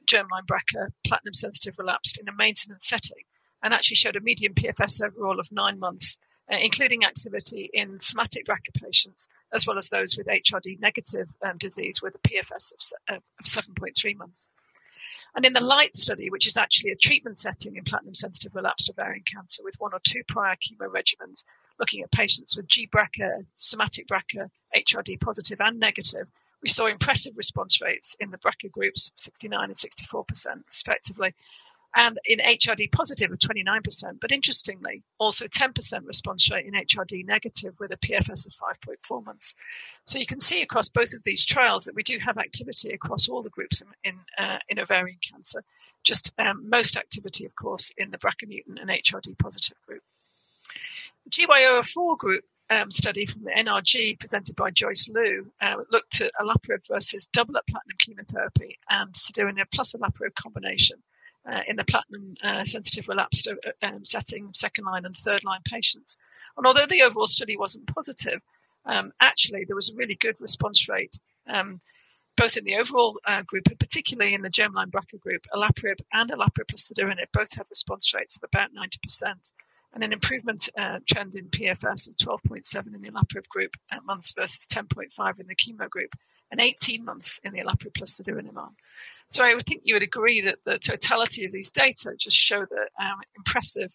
non-germline BRCA platinum-sensitive relapsed in a maintenance setting and actually showed a median PFS overall of nine months, including activity in somatic BRCA patients, as well as those with HRD negative disease with a PFS of 7.3 months. In the LIGHT study, which is actually a treatment setting in platinum-sensitive relapsed ovarian cancer with one or two prior chemo regimens, looking at patients with gBRCA, somatic BRCA, HRD positive and negative, we saw impressive response rates in the BRCA groups 69% and 64% respectively, and in HRD positive of 29%. Interestingly, also a 10% response rate in HRD negative with a PFS of 5.4 months. You can see across both of these trials that we do have activity across all the groups in ovarian cancer. Just most activity, of course, in the BRCA mutant and HRD positive group. The NRG-GY004 group study from the NRG presented by Joyce Liu looked at olaparib versus double-platinum chemotherapy and cediranib plus olaparib combination in the platinum sensitive-relapsed setting, second-line and third-line patients. Although the overall study wasn't positive, actually there was a really good response rate both in the overall group and particularly in the germline BRCA group, olaparib and olaparib plus cediranib both have response rates of about 90%. An improvement trend in PFS of 12.7 in the olaparib group at months versus 10.5 in the chemo group, and 18 months in the olaparib plus cediranib arm. I would think you would agree that the totality of these data just show the impressive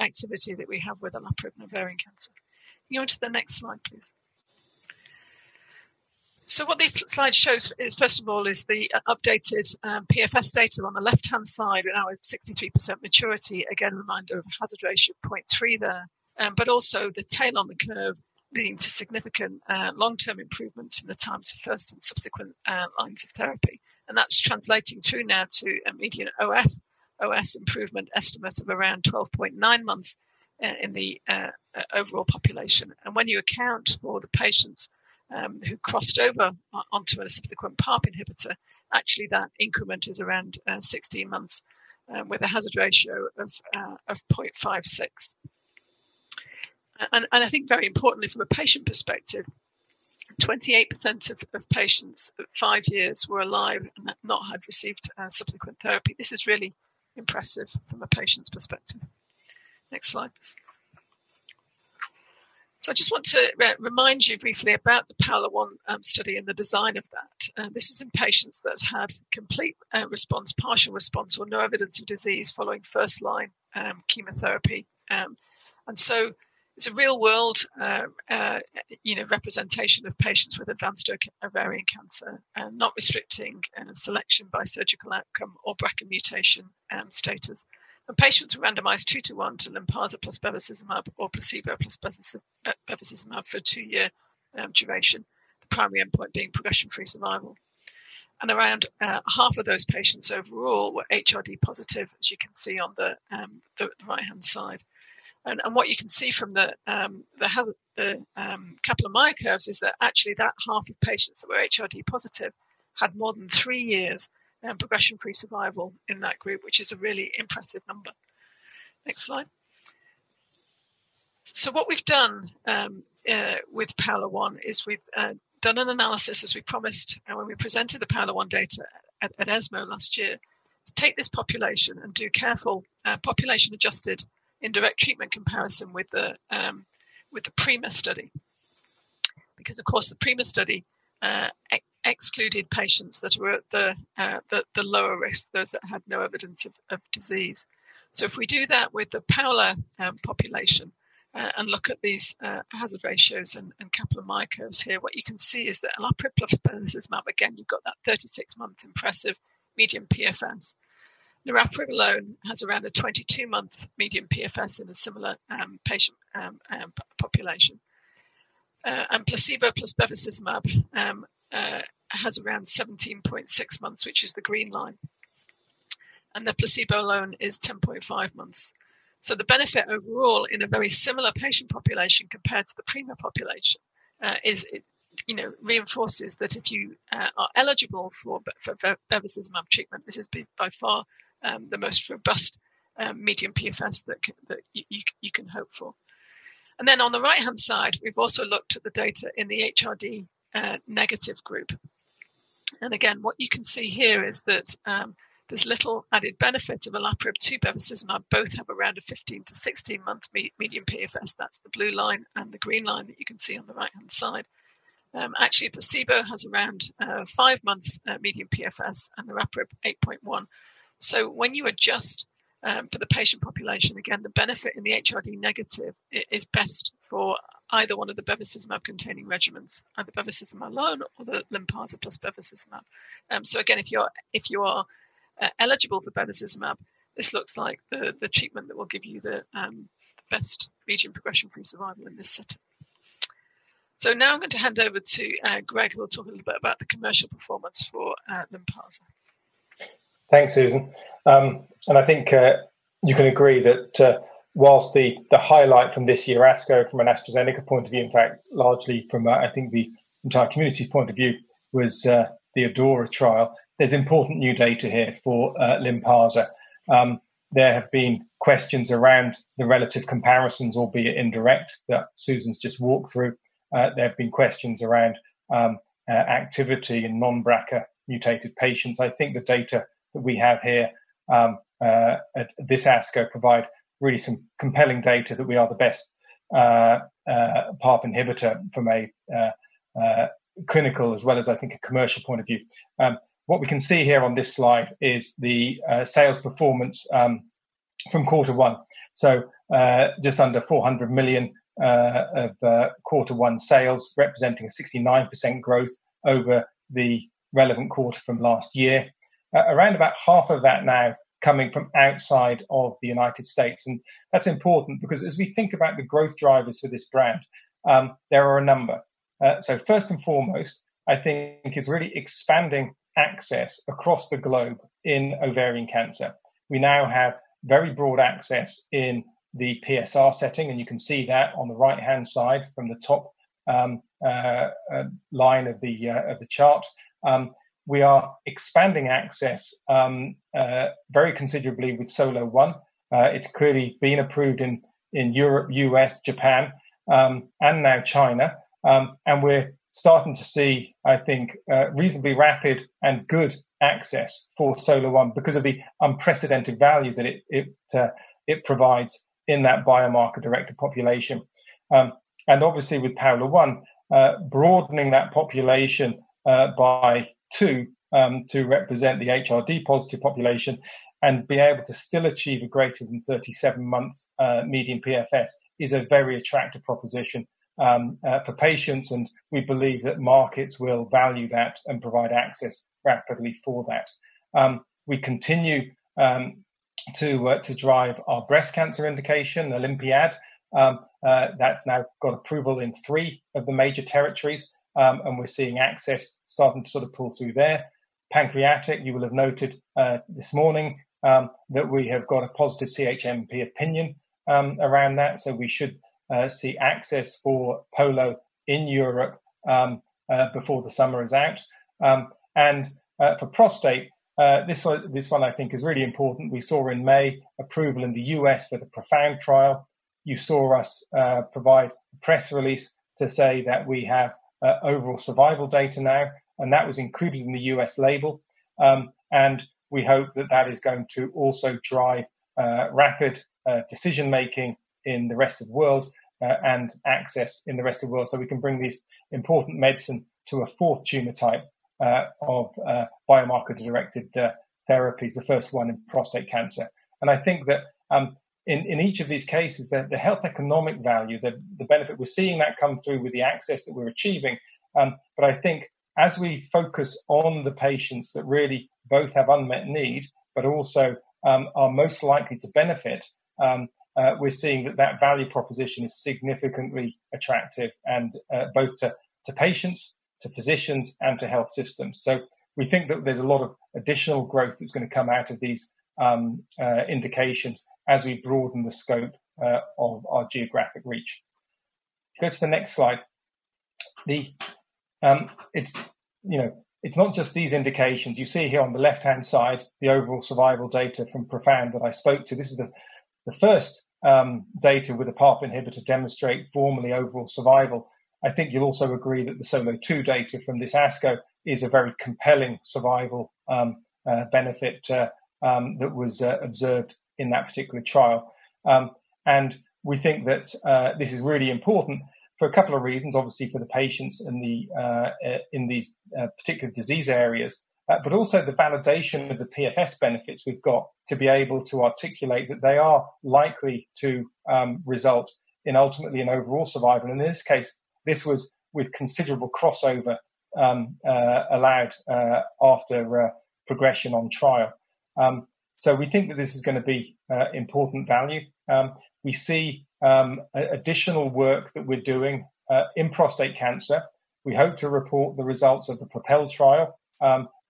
activity that we have with olaparib in ovarian cancer. You go to the next slide, please. What this slide shows, first of all, is the updated PFS data on the left-hand side. It now is 63% maturity. Again, a reminder of a hazard ratio of 0.3 there. Also the tail on the curve leading to significant long-term improvements in the time to first and subsequent lines of therapy. That's translating through now to a median OS improvement estimate of around 12.9 months in the overall population. When you account for the patients who crossed over onto a subsequent PARP inhibitor, actually that increment is around 16 months with a hazard ratio of 0.56. I think very importantly from a patient perspective, 28% of patients at five years were alive and had not received subsequent therapy. This is really impressive from a patient's perspective. Next slide, please. I just want to remind you briefly about the PAOLA-1 study and the design of that. This is in patients that have had complete response, partial response, or no evidence of disease following first-line chemotherapy. It's a real-world representation of patients with advanced ovarian cancer, not restricting selection by surgical outcome or BRCA mutation status. The patients were randomized two to one to Lynparza plus bevacizumab or placebo plus bevacizumab for a two-year duration, the primary endpoint being progression-free survival. Around half of those patients overall were HRD positive, as you can see on the right-hand side. What you can see from the Kaplan-Meier curves is that actually that half of patients that were HRD positive had more than three years progression-free survival in that group, which is a really impressive number. Next slide. What we've done with PAOLA-1 is we've done an analysis, as we promised when we presented the PAOLA-1 data at ESMO last year, to take this population and do careful population-adjusted indirect treatment comparison with the PRIMA study. Of course, the PRIMA study excluded patients that were at the lower risk, those that had no evidence of disease. If we do that with the PAOLA population and look at these hazard ratios and Kaplan-Meier curves here, what you can see is that olaparib plus bevacizumab, again, you've got that 36-month impressive median PFS. niraparib alone has around a 22-month median PFS in a similar patient population. Placebo plus bevacizumab has around 17.6 months, which is the green line. The placebo alone is 10.5 months. The benefit overall in a very similar patient population compared to the PRIMA population reinforces that if you are eligible for bevacizumab treatment, this has been by far the most robust median PFS that you can hope for. On the right-hand side, we've also looked at the data in the HRD-negative group. What you can see here is that there's little added benefit of olaparib to bevacizumab. Both have around a 15- to 16-month median PFS. That's the blue line and the green line that you can see on the right-hand side. Actually, placebo has around five months median PFS, and niraparib 8.1. When you adjust for the patient population, again, the benefit in the HRD negative is best for either one of the bevacizumab-containing regimens, either bevacizumab alone or the Lynparza plus bevacizumab. Again, if you are eligible for bevacizumab, this looks like the treatment that will give you the best median progression-free survival in this setting. Now I'm going to hand over to Greg, who will talk a little bit about the commercial performance for Lynparza. Thanks, Susan. I think you can agree that whilst the highlight from this year ASCO, from an AstraZeneca point of view, in fact, largely from I think the entire community point of view, was the ADAURA trial, there's important new data here for Lynparza. There have been questions around the relative comparisons, albeit indirect, that Susan's just walked through. There have been questions around activity in non-BRCA mutated patients. I think the data that we have here at this ASCO provide really some compelling data that we are the best PARP inhibitor from a clinical as well as I think a commercial point of view. What we can see here on this slide is the sales performance from Q1. Just under 400 million of Q1 sales, representing a 69% growth over the relevant quarter from last year. Around about half of that now coming from outside of the United States. That's important because as we think about the growth drivers for this brand, there are a number. First and foremost, I think is really expanding access across the globe in ovarian cancer. We now have very broad access in the PSR setting. You can see that on the right-hand side from the top line of the chart. We are expanding access very considerably with SOLO-1. It's clearly been approved in Europe, U.S., Japan, and now China. We're starting to see, I think, reasonably rapid and good access for SOLO-1 because of the unprecedented value that it provides in that biomarker-directed population. Obviously with PAOLA-1, broadening that population by two to represent the HRD-positive population and be able to still achieve a greater than 37 months median PFS is a very attractive proposition for patients, and we believe that markets will value that and provide access rapidly for that. We continue to drive our breast cancer indication, OlympiAD. That's now got approval in three of the major territories, and we're seeing access starting to sort of pull through there. Pancreatic, you will have noted this morning that we have got a positive CHMP opinion around that, so we should see access for POLO in Europe before the summer is out. For prostate, this one I think is really important. We saw in May approval in the U.S. for the PROfound trial. You saw us provide a press release to say that we have overall survival data now, and that was included in the US label. We hope that that is going to also drive rapid decision-making in the rest of the world, and access in the rest of the world, so we can bring this important medicine to a 4th tumor type of biomarker-directed therapies, the first one in prostate cancer. I think that in each of these cases, the health economic value, the benefit we're seeing that come through with the access that we're achieving. I think as we focus on the patients that really both have unmet need, but also are most likely to benefit, we're seeing that value proposition is significantly attractive both to patients, to physicians, and to health systems. We think that there's a lot of additional growth that's going to come out of these indications as we broaden the scope of our geographic reach. Go to the next slide. It's not just these indications. You see here on the left-hand side, the overall survival data from PROfound that I spoke to. This is the first data with a PARP inhibitor demonstrate formally overall survival. I think you'll also agree that the SOLO2 data from this ASCO is a very compelling survival benefit that was observed in that particular trial. We think that this is really important for a couple of reasons. Obviously, for the patients in these particular disease areas, but also the validation of the PFS benefits we've got to be able to articulate that they are likely to result in, ultimately, an overall survival. In this case, this was with considerable crossover allowed after progression on trial. We think that this is going to be important value. We see additional work that we're doing in prostate cancer. We hope to report the results of the PROpel trial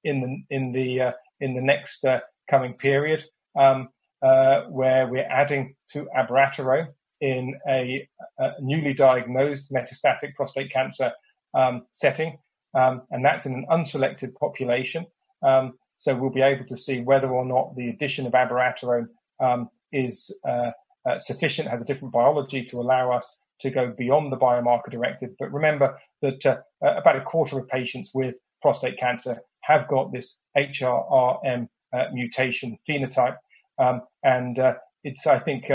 in the next coming period, where we're adding to abiraterone in a newly diagnosed metastatic prostate cancer setting. That's in an unselected population. We'll be able to see whether or not the addition of abiraterone is sufficient, has a different biology to allow us to go beyond the biomarker-directed. Remember that about a quarter of patients with prostate cancer have got this HRRM mutation phenotype. It's, I think,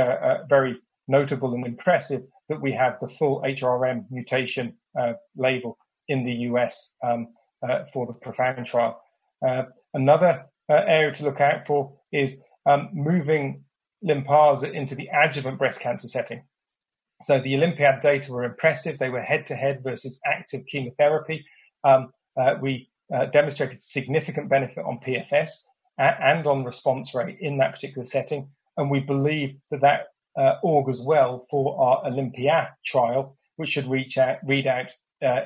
very notable and impressive that we have the full HRRM mutation label in the U.S. for the PROfound trial. Another area to look out for is moving Lynparza into the adjuvant breast cancer setting. The OlympiAD data were impressive. They were head-to-head versus active chemotherapy. We demonstrated significant benefit on PFS and on response rate in that particular setting, and we believe that augurs well for our OlympiA trial, which should read out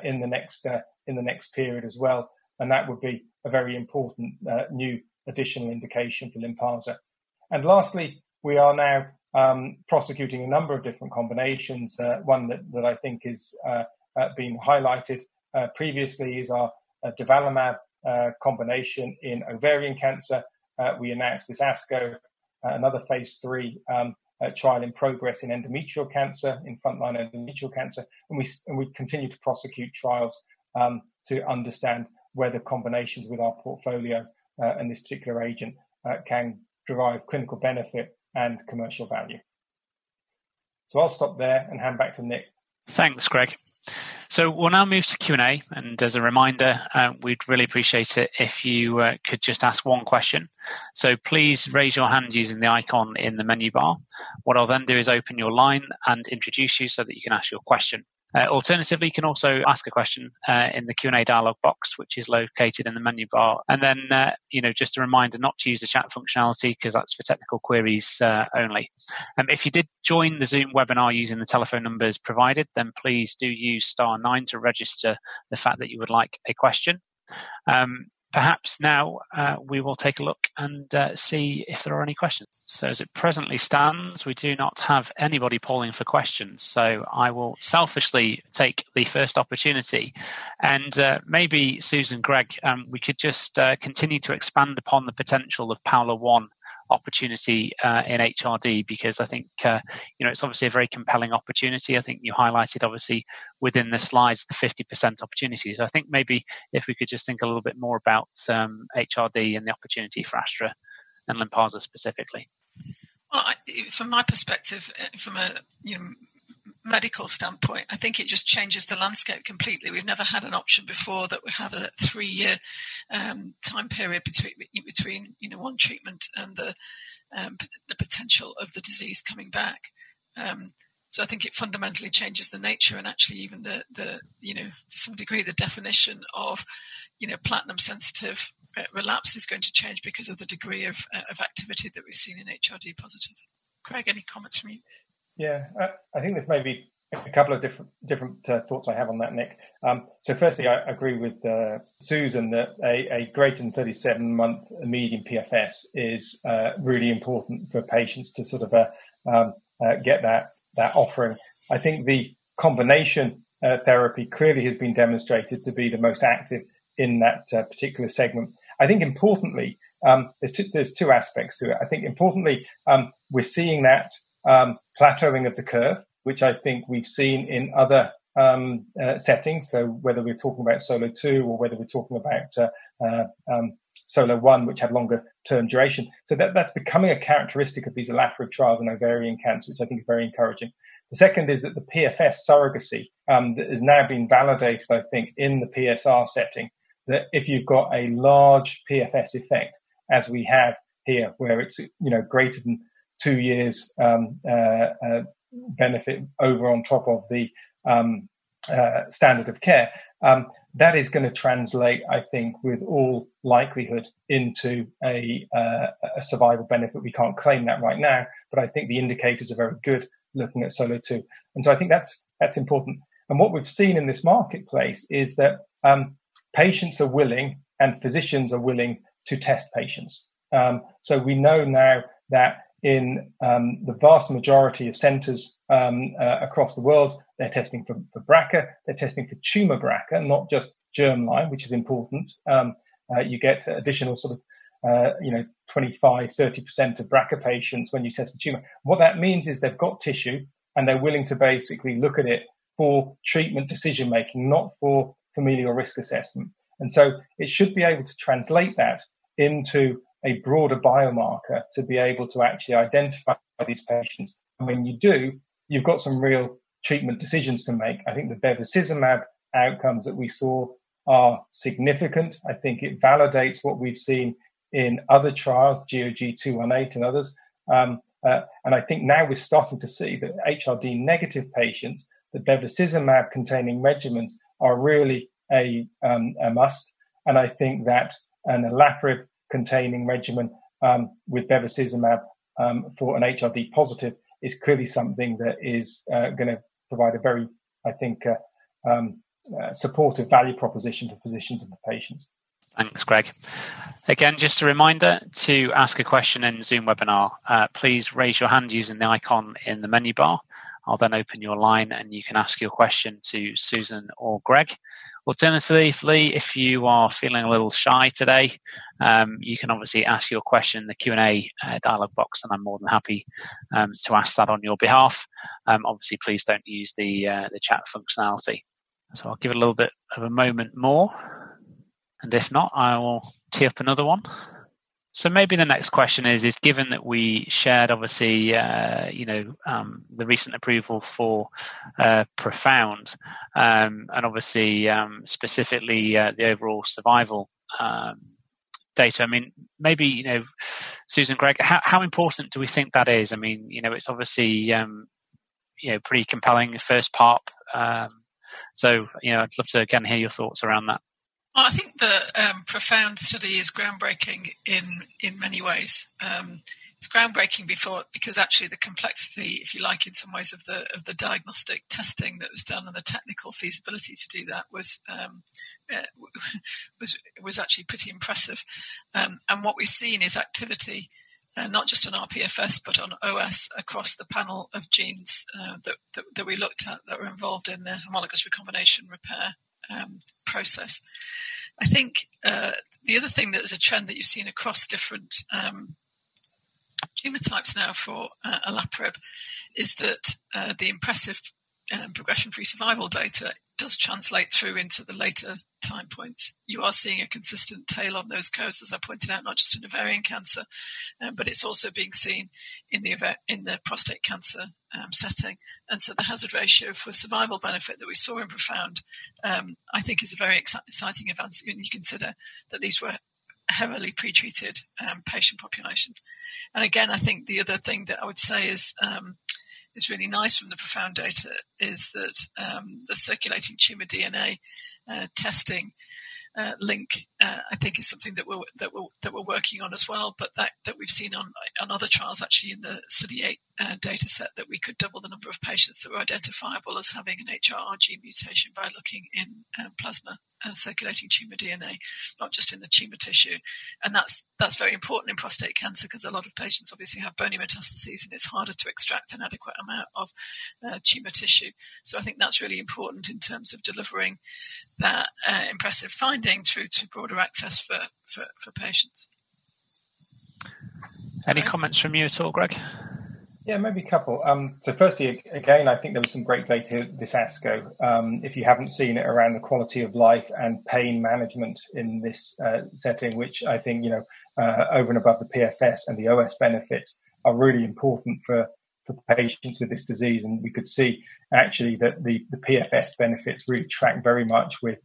in the next period as well. That would be a very important new additional indication for Lynparza. Lastly, we are now prosecuting a number of different combinations. One that I think is being highlighted previously is our nivolumab combination in ovarian cancer. We announced this ASCO, another phase III trial in progress in endometrial cancer, in frontline endometrial cancer. We continue to prosecute trials to understand whether combinations with our portfolio and this particular agent can derive clinical benefit and commercial value. I'll stop there and hand back to Nick. Thanks, Greg. We'll now move to Q&A, and as a reminder, we'd really appreciate it if you could just ask one question. Please raise your hand using the icon in the menu bar. What I'll then do is open your line and introduce you so that you can ask your question. Alternatively, you can also ask a question in the Q&A dialog box, which is located in the menu bar. Then, just a reminder not to use the chat functionality because that's for technical queries only. If you did join the Zoom webinar using the telephone numbers provided, then please do use star nine to register the fact that you would like a question. Perhaps now, we will take a look and see if there are any questions. As it presently stands, we do not have anybody polling for questions. I will selfishly take the first opportunity. Maybe Susan, Greg, we could just continue to expand upon the potential of PAOLA-1 opportunity in HRD, because I think it's obviously a very compelling opportunity. I think you highlighted, obviously, within the slides, the 50% opportunities. I think maybe if we could just think a little bit more about HRD and the opportunity for Astra and Lynparza specifically. Well, from my perspective, from a medical standpoint, I think it just changes the landscape completely. We've never had an option before that we have a three-year time period between one treatment and the potential of the disease coming back. I think it fundamentally changes the nature and actually even the, to some degree, the definition of platinum-sensitive relapse is going to change because of the degree of activity that we've seen in HRD positive. Greg, any comments from you? Yeah. I think there's maybe a couple of different thoughts I have on that, Nick. Firstly, I agree with Susan that a greater than 37-month median PFS is really important for patients to sort of get that offering. I think the combination therapy clearly has been demonstrated to be the most active in that particular segment. I think importantly, there's two aspects to it. I think importantly, we're seeing that plateauing of the curve, which I think we've seen in other settings. Whether we're talking about SOLO2 or whether we're talking about SOLO1, which had longer term duration. That's becoming a characteristic of these olaparib trials in ovarian cancer, which I think is very encouraging. The second is that the PFS surrogacy that has now been validated, I think, in the PSR setting, that if you've got a large PFS effect, as we have here, where it's greater than 2 years benefit over on top of the standard of care. That is going to translate, I think, with all likelihood into a survival benefit. We can't claim that right now, but I think the indicators are very good looking at SOLO2. I think that's important. What we've seen in this marketplace is that patients are willing, and physicians are willing to test patients. We know now that in the vast majority of centers across the world, they're testing for BRCA, they're testing for tumor BRCA, not just germline, which is important. You get additional sort of 25%-30% of BRCA patients when you test for tumor. What that means is they've got tissue and they're willing to basically look at it for treatment decision making, not for familial risk assessment. It should be able to translate that into a broader biomarker to be able to actually identify these patients. When you do, you've got some real treatment decisions to make. I think the bevacizumab outcomes that we saw are significant. I think it validates what we've seen in other trials, GOG 218 and others. I think now we're starting to see that HRD negative patients, the bevacizumab-containing regimens are really a must. I think that an olaparib-containing regimen with bevacizumab for an HRD positive is clearly something that is going to provide a very supportive value proposition to physicians and the patients. Thanks, Greg. Again, just a reminder to ask a question in Zoom webinar. Please raise your hand using the icon in the menu bar. I'll open your line, and you can ask your question to Susan or Greg. Alternatively, if you are feeling a little shy today, you can obviously ask your question in the Q&A dialog box, and I'm more than happy to ask that on your behalf. Please don't use the chat functionality. I'll give it a little bit of a moment more, and if not, I will tee up another one. Maybe the next question is, given that we shared, obviously, the recent approval for PROfound, and obviously, specifically the overall survival data. Susan, Greg, how important do we think that is? It's obviously pretty compelling, the first part. I'd love to, again, hear your thoughts around that. Well, I think the PROfound study is groundbreaking in many ways. It's groundbreaking because actually the complexity, if you like, in some ways of the diagnostic testing that was done and the technical feasibility to do that was actually pretty impressive. What we've seen is activity, not just on R PFS but on OS across the panel of genes that we looked at that were involved in the homologous recombination repair process. I think the other thing that is a trend that you've seen across different human types now for olaparib is that the impressive progression-free survival data does translate through into the later time points. You are seeing a consistent tail on those curves, as I pointed out, not just in ovarian cancer, but it's also being seen in the prostate cancer setting. The hazard ratio for survival benefit that we saw in PROfound I think is a very exciting advance when you consider that these were heavily pretreated patient population. Again, I think the other thing that I would say is really nice from the PROfound data is that the circulating tumor DNA testing link I think is something that we're working on as well, but that we've seen on other trials actually in the Study eight data set that we could double the number of patients that were identifiable as having an HRR gene mutation by looking in plasma circulating tumor DNA, not just in the tumor tissue. That's very important in prostate cancer because a lot of patients obviously have bone metastases, and it's harder to extract an adequate amount of tumor tissue. I think that's really important in terms of delivering that impressive finding through to broader access for patients. Any comments from you at all, Greg? Maybe a couple. Firstly, again, I think there was some great data this ASCO. If you haven't seen it around the quality of life and pain management in this setting, which I think over and above the PFS and the OS benefits are really important for patients with this disease. We could see actually that the PFS benefits really track very much with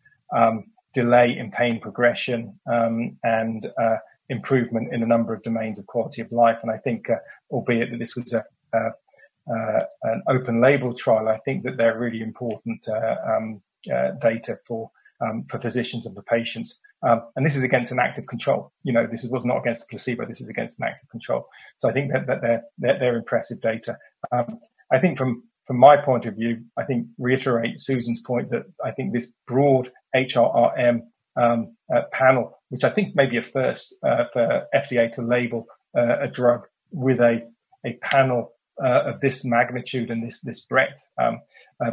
delay in pain progression and improvement in a number of domains of quality of life. I think albeit that this was an open label trial, I think that they're really important data for physicians and for patients. This is against an active control. This was not against a placebo. This is against an active control. I think that they're impressive data. I think from my point of view, I think reiterate Susan's point that I think this broad HRRM panel, which I think may be a first for FDA to label a drug with a panel of this magnitude and this breadth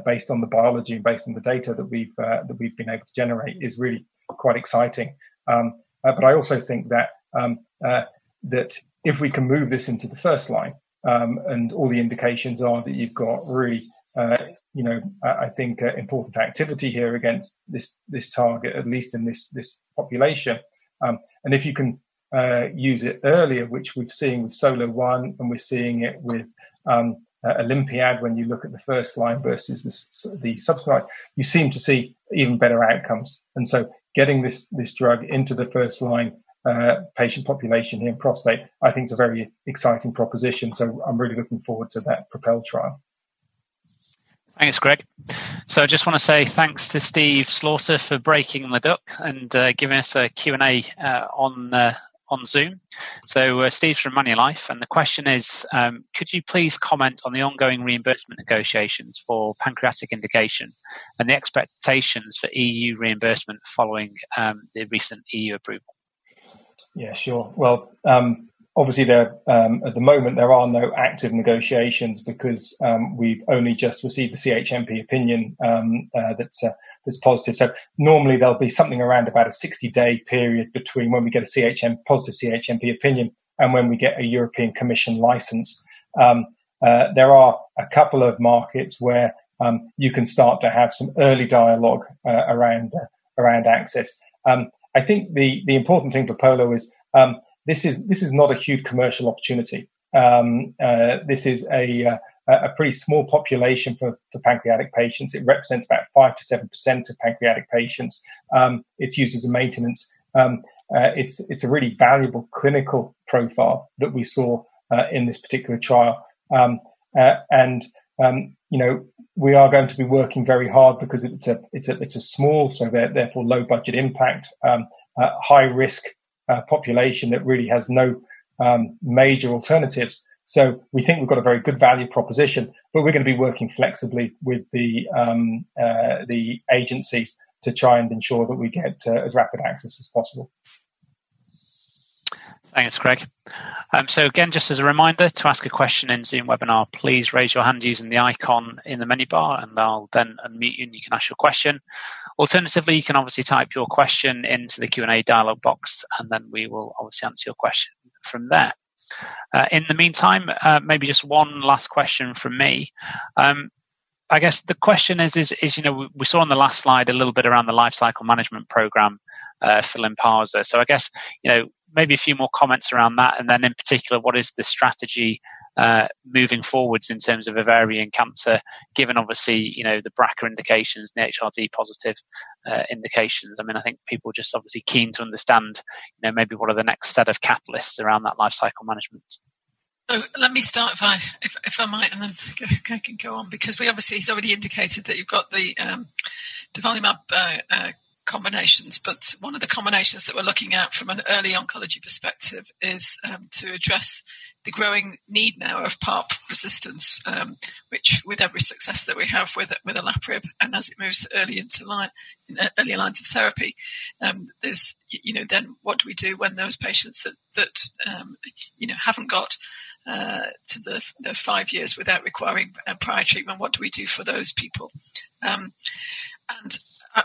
based on the biology and based on the data that we've been able to generate is really quite exciting. I also think that if we can move this into the first line, and all the indications are that you've got really important activity here against this target, at least in this population. If you can use it earlier, which we're seeing with SOLO-1 and we're seeing it with OlympiAD when you look at the first line versus the subsequent, you seem to see even better outcomes. Getting this drug into the first-line patient population in prostate I think is a very exciting proposition. I'm really looking forward to that PROpel trial. Thanks, Greg. I just want to say thanks to Steve Slaughter for breaking my duck and giving us a Q&A on Zoom. Steve's from Money to Life, and the question is, could you please comment on the ongoing reimbursement negotiations for pancreatic indication and the expectations for EU reimbursement following the recent EU approval? Yeah, sure. Well, obviously at the moment, there are no active negotiations because we've only just received the CHMP opinion that's positive. Normally there'll be something around about a 60-day period between when we get a positive CHMP opinion and when we get a European Commission license. There are a couple of markets where you can start to have some early dialogue around access. I think the important thing for POLO is, this is not a huge commercial opportunity. This is a pretty small population for pancreatic patients. It represents about 5%-7% of pancreatic patients. It's used as a maintenance. It's a really valuable clinical profile that we saw in this particular trial. We are going to be working very hard because it's a small, so therefore low budget impact, high risk population that really has no major alternatives. We think we've got a very good value proposition, but we're going to be working flexibly with the agencies to try and ensure that we get as rapid access as possible. Thanks, Greg. Again, just as a reminder, to ask a question in Zoom webinar, please raise your hand using the icon in the menu bar, and I'll then unmute you, and you can ask your question. Alternatively, you can obviously type your question into the Q&A dialog box, and then we will obviously answer your question from there. In the meantime, maybe just one last question from me. I guess the question is, we saw on the last slide a little bit around the life cycle management program for Lynparza. I guess, maybe a few more comments around that, and then in particular, what is the strategy moving forwards in terms of ovarian cancer, given obviously, the BRCA indications and the HRD positive indications. I think people are just obviously keen to understand maybe what are the next set of catalysts around that life cycle management. Let me start, if I might, and then Craig can go on, because we obviously, he's already indicated that you've got the durvalumab combinations. One of the combinations that we're looking at from an early oncology perspective is to address the growing need now of PARP resistance, which with every success that we have with olaparib and as it moves early into early lines of therapy, then what do we do when those patients that haven't got to the five years without requiring prior treatment, what do we do for those people?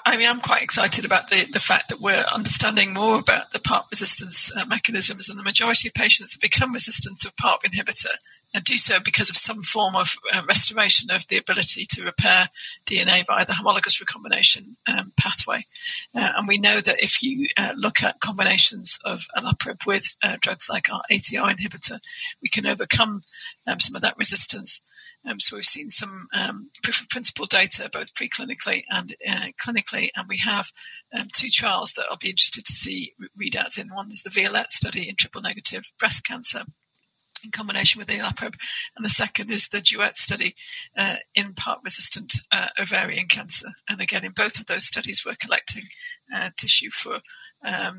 I'm quite excited about the fact that we're understanding more about the PARP resistance mechanisms in the majority of patients that become resistant to PARP inhibitor and do so because of some form of restoration of the ability to repair DNA via the homologous recombination pathway. We know that if you look at combinations of olaparib with drugs like our ATR inhibitor, we can overcome some of that resistance. We've seen some proof of principle data, both pre-clinically and clinically, and we have two trials that I'll be interested to see readouts in. One is the VIOLETTE study in triple-negative breast cancer in combination with the olaparib, and the second is the DUETTE study in PARP-resistant ovarian cancer. Again, in both of those studies, we're collecting tissue at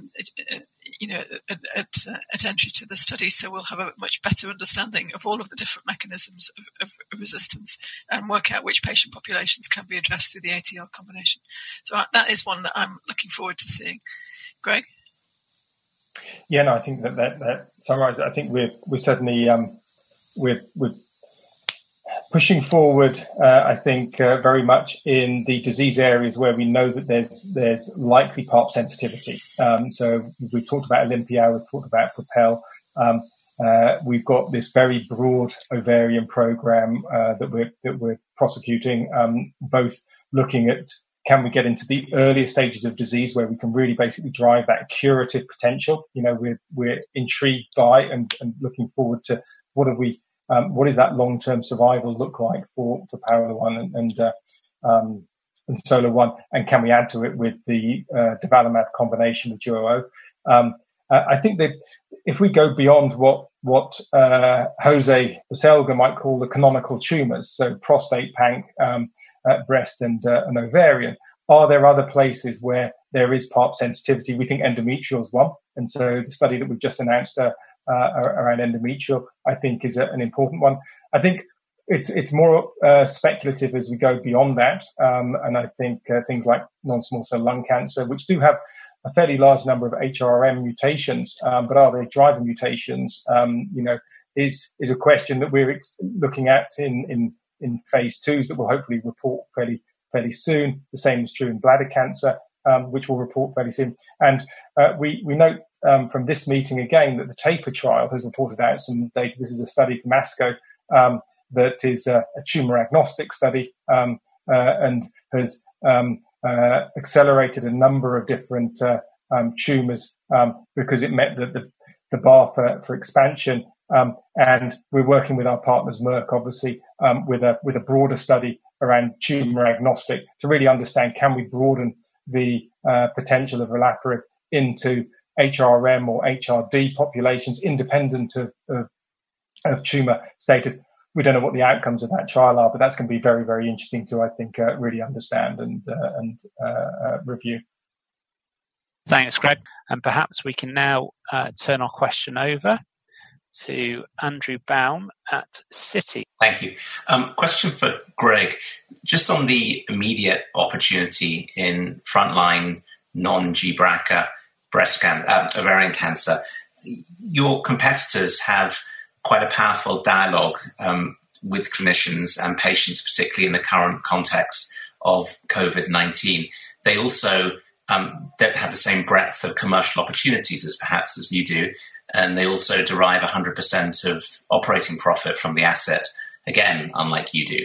entry to the study, so we'll have a much better understanding of all of the different mechanisms of resistance and work out which patient populations can be addressed through the ATR combination. That is one that I'm looking forward to seeing. Greg? Yeah, no, I think that summarizes. I think we're certainly pushing forward, I think, very much in the disease areas where we know that there's likely PARP sensitivity. We've talked about OlympiA, we've talked about PROpel. We've got this very broad ovarian program that we're prosecuting, both looking at can we get into the earliest stages of disease where we can really basically drive that curative potential. We're intrigued by and looking forward to what does that long-term survival look like for the PAOLA-1 and SOLO-1, and can we add to it with the nivolumab combination with DUO-O? I think that if we go beyond what José Baselga might call the canonical tumors, so prostate, panc, breast, and ovarian, are there other places where there is PARP sensitivity? We think endometrial is one, and so the study that we've just announced around endometrial, I think is an important one. I think it's more speculative as we go beyond that. I think things like non-small cell lung cancer, which do have a fairly large number of HRR mutations, but are they driver mutations? Is a question that we're looking at in phase II that will hopefully report fairly soon. The same is true in bladder cancer, which we'll report fairly soon. We note from this meeting again, that the TAPUR trial has reported out some data. This is a study from ASCO, that is a tumor-agnostic study, and has accelerated a number of different tumors, because it met the bar for expansion. We're working with our partners, Merck, obviously, with a broader study around tumor-agnostic to really understand can we broaden the potential of olaparib into HRR or HRD populations independent of tumor status. We don't know what the outcomes of that trial are. That's going to be very interesting to, I think, really understand and review. Thanks, Greg. Perhaps we can now turn our question over to Andrew Baum at Citi. Thank you. Question for Greg. Just on the immediate opportunity in frontline non-BRCA ovarian cancer. Your competitors have quite a powerful dialogue with clinicians and patients, particularly in the current context of COVID-19. They also don't have the same breadth of commercial opportunities as perhaps as you do, and they also derive 100% of operating profit from the asset, again, unlike you do.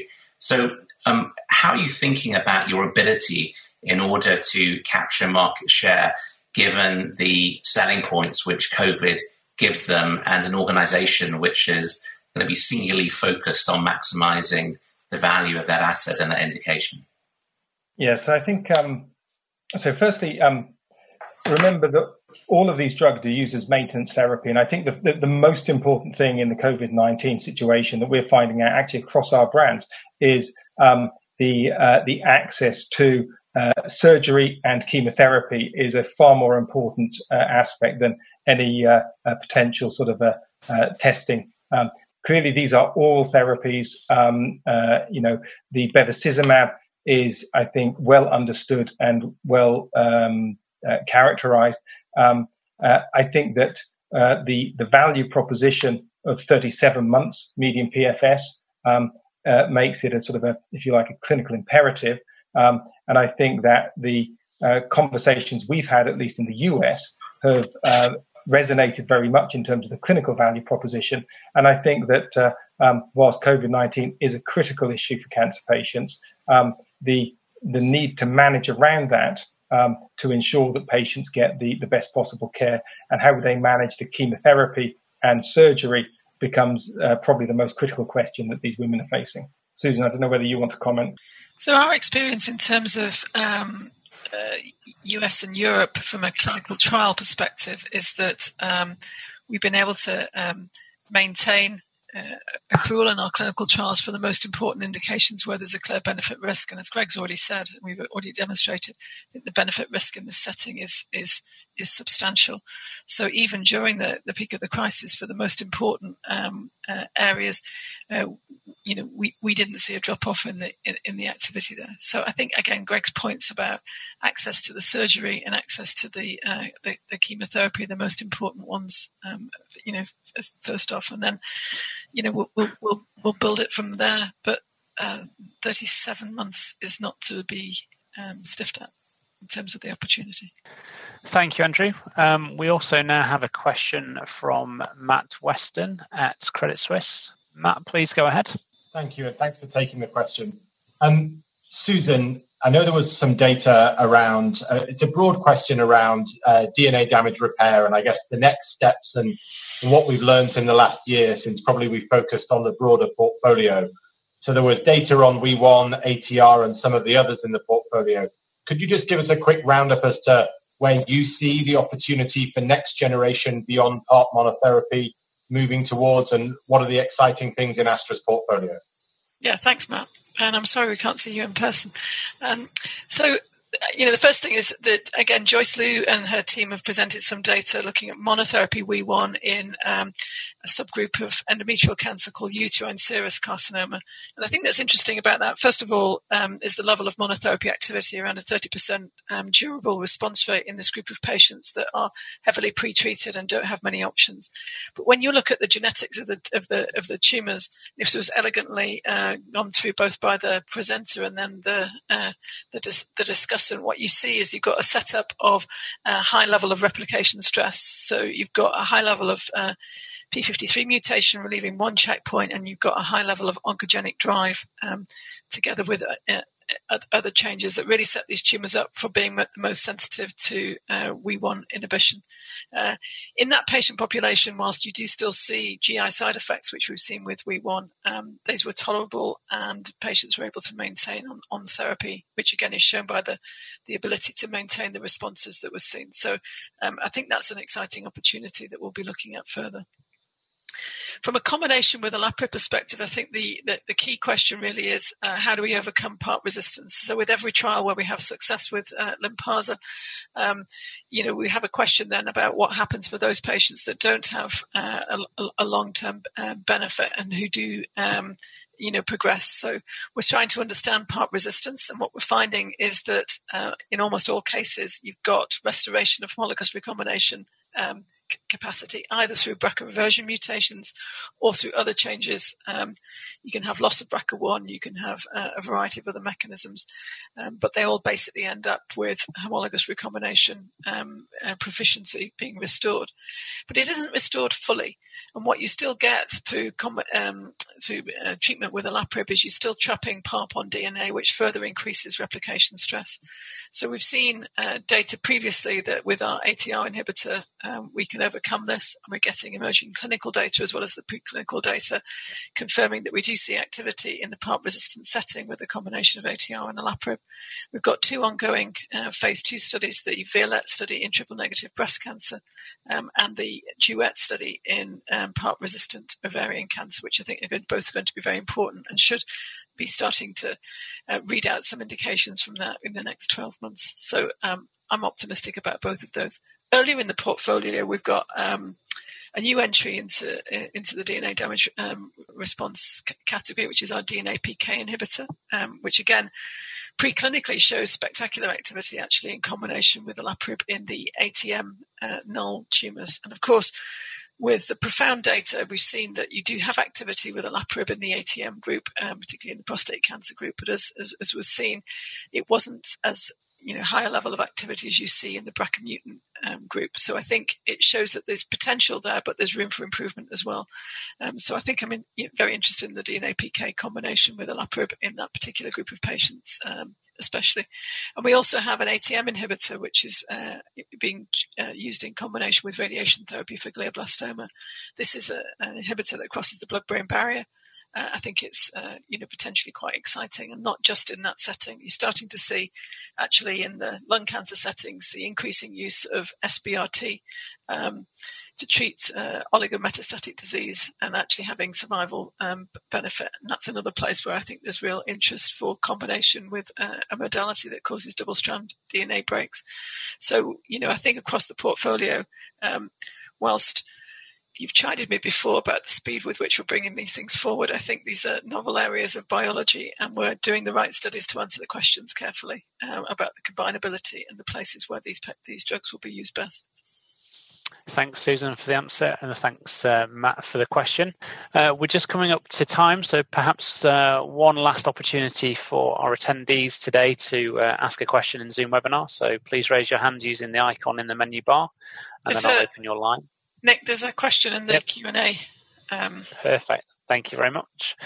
How are you thinking about your ability in order to capture market share, given the selling points which COVID gives them as an organization which is going to be singularly focused on maximizing the value of that asset and that indication? Firstly, remember that all of these drugs are used as maintenance therapy. I think the most important thing in the COVID-19 situation that we're finding out actually across our brands is, the access to surgery and chemotherapy is a far more important aspect than any potential sort of testing. Clearly, these are all therapies. The bevacizumab is, I think, well understood and well characterized. I think that the value proposition of 37 months median PFS makes it a sort of a, if you like, a clinical imperative. I think that the conversations we've had, at least in the U.S., have resonated very much in terms of the clinical value proposition. I think that whilst COVID-19 is a critical issue for cancer patients, the need to manage around that to ensure that patients get the best possible care and how they manage the chemotherapy and surgery becomes probably the most critical question that these women are facing. Susan, I don't know whether you want to comment. Our experience in terms of U.S. and Europe from a clinical trial perspective is that we've been able to maintain accrual in our clinical trials for the most important indications where there's a clear benefit risk. As Greg's already said, we've already demonstrated that the benefit risk in this setting is substantial. Even during the peak of the crisis for the most important areas, we didn't see a drop-off in the activity there. I think, again, Greg's points about access to the surgery and access to the chemotherapy are the most important ones first off, and then we'll build it from there. 37 months is not to be sniffed at in terms of the opportunity. Thank you, Andrew. We also now have a question from Matt Weston at Credit Suisse. Matt, please go ahead. Thank you, and thanks for taking the question. Susan, I know there was some data around It's a broad question around DNA damage repair and I guess the next steps and what we've learned in the last year since probably we've focused on the broader portfolio. There was data on WEE1, ATR, and some of the others in the portfolio. Could you just give us a quick roundup as to where you see the opportunity for next generation beyond PARP monotherapy moving towards, and what are the exciting things in Astra's portfolio? Thanks, Matt, I'm sorry we can't see you in person. The first thing is that, again, Joyce Liu and her team have presented some data looking at monotherapy WEE1 in a subgroup of endometrial cancer called uterine serous carcinoma. The thing that's interesting about that, first of all, is the level of monotherapy activity around a 30% durable response rate in this group of patients that are heavily pretreated and don't have many options. When you look at the genetics of the tumors, this was elegantly gone through both by the presenter and then the discussant. What you see is you've got a setup of a high level of replication stress. You've got a high level of P53 mutation relieving one checkpoint, and you've got a high level of oncogenic drive together with other changes that really set these tumors up for being the most sensitive to WEE1 inhibition. In that patient population, whilst you do still see GI side effects, which we've seen with WEE1, those were tolerable and patients were able to maintain on therapy, which again, is shown by the ability to maintain the responses that were seen. I think that's an exciting opportunity that we'll be looking at further. From a combination with olaparib perspective, I think the key question really is how do we overcome PARP resistance? With every trial where we have success with Lynparza, we have a question then about what happens for those patients that don't have a long-term benefit and who do progress. We're trying to understand PARP resistance, and what we're finding is that in almost all cases, you've got restoration of homologous recombination capacity, either through BRCA version mutations or through other changes. You can have loss of BRCA1, you can have a variety of other mechanisms. They all basically end up with homologous recombination proficiency being restored. It isn't restored fully. What you still get through treatment with olaparib is you're still trapping PARP on DNA, which further increases replication stress. We've seen data previously that with our ATR inhibitor, we can overcome this, and we're getting emerging clinical data as well as the preclinical data confirming that we do see activity in the PARP-resistant setting with a combination of ATR and olaparib. We've got two ongoing phase II studies, the VIOLETTE study in triple-negative breast cancer, and the DUETTE study in PARP-resistant ovarian cancer, which I think are both going to be very important and should be starting to read out some indications from that in the next 12 months. I'm optimistic about both of those. Earlier in the portfolio, we've got a new entry into the DNA Damage Response category, which is our DNA PK inhibitor. Which again, preclinically shows spectacular activity actually in combination with olaparib in the ATM null tumors. Of course, with the PROfound data, we've seen that you do have activity with olaparib in the ATM group, particularly in the prostate cancer group. As was seen, it wasn't as high a level of activity as you see in the BRCA mutant group. I think it shows that there's potential there, but there's room for improvement as well. I think I'm very interested in the DNA PK combination with olaparib in that particular group of patients, especially. We also have an ATM inhibitor, which is being used in combination with radiation therapy for glioblastoma. This is an inhibitor that crosses the blood-brain barrier. I think it's potentially quite exciting, and not just in that setting. You're starting to see actually in the lung cancer settings, the increasing use of SBRT to treat oligometastatic disease and actually having survival benefit. That's another place where I think there's real interest for combination with a modality that causes double-strand DNA breaks. I think across the portfolio, whilst you've chided me before about the speed with which we're bringing these things forward, I think these are novel areas of biology, and we're doing the right studies to answer the questions carefully about the combinability and the places where these drugs will be used best. Thanks, Susan, for the answer, and thanks, Matt, for the question. We're just coming up to time, so perhaps one last opportunity for our attendees today to ask a question in Zoom webinar. Please raise your hand using the icon in the menu bar, and then I'll open your line. Nick, there's a question in the Q&A. Perfect. Thank you very much.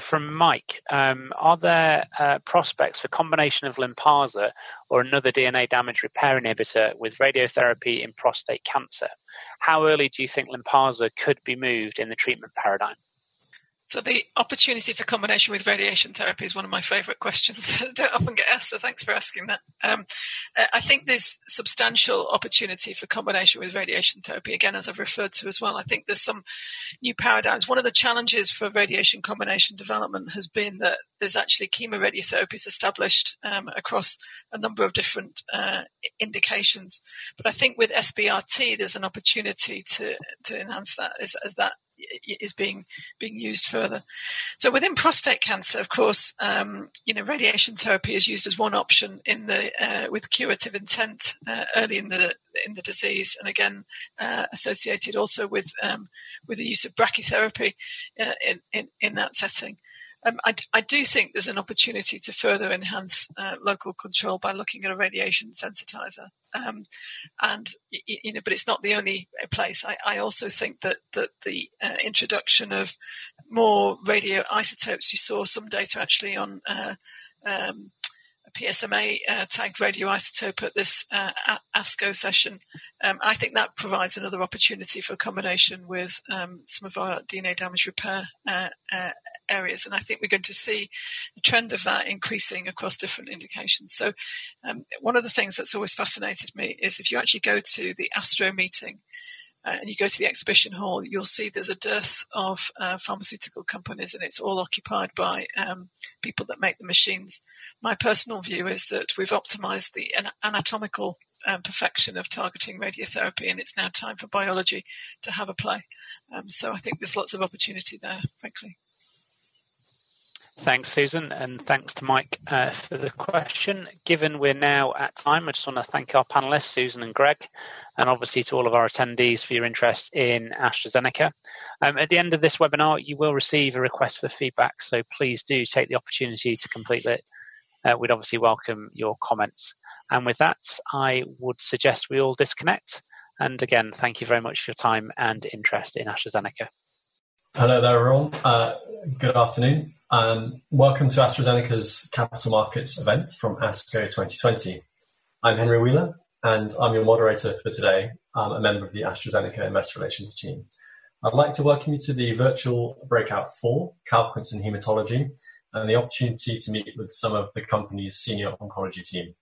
From Mike, are there prospects for combination of Lynparza or another DNA damage repair inhibitor with radiotherapy in prostate cancer? How early do you think Lynparza could be moved in the treatment paradigm? The opportunity for combination with radiation therapy is one of my favorite questions I don't often get asked, thanks for asking that. I think there's substantial opportunity for combination with radiation therapy, again, as I've referred to as well. I think there's some new paradigms. One of the challenges for radiation combination development has been that there's actually chemoradiotherapy is established across a number of different indications. But I think with SBRT, there's an opportunity to enhance that as that is being used further. Within prostate cancer, of course, radiation therapy is used as one option with curative intent early in the disease, and again, associated also with the use of brachytherapy in that setting. I do think there's an opportunity to further enhance local control by looking at a radiation sensitizer. But it's not the only place. I also think that the introduction of more radioisotopes, you saw some data actually on a PSMA-tagged radioisotope at this ASCO session. I think that provides another opportunity for combination with some of our DNA damage repair areas. I think we're going to see a trend of that increasing across different indications. One of the things that's always fascinated me is if you actually go to the ASTRO meeting and you go to the exhibition hall, you'll see there's a dearth of pharmaceutical companies, and it's all occupied by people that make the machines. My personal view is that we've optimized the anatomical perfection of targeting radiotherapy, and it's now time for biology to have a play. I think there's lots of opportunity there, frankly. Thanks, Susan, and thanks to Mike for the question. Given we're now at time, I just want to thank our panelists, Susan and Greg, and obviously to all of our attendees for your interest in AstraZeneca. At the end of this webinar, you will receive a request for feedback, so please do take the opportunity to complete it. We'd obviously welcome your comments. With that, I would suggest we all disconnect. Again, thank you very much for your time and interest in AstraZeneca. Hello there, all. Good afternoon, and welcome to AstraZeneca's Capital Markets event from ASCO 2020. I'm Henry Wheeler, and I'm your moderator for today. I'm a member of the AstraZeneca Investor Relations team. I'd like to welcome you to the virtual Breakout 4, CALQUENCE and Hematology, the opportunity to meet with some of the company's senior oncology team.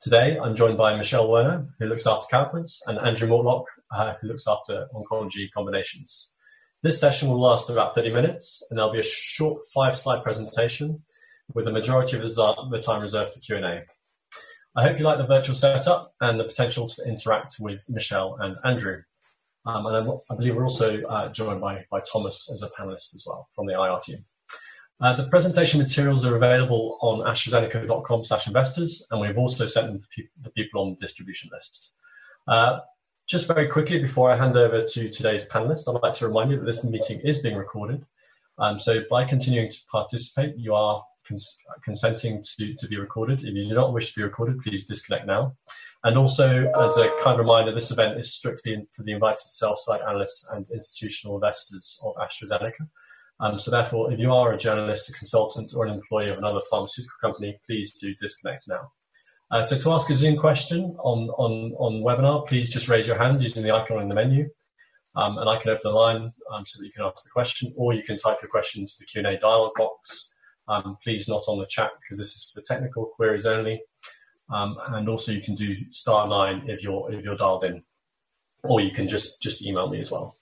Today, I'm joined by Michelle Werner, who looks after CALQUENCE, Andrew Mortlock, who looks after oncology combinations. This session will last about 30 minutes, there'll be a short five-slide presentation with the majority of the time reserved for Q&A. I hope you like the virtual setup and the potential to interact with Michelle and Andrew. I believe we're also joined by Thomas as a panelist as well from the IR team. The presentation materials are available on astrazeneca.com/investors, and we have also sent them to people on distribution lists. Just very quickly before I hand over to today's panelists, I would like to remind you that this meeting is being recorded. By continuing to participate, you are consenting to be recorded. If you do not wish to be recorded, please disconnect now. Also, as a kind reminder, this event is strictly for the invited sell-side analysts and institutional investors of AstraZeneca. Therefore, if you are a journalist, a consultant, or an employee of another pharmaceutical company, please do disconnect now. To ask a Zoom question on the webinar, please just raise your hand using the icon in the menu, and I can open the line so that you can ask the question, or you can type your question into the Q&A dialog box. Please note on the chat because this is for technical queries only. Also you can do star nine if you're dialed in. You can just email me as well.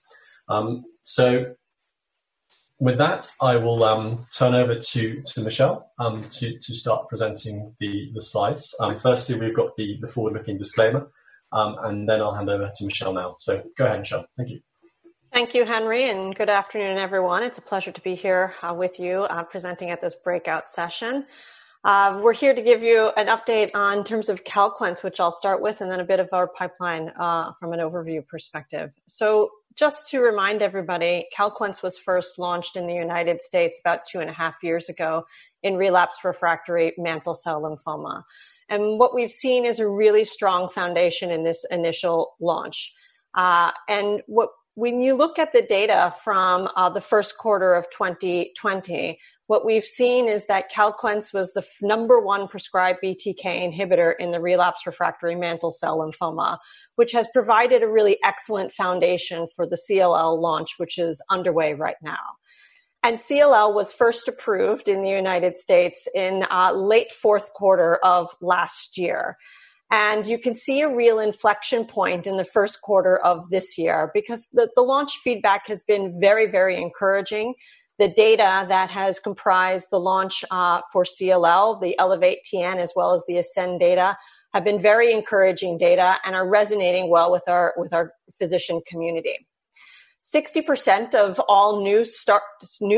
With that, I will turn over to Michelle to start presenting the slides. Firstly, we've got the forward-looking disclaimer, and then I'll hand over to Michelle now. Go ahead, Michelle. Thank you. Thank you, Henry, and good afternoon, everyone. It's a pleasure to be here with you presenting at this breakout session. We're here to give you an update in terms of CALQUENCE, which I'll start with, and then a bit of our pipeline from an overview perspective. Just to remind everybody, CALQUENCE was first launched in the U.S. about 2.5 years ago in relapsed/refractory mantle cell lymphoma. What we've seen is a really strong foundation in this initial launch. When you look at the data from the first quarter of 2020, what we've seen is that CALQUENCE was the number one prescribed BTK inhibitor in the relapsed/refractory mantle cell lymphoma, which has provided a really excellent foundation for the CLL launch, which is underway right now. CLL was first approved in the U.S. in late fourth quarter of last year. You can see a real inflection point in the first quarter of this year because the launch feedback has been very encouraging. The data that has comprised the launch for CLL, the Elevate-TN, as well as the Ascend data, have been very encouraging data and are resonating well with our physician community. 60% of all new starts in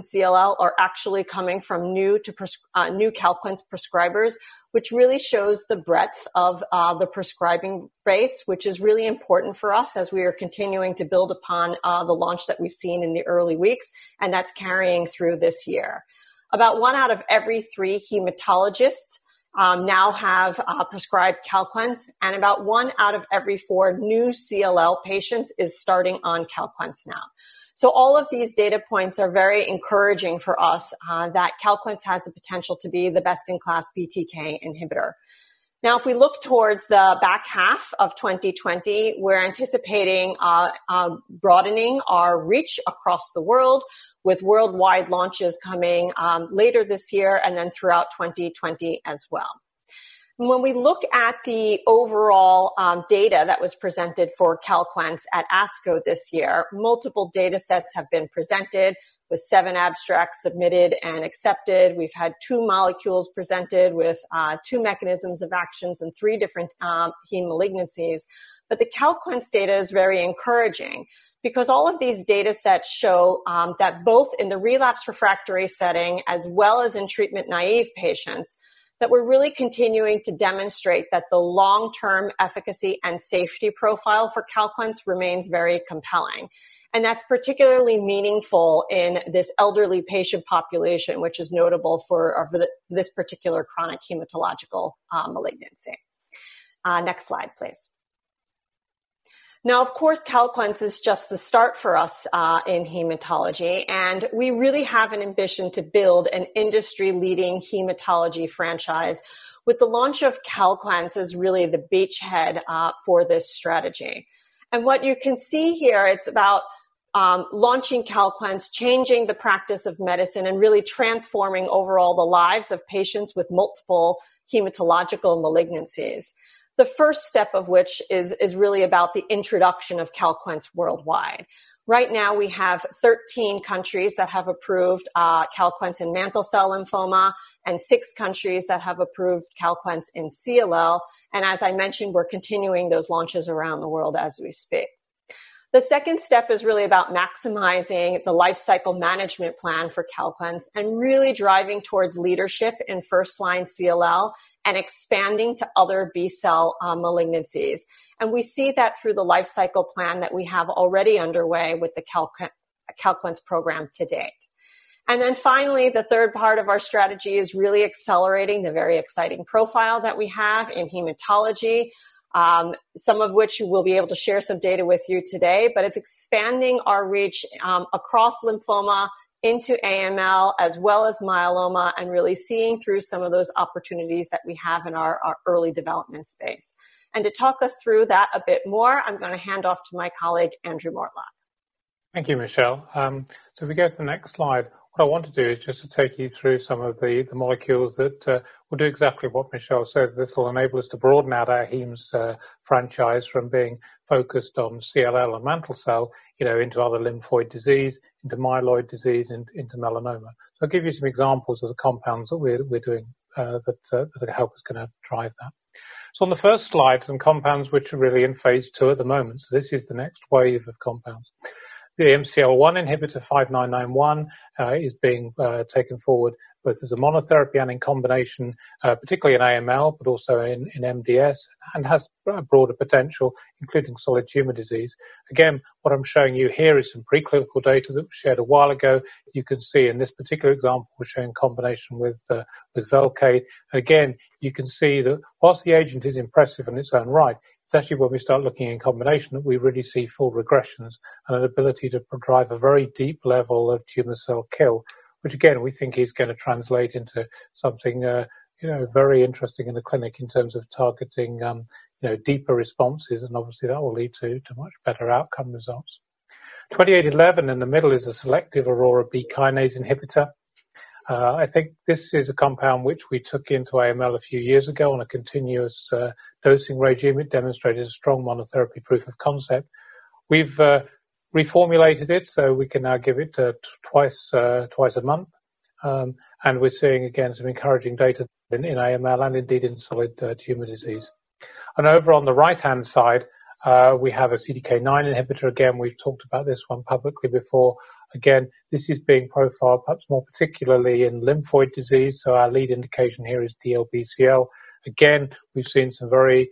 CLL are actually coming from new CALQUENCE prescribers, which really shows the breadth of the prescribing base, which is really important for us as we are continuing to build upon the launch that we've seen in the early weeks, and that's carrying through this year. About one out of every three hematologists now have prescribed CALQUENCE, and about one out of every four new CLL patients is starting on CALQUENCE now. All of these data points are very encouraging for us that CALQUENCE has the potential to be the best-in-class BTK inhibitor. If we look towards the back half of 2020, we're anticipating broadening our reach across the world with worldwide launches coming later this year and then throughout 2020 as well. When we look at the overall data that was presented for CALQUENCE at ASCO this year, multiple data sets have been presented with seven abstracts submitted and accepted. We've had two molecules presented with two mechanisms of actions and three different heme malignancies. The CALQUENCE data is very encouraging because all of these data sets show that both in the relapsed/refractory setting as well as in treatment-naïve patients, that we're really continuing to demonstrate that the long-term efficacy and safety profile for CALQUENCE remains very compelling. That's particularly meaningful in this elderly patient population, which is notable for this particular chronic hematological malignancy. Next slide, please. Of course, CALQUENCE is just the start for us in hematology, and we really have an ambition to build an industry-leading hematology franchise with the launch of CALQUENCE as really the beachhead for this strategy. What you can see here, it's about launching CALQUENCE, changing the practice of medicine, and really transforming overall the lives of patients with multiple hematological malignancies. The first step of which is really about the introduction of CALQUENCE worldwide. Right now we have 13 countries that have approved CALQUENCE in mantle cell lymphoma and six countries that have approved CALQUENCE in CLL. As I mentioned, we're continuing those launches around the world as we speak. The second step is really about maximizing the life cycle management plan for CALQUENCE and really driving towards leadership in first-line CLL and expanding to other B-cell malignancies. We see that through the life cycle plan that we have already underway with the CALQUENCE program to date. Finally, the third part of our strategy is really accelerating the very exciting profile that we have in hematology, some of which we'll be able to share some data with you today. It's expanding our reach across lymphoma into AML as well as myeloma and really seeing through some of those opportunities that we have in our early development space. To talk us through that a bit more, I'm going to hand off to my colleague, Andrew Mortlock. Thank you, Michelle. If we go to the next slide, what I want to do is just to take you through some of the molecules that will do exactly what Michelle says. This will enable us to broaden out our Hematology's franchise from being focused on CLL or mantle cell into other lymphoid disease, into myeloid disease, into melanoma. I'll give you some examples of the compounds that we're doing that I hope is going to drive that. On the first slide, some compounds which are really in phase II at the moment. This is the next wave of compounds. The MCL-1 inhibitor AZD5991 is being taken forward both as a monotherapy and in combination, particularly in AML, but also in MDS, and has broader potential, including solid tumor disease. Again, what I'm showing you here is some preclinical data that was shared a while ago. You can see in this particular example, we're showing combination with Velcade. Again, you can see that whilst the agent is impressive in its own right, it's actually when we start looking in combination that we really see full regressions and an ability to drive a very deep level of tumor cell kill, which again, we think is going to translate into something very interesting in the clinic in terms of targeting deeper responses, and obviously that will lead to much better outcome results. AZD2811 in the middle is a selective Aurora B kinase inhibitor. I think this is a compound which we took into AML a few years ago on a continuous dosing regimen. It demonstrated a strong monotherapy proof of concept. We've reformulated it, so we can now give it twice a month. We're seeing, again, some encouraging data in AML and indeed in solid tumor disease. Over on the right-hand side, we have a CDK9 inhibitor. We've talked about this one publicly before. This is being profiled perhaps more particularly in lymphoid disease, so our lead indication here is DLBCL. We've seen some very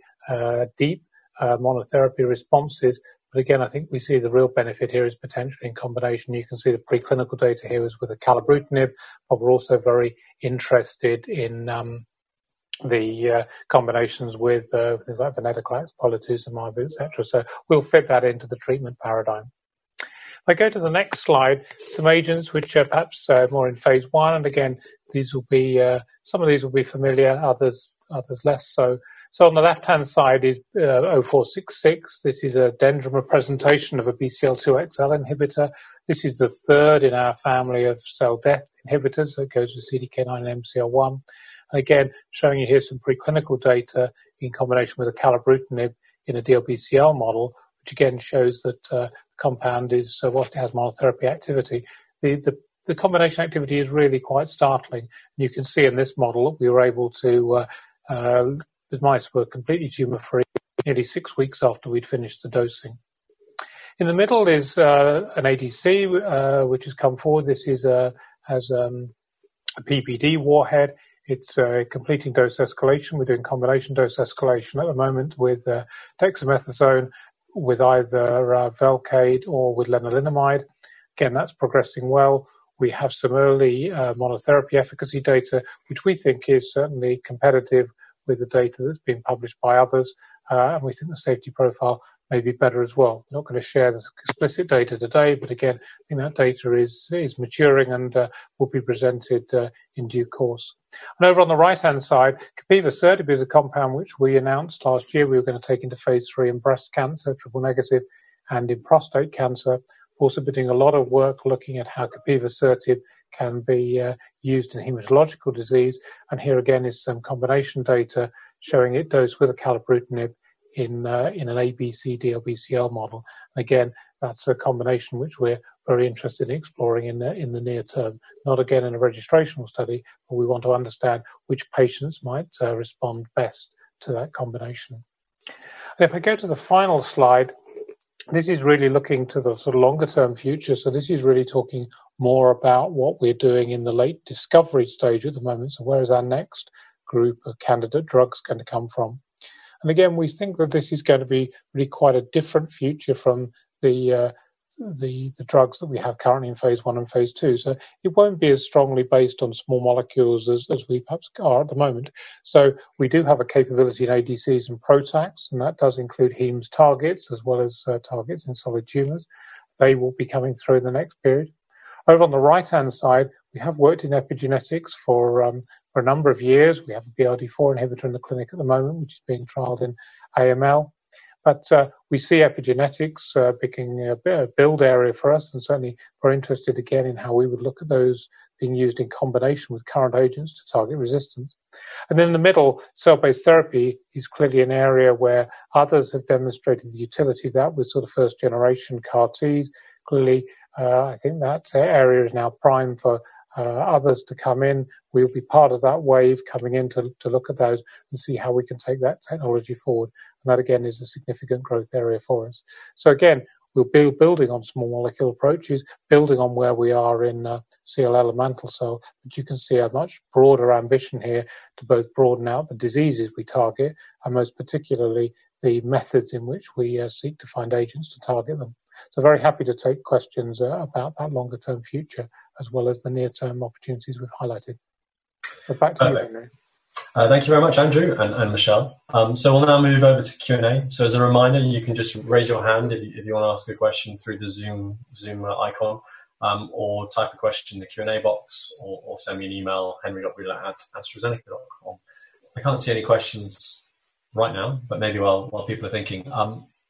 deep monotherapy responses. I think we see the real benefit here is potentially in combination. You can see the preclinical data here is with acalabrutinib, but we're also very interested in the combinations with things like venetoclax, POLO-2, et cetera. We'll fit that into the treatment paradigm. If I go to the next slide, some agents which are perhaps more in phase I. Again, some of these will be familiar, others less so. On the left-hand side is AZD0466. This is a dendrimer presentation of a Bcl-2/Bcl-xL inhibitor. This is the third in our family of cell death inhibitors. It goes with CDK9 and MCL-1. Again, showing you here some preclinical data in combination with acalabrutinib in a DLBCL model, which again shows that the compound, whilst it has monotherapy activity, the combination activity is really quite startling. You can see in this model, the mice were completely tumor-free nearly six weeks after we'd finished the dosing. In the middle is an ADC, which has come forward. This has a PBD warhead. It's completing dose escalation. We're doing combination dose escalation at the moment with dexamethasone, with either Velcade or with lenalidomide. Again, that's progressing well. We have some early monotherapy efficacy data, which we think is certainly competitive with the data that's been published by others. We think the safety profile may be better as well. Not going to share the explicit data today, but again, I think that data is maturing and will be presented in due course. Over on the right-hand side, capivasertib is a compound which we announced last year we were going to take into phase III in breast cancer, triple-negative, and in prostate cancer. We're also doing a lot of work looking at how capivasertib can be used in hematological disease. Here again is some combination data showing it dosed with acalabrutinib in an ABC DLBCL model. Again, that's a combination which we're very interested in exploring in the near term. Not again in a registrational study, we want to understand which patients might respond best to that combination. If I go to the final slide, this is really looking to the sort of longer-term future. This is really talking more about what we're doing in the late discovery stage at the moment. Where is our next group of candidate drugs going to come from? Again, we think that this is going to be really quite a different future from the drugs that we have currently in phase I and phase II. It won't be as strongly based on small molecules as we perhaps are at the moment. We do have a capability in ADCs and PROTACs, and that does include heme's targets as well as targets in solid tumors. They will be coming through in the next period. Over on the right-hand side, we have worked in epigenetics for a number of years. We have a BRD4 inhibitor in the clinic at the moment, which is being trialed in AML. We see epigenetics becoming a build area for us, and certainly we're interested again in how we would look at those being used in combination with current agents to target resistance. In the middle, cell-based therapy is clearly an area where others have demonstrated the utility of that with sort of first generation CAR Ts. Clearly, I think that area is now primed for others to come in. We'll be part of that wave coming in to look at those and see how we can take that technology forward. That again, is a significant growth area for us. Again, we'll be building on small molecule approaches, building on where we are in CLL or mantle cell. You can see a much broader ambition here to both broaden out the diseases we target, and most particularly, the methods in which we seek to find agents to target them. Very happy to take questions about that longer-term future, as well as the near-term opportunities we've highlighted. Back to you, Henry. Thank you very much, Andrew and Michelle. We'll now move over to Q&A. As a reminder, you can just raise your hand if you want to ask a question through the Zoom icon, or type a question in the Q&A box or send me an email, henry.wheeler@astrazeneca.com. I can't see any questions right now, but maybe while people are thinking.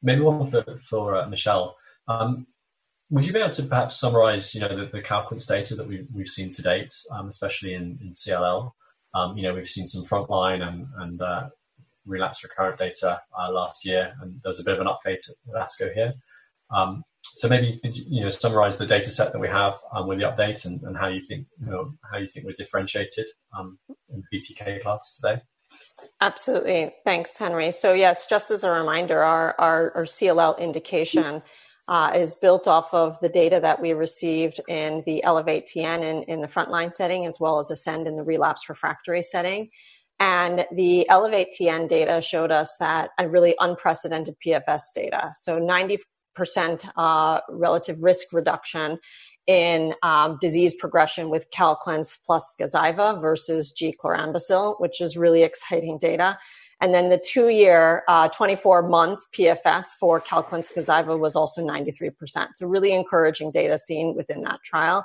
Maybe one for Michelle, would you be able to perhaps summarize the CALQUENCE data that we've seen to date, especially in CLL? We've seen some frontline and relapse/recurrence data last year. There was a bit of an update at ASCO here. Maybe summarize the data set that we have with the update and how you think we're differentiated in the BTK class today. Absolutely. Thanks, Henry. Yes, just as a reminder, our CLL indication is built off of the data that we received in the Elevate-TN in the frontline setting as well as ASCEND in the relapse/refractory setting. The Elevate-TN data showed us that a really unprecedented PFS data. 90% relative risk reduction in disease progression with Calquence plus Gazyva versus chlorambucil, which is really exciting data. The two-year, 24 months PFS for Calquence Gazyva was also 93%. Really encouraging data seen within that trial.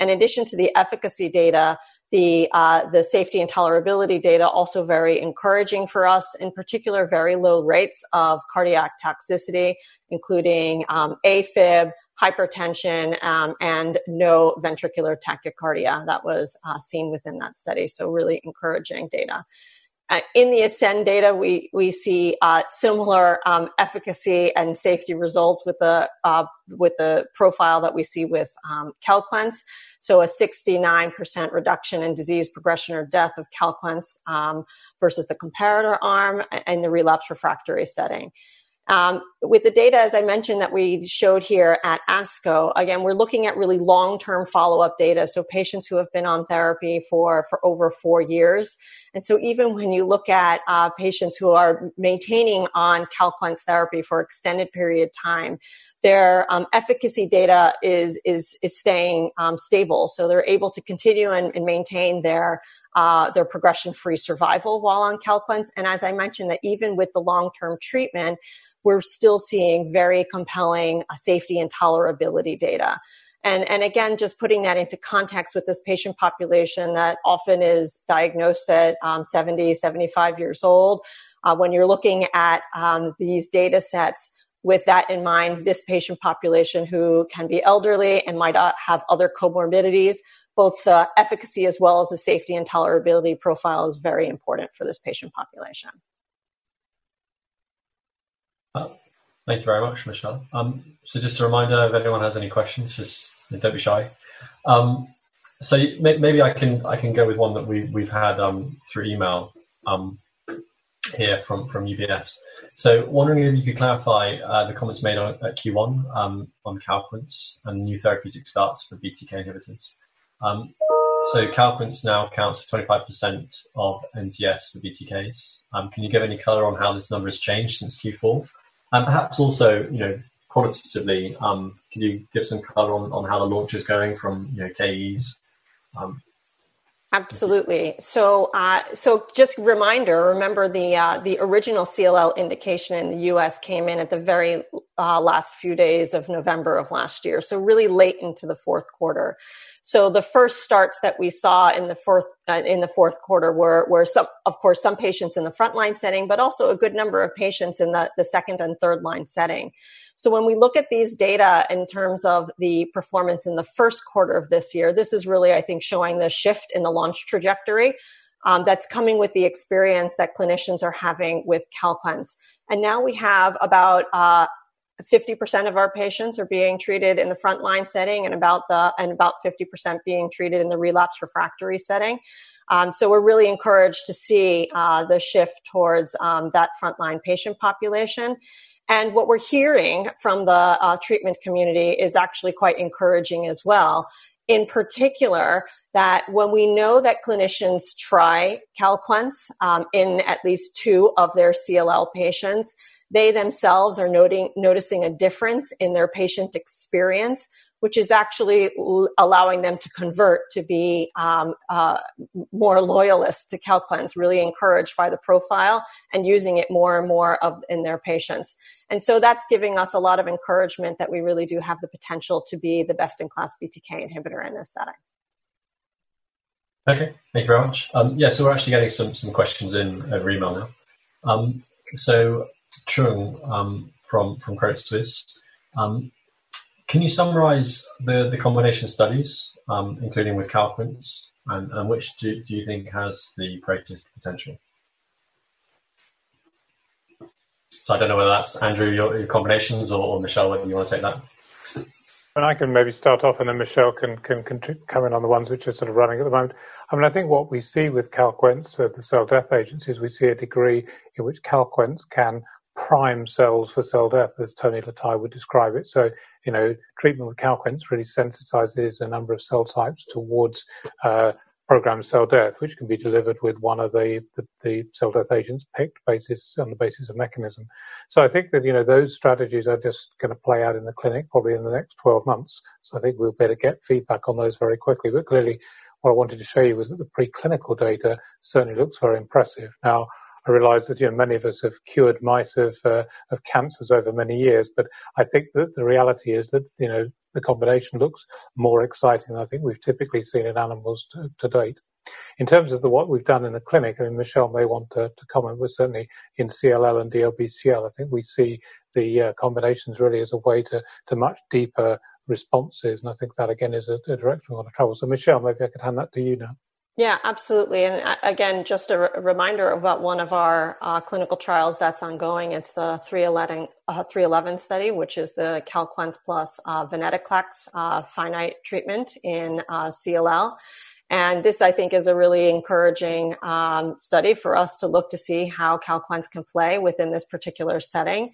In addition to the efficacy data, the safety and tolerability data also very encouraging for us. In particular, very low rates of cardiac toxicity, including AFib, hypertension, and no ventricular tachycardia. That was seen within that study, really encouraging data. In the Ascend data, we see similar efficacy and safety results with the profile that we see with Calquence. A 69% reduction in disease progression or death of Calquence versus the comparator arm in the relapse/refractory setting. With the data, as I mentioned, that we showed here at ASCO, again, we're looking at really long-term follow-up data, so patients who have been on therapy for over four years. Even when you look at patients who are maintaining on Calquence therapy for extended period of time, their efficacy data is staying stable. They're able to continue and maintain their progression-free survival while on Calquence. Even with the long-term treatment, we're still seeing very compelling safety and tolerability data. Again, just putting that into context with this patient population that often is diagnosed at 70-75 years old. When you're looking at these datasets with that in mind, this patient population who can be elderly and might have other comorbidities, both the efficacy as well as the safety and tolerability profile is very important for this patient population. Thank you very much, Michelle. Just a reminder, if anyone has any questions, just don't be shy. Maybe I can go with one that we've had through email here from UBS. Wondering if you could clarify the comments made at Q1 on CALQUENCE and new therapeutic starts for BTK inhibitors. CALQUENCE now accounts for 25% of NTS for BTKs. Can you give any color on how this number has changed since Q4? Perhaps also, qualitatively, can you give some color on how the launch is going from KEs? Absolutely. Just a reminder, remember the original CLL indication in the U.S. came in at the very last few days of November of last year, really late into the fourth quarter. The first starts that we saw in the fourth quarter were, of course, some patients in the frontline setting, but also a good number of patients in the 2nd and 3rd-line setting. When we look at these data in terms of the performance in the first quarter of this year, this is really, I think, showing the shift in the launch trajectory that's coming with the experience that clinicians are having with CALQUENCE. Now we have about 50% of our patients are being treated in the frontline setting and about 50% being treated in the relapse/refractory setting. We're really encouraged to see the shift towards that frontline patient population. What we're hearing from the treatment community is actually quite encouraging as well. In particular, that when we know that clinicians try CALQUENCE in at least two of their CLL patients, they themselves are noticing a difference in their patient experience, which is actually allowing them to convert to be more loyalists to CALQUENCE, really encouraged by the profile and using it more and more in their patients. That's giving us a lot of encouragement that we really do have the potential to be the best-in-class BTK inhibitor in this setting. Okay. Thank you very much. We're actually getting some questions in over email now. Trung from Credit Suisse. Can you summarize the combination studies, including with CALQUENCE, and which do you think has the greatest potential? I don't know whether that's Andrew, your combinations, or Michelle, whether you want to take that. I can maybe start off, and then Michelle can come in on the ones which are sort of running at the moment. I think what we see with CALQUENCE at the cell death agents, we see a degree in which CALQUENCE can prime cells for cell death, as Tony Letai would describe it. Treatment with CALQUENCE really sensitizes a number of cell types towards programmed cell death, which can be delivered with one of the cell death agents picked on the basis of mechanism. I think that those strategies are just going to play out in the clinic probably in the next 12 months. I think we'll better get feedback on those very quickly. Clearly, what I wanted to show you was that the preclinical data certainly looks very impressive. I realize that many of us have cured mice of cancers over many years, but I think that the reality is that the combination looks more exciting than I think we've typically seen in animals to date. In terms of what we've done in the clinic, Michelle may want to comment, but certainly in CLL and DLBCL, I think we see the combinations really as a way to much deeper responses, and I think that, again, is a direction we want to travel. Michelle, maybe I could hand that to you now. Yeah, absolutely. Again, just a reminder about one of our clinical trials that's ongoing. It's the ACE-CL-311 study, which is the CALQUENCE plus venetoclax finite treatment in CLL. This, I think, is a really encouraging study for us to look to see how CALQUENCE can play within this particular setting.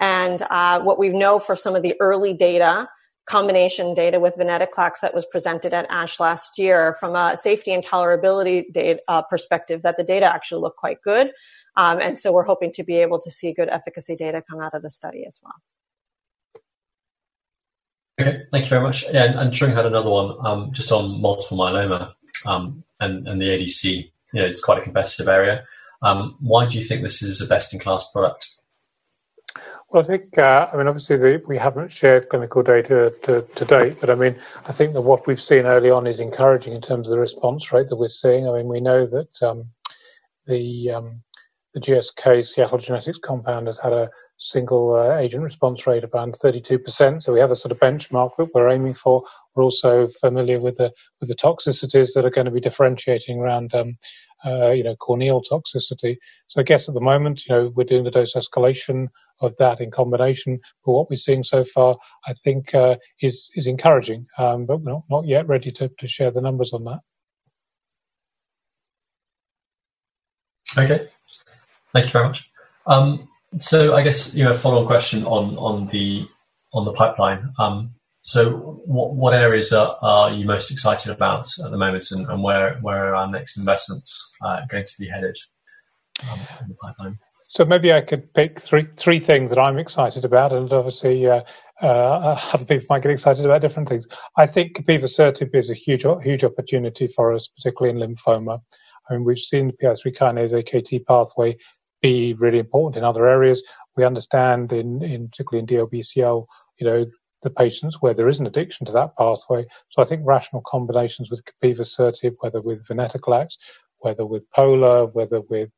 What we know for some of the early data, combination data with venetoclax that was presented at ASH last year, from a safety and tolerability perspective, that the data actually look quite good. We're hoping to be able to see good efficacy data come out of the study as well. Okay, thank you very much. I'm sure you had another one, just on multiple myeloma. The ADC, it's quite a competitive area. Why do you think this is a best-in-class product? I think, obviously we haven't shared clinical data to date, I think that what we've seen early on is encouraging in terms of the response rate that we're seeing. We know that the GSK Seattle Genetics compound has had a single agent response rate of around 32%. We have a sort of benchmark that we're aiming for. We're also familiar with the toxicities that are going to be differentiating around corneal toxicity. I guess at the moment, we're doing the dose escalation of that in combination. What we're seeing so far, I think is encouraging. No, not yet ready to share the numbers on that. Okay. Thank you very much. I guess, a follow question on the pipeline. What areas are you most excited about at the moment, and where are our next investments going to be headed in the pipeline? Maybe I could pick three things that I'm excited about and obviously, other people might get excited about different things. I think capivasertib is a huge opportunity for us, particularly in lymphoma. We've seen the PI3K/AKT pathway be really important in other areas. We understand in, particularly in DLBCL, the patients where there is an addiction to that pathway. I think rational combinations with capivasertib, whether with venetoclax, whether with olaparib, whether with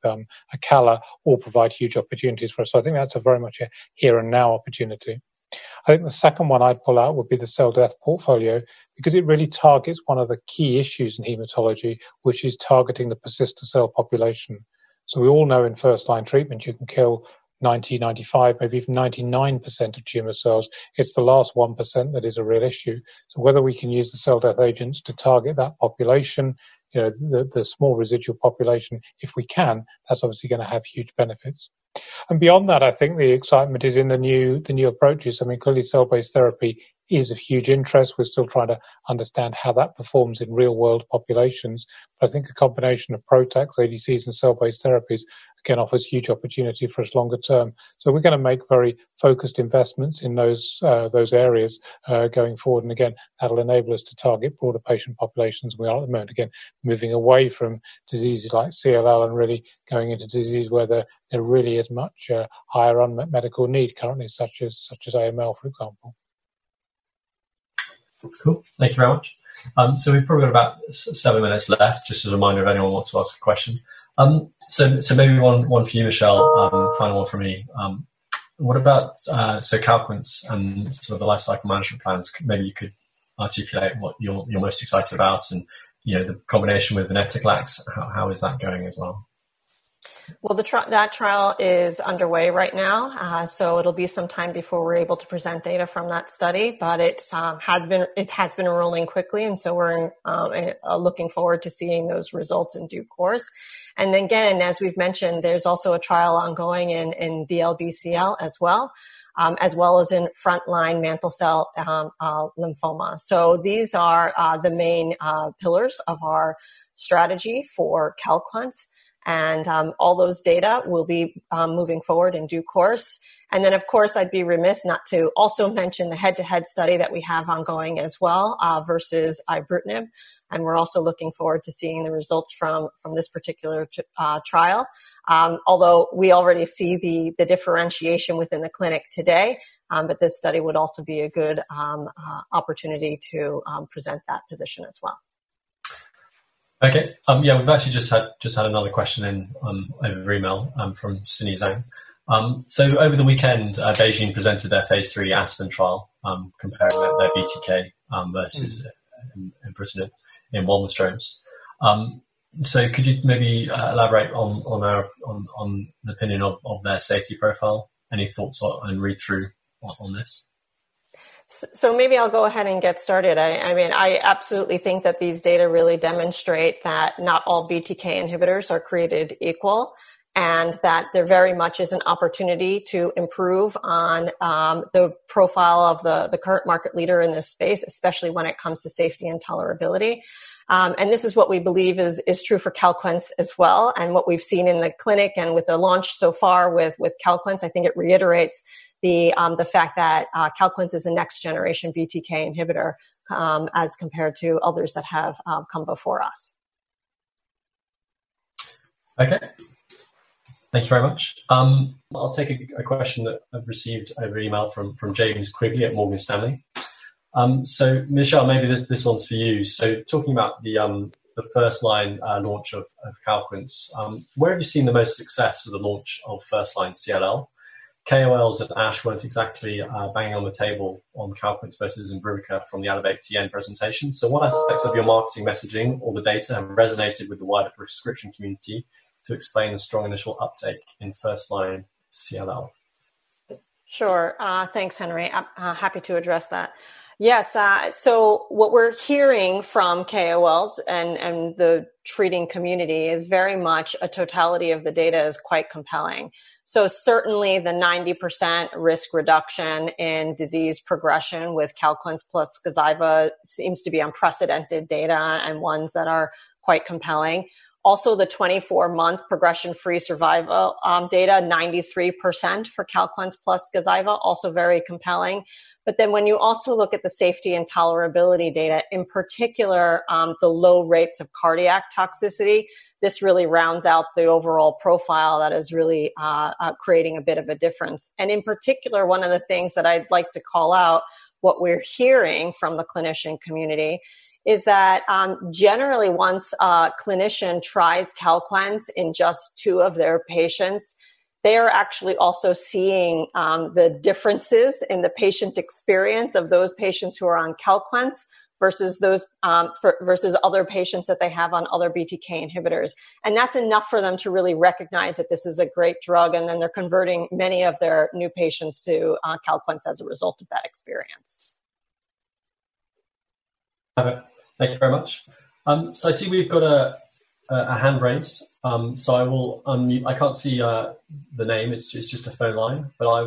Acala, will provide huge opportunities for us. I think that's a very much a here and now opportunity. I think the second one I'd pull out would be the cell death portfolio, because it really targets one of the key issues in hematology, which is targeting the persistent cell population. We all know in first-line treatment, you can kill 90%-95%, maybe even 99% of tumor cells. It's the last 1% that is a real issue. Whether we can use the cell death agents to target that population, the small residual population, if we can, that's obviously going to have huge benefits. Beyond that, I think the excitement is in the new approaches. Clearly cell-based therapy is of huge interest. We're still trying to understand how that performs in real-world populations. I think a combination of PROTAC, ADCs, and cell-based therapies can offer us huge opportunity for us longer term. We're going to make very focused investments in those areas, going forward. Again, that'll enable us to target broader patient populations where we are at the moment. Again, moving away from diseases like CLL and really going into disease where there really is much higher unmet medical need currently such as AML, for example. Cool. Thank you very much. We've probably got about seven minutes left, just as a reminder, if anyone wants to ask a question. Maybe one for you, Michelle, and final one for me. What about CALQUENCE and sort of the life cycle management plans. Maybe you could articulate what you're most excited about and the combination with venetoclax, how is that going as well? Well, that trial is underway right now. It'll be some time before we're able to present data from that study. It has been rolling quickly, we're looking forward to seeing those results in due course. Again, as we've mentioned, there's also a trial ongoing in DLBCL as well, as well as in frontline mantle cell lymphoma. These are the main pillars of our strategy for CALQUENCE. All those data will be moving forward in due course. Then, of course, I'd be remiss not to also mention the head-to-head study that we have ongoing as well, versus ibrutinib, and we're also looking forward to seeing the results from this particular trial. We already see the differentiation within the clinic today. This study would also be a good opportunity to present that position as well. Okay. Yeah. We've actually just had another question in over email, from Cindy Zhang. Over the weekend, BeiGene presented their phase III ASPEN trial, comparing their BTK versus ibrutinib in Waldenström's. Could you maybe elaborate on the opinion of their safety profile? Any thoughts on read-through on this? Maybe I'll go ahead and get started. I absolutely think that these data really demonstrate that not all BTK inhibitors are created equal, and that there very much is an opportunity to improve on the profile of the current market leader in this space, especially when it comes to safety and tolerability. This is what we believe is true for CALQUENCE as well, and what we've seen in the clinic and with the launch so far with CALQUENCE. I think it reiterates the fact that CALQUENCE is a next-generation BTK inhibitor, as compared to others that have come before us. Okay. Thank you very much. I'll take a question that I've received over email from James Quigley at Morgan Stanley. Michelle, maybe this one's for you. Talking about the first-line launch of CALQUENCE, where have you seen the most success with the launch of first-line CLL? KOLs at ASH weren't exactly banging on the table on CALQUENCE versus Imbruvica from the Elevate-TN presentation. What aspects of your marketing messaging or the data have resonated with the wider prescription community to explain the strong initial uptake in first-line CLL? Sure. Thanks, Henry. I'm happy to address that. Yes. What we're hearing from KOLs and the treating community is very much a totality of the data is quite compelling. Certainly the 90% risk reduction in disease progression with CALQUENCE plus Gazyva seems to be unprecedented data and ones that are quite compelling. Also the 24-month progression-free survival data, 93% for CALQUENCE plus Gazyva, also very compelling. When you also look at the safety and tolerability data, in particular, the low rates of cardiac toxicity, this really rounds out the overall profile that is really creating a bit of a difference. In particular, one of the things that I'd like to call out, what we're hearing from the clinician community is that, generally, once a clinician tries CALQUENCE in just two of their patients, they are actually also seeing the differences in the patient experience of those patients who are on CALQUENCE versus other patients that they have on other BTK inhibitors. That's enough for them to really recognize that this is a great drug, and then they're converting many of their new patients to CALQUENCE as a result of that experience. Thank you very much. I see we've got a hand raised. I will unmute. I can't see the name. It's just a phone line, but I'll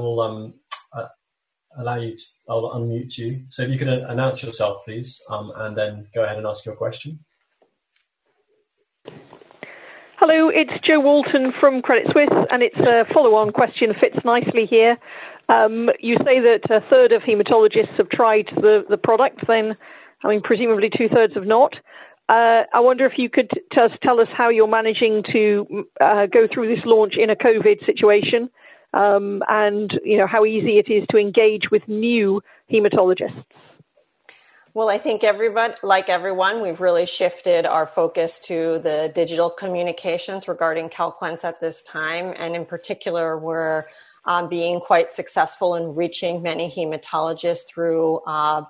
unmute you. If you can announce yourself, please, and then go ahead and ask your question. Hello. It's Jo Walton from Credit Suisse, and it's a follow-on question, fits nicely here. You say that a third of hematologists have tried the product, then presumably two-thirds have not. I wonder if you could just tell us how you're managing to go through this launch in a COVID situation, and how easy it is to engage with new hematologists. Well, I think like everyone, we've really shifted our focus to the digital communications regarding CALQUENCE at this time. In particular, we're being quite successful in reaching many hematologists through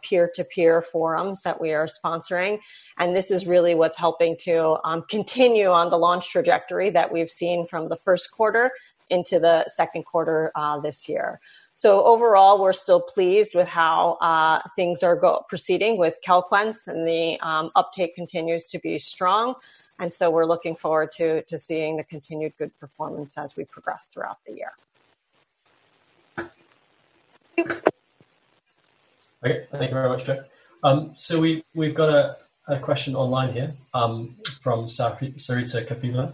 peer-to-peer forums that we are sponsoring. This is really what's helping to continue on the launch trajectory that we've seen from the first quarter into the second quarter this year. Overall, we're still pleased with how things are proceeding with CALQUENCE, and the uptake continues to be strong. We're looking forward to seeing the continued good performance as we progress throughout the year. Thank you. Okay. Thank you very much, Jo. We've got a question online here from Sarita Kapila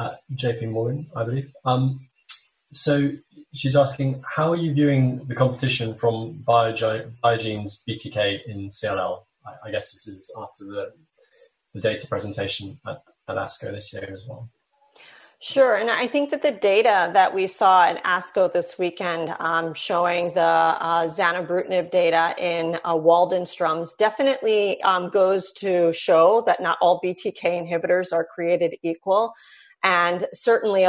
at J.P. Morgan, I believe. She's asking, how are you viewing the competition from BeiGene's BTK in CLL? I guess this is after the data presentation at ASCO this year as well. Sure. I think that the data that we saw at ASCO this weekend, showing the zanubrutinib data in Waldenström's definitely goes to show that not all BTK inhibitors are created equal, and certainly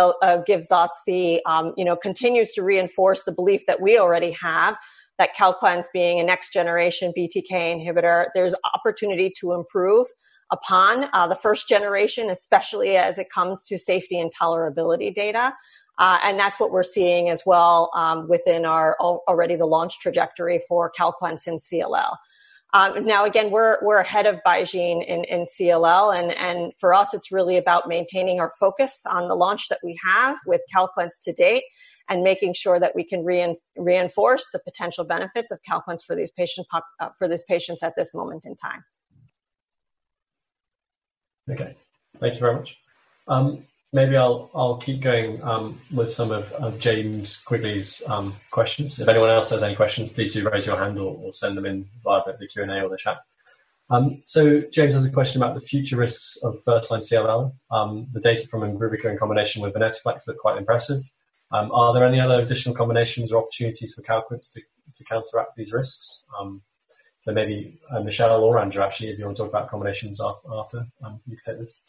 continues to reinforce the belief that we already have that CALQUENCE being a next generation BTK inhibitor, there's opportunity to improve upon the first generation, especially as it comes to safety and tolerability data. That's what we're seeing as well within our launch trajectory for CALQUENCE in CLL. Now again, we're ahead of BeiGene in CLL, and for us, it's really about maintaining our focus on the launch that we have with CALQUENCE to date and making sure that we can reinforce the potential benefits of CALQUENCE for these patients at this moment in time. Okay. Thank you very much. Maybe I'll keep going with some of James Quigley's questions. If anyone else has any questions, please do raise your hand or send them in via the Q&A or the chat. James has a question about the future risks of first-line CLL. The data from Imbruvica in combination with venetoclax look quite impressive. Are there any other additional combinations or opportunities for CALQUENCE to counteract these risks? Maybe Michelle or Andrew, actually, if you want to talk about combinations after, you could take this.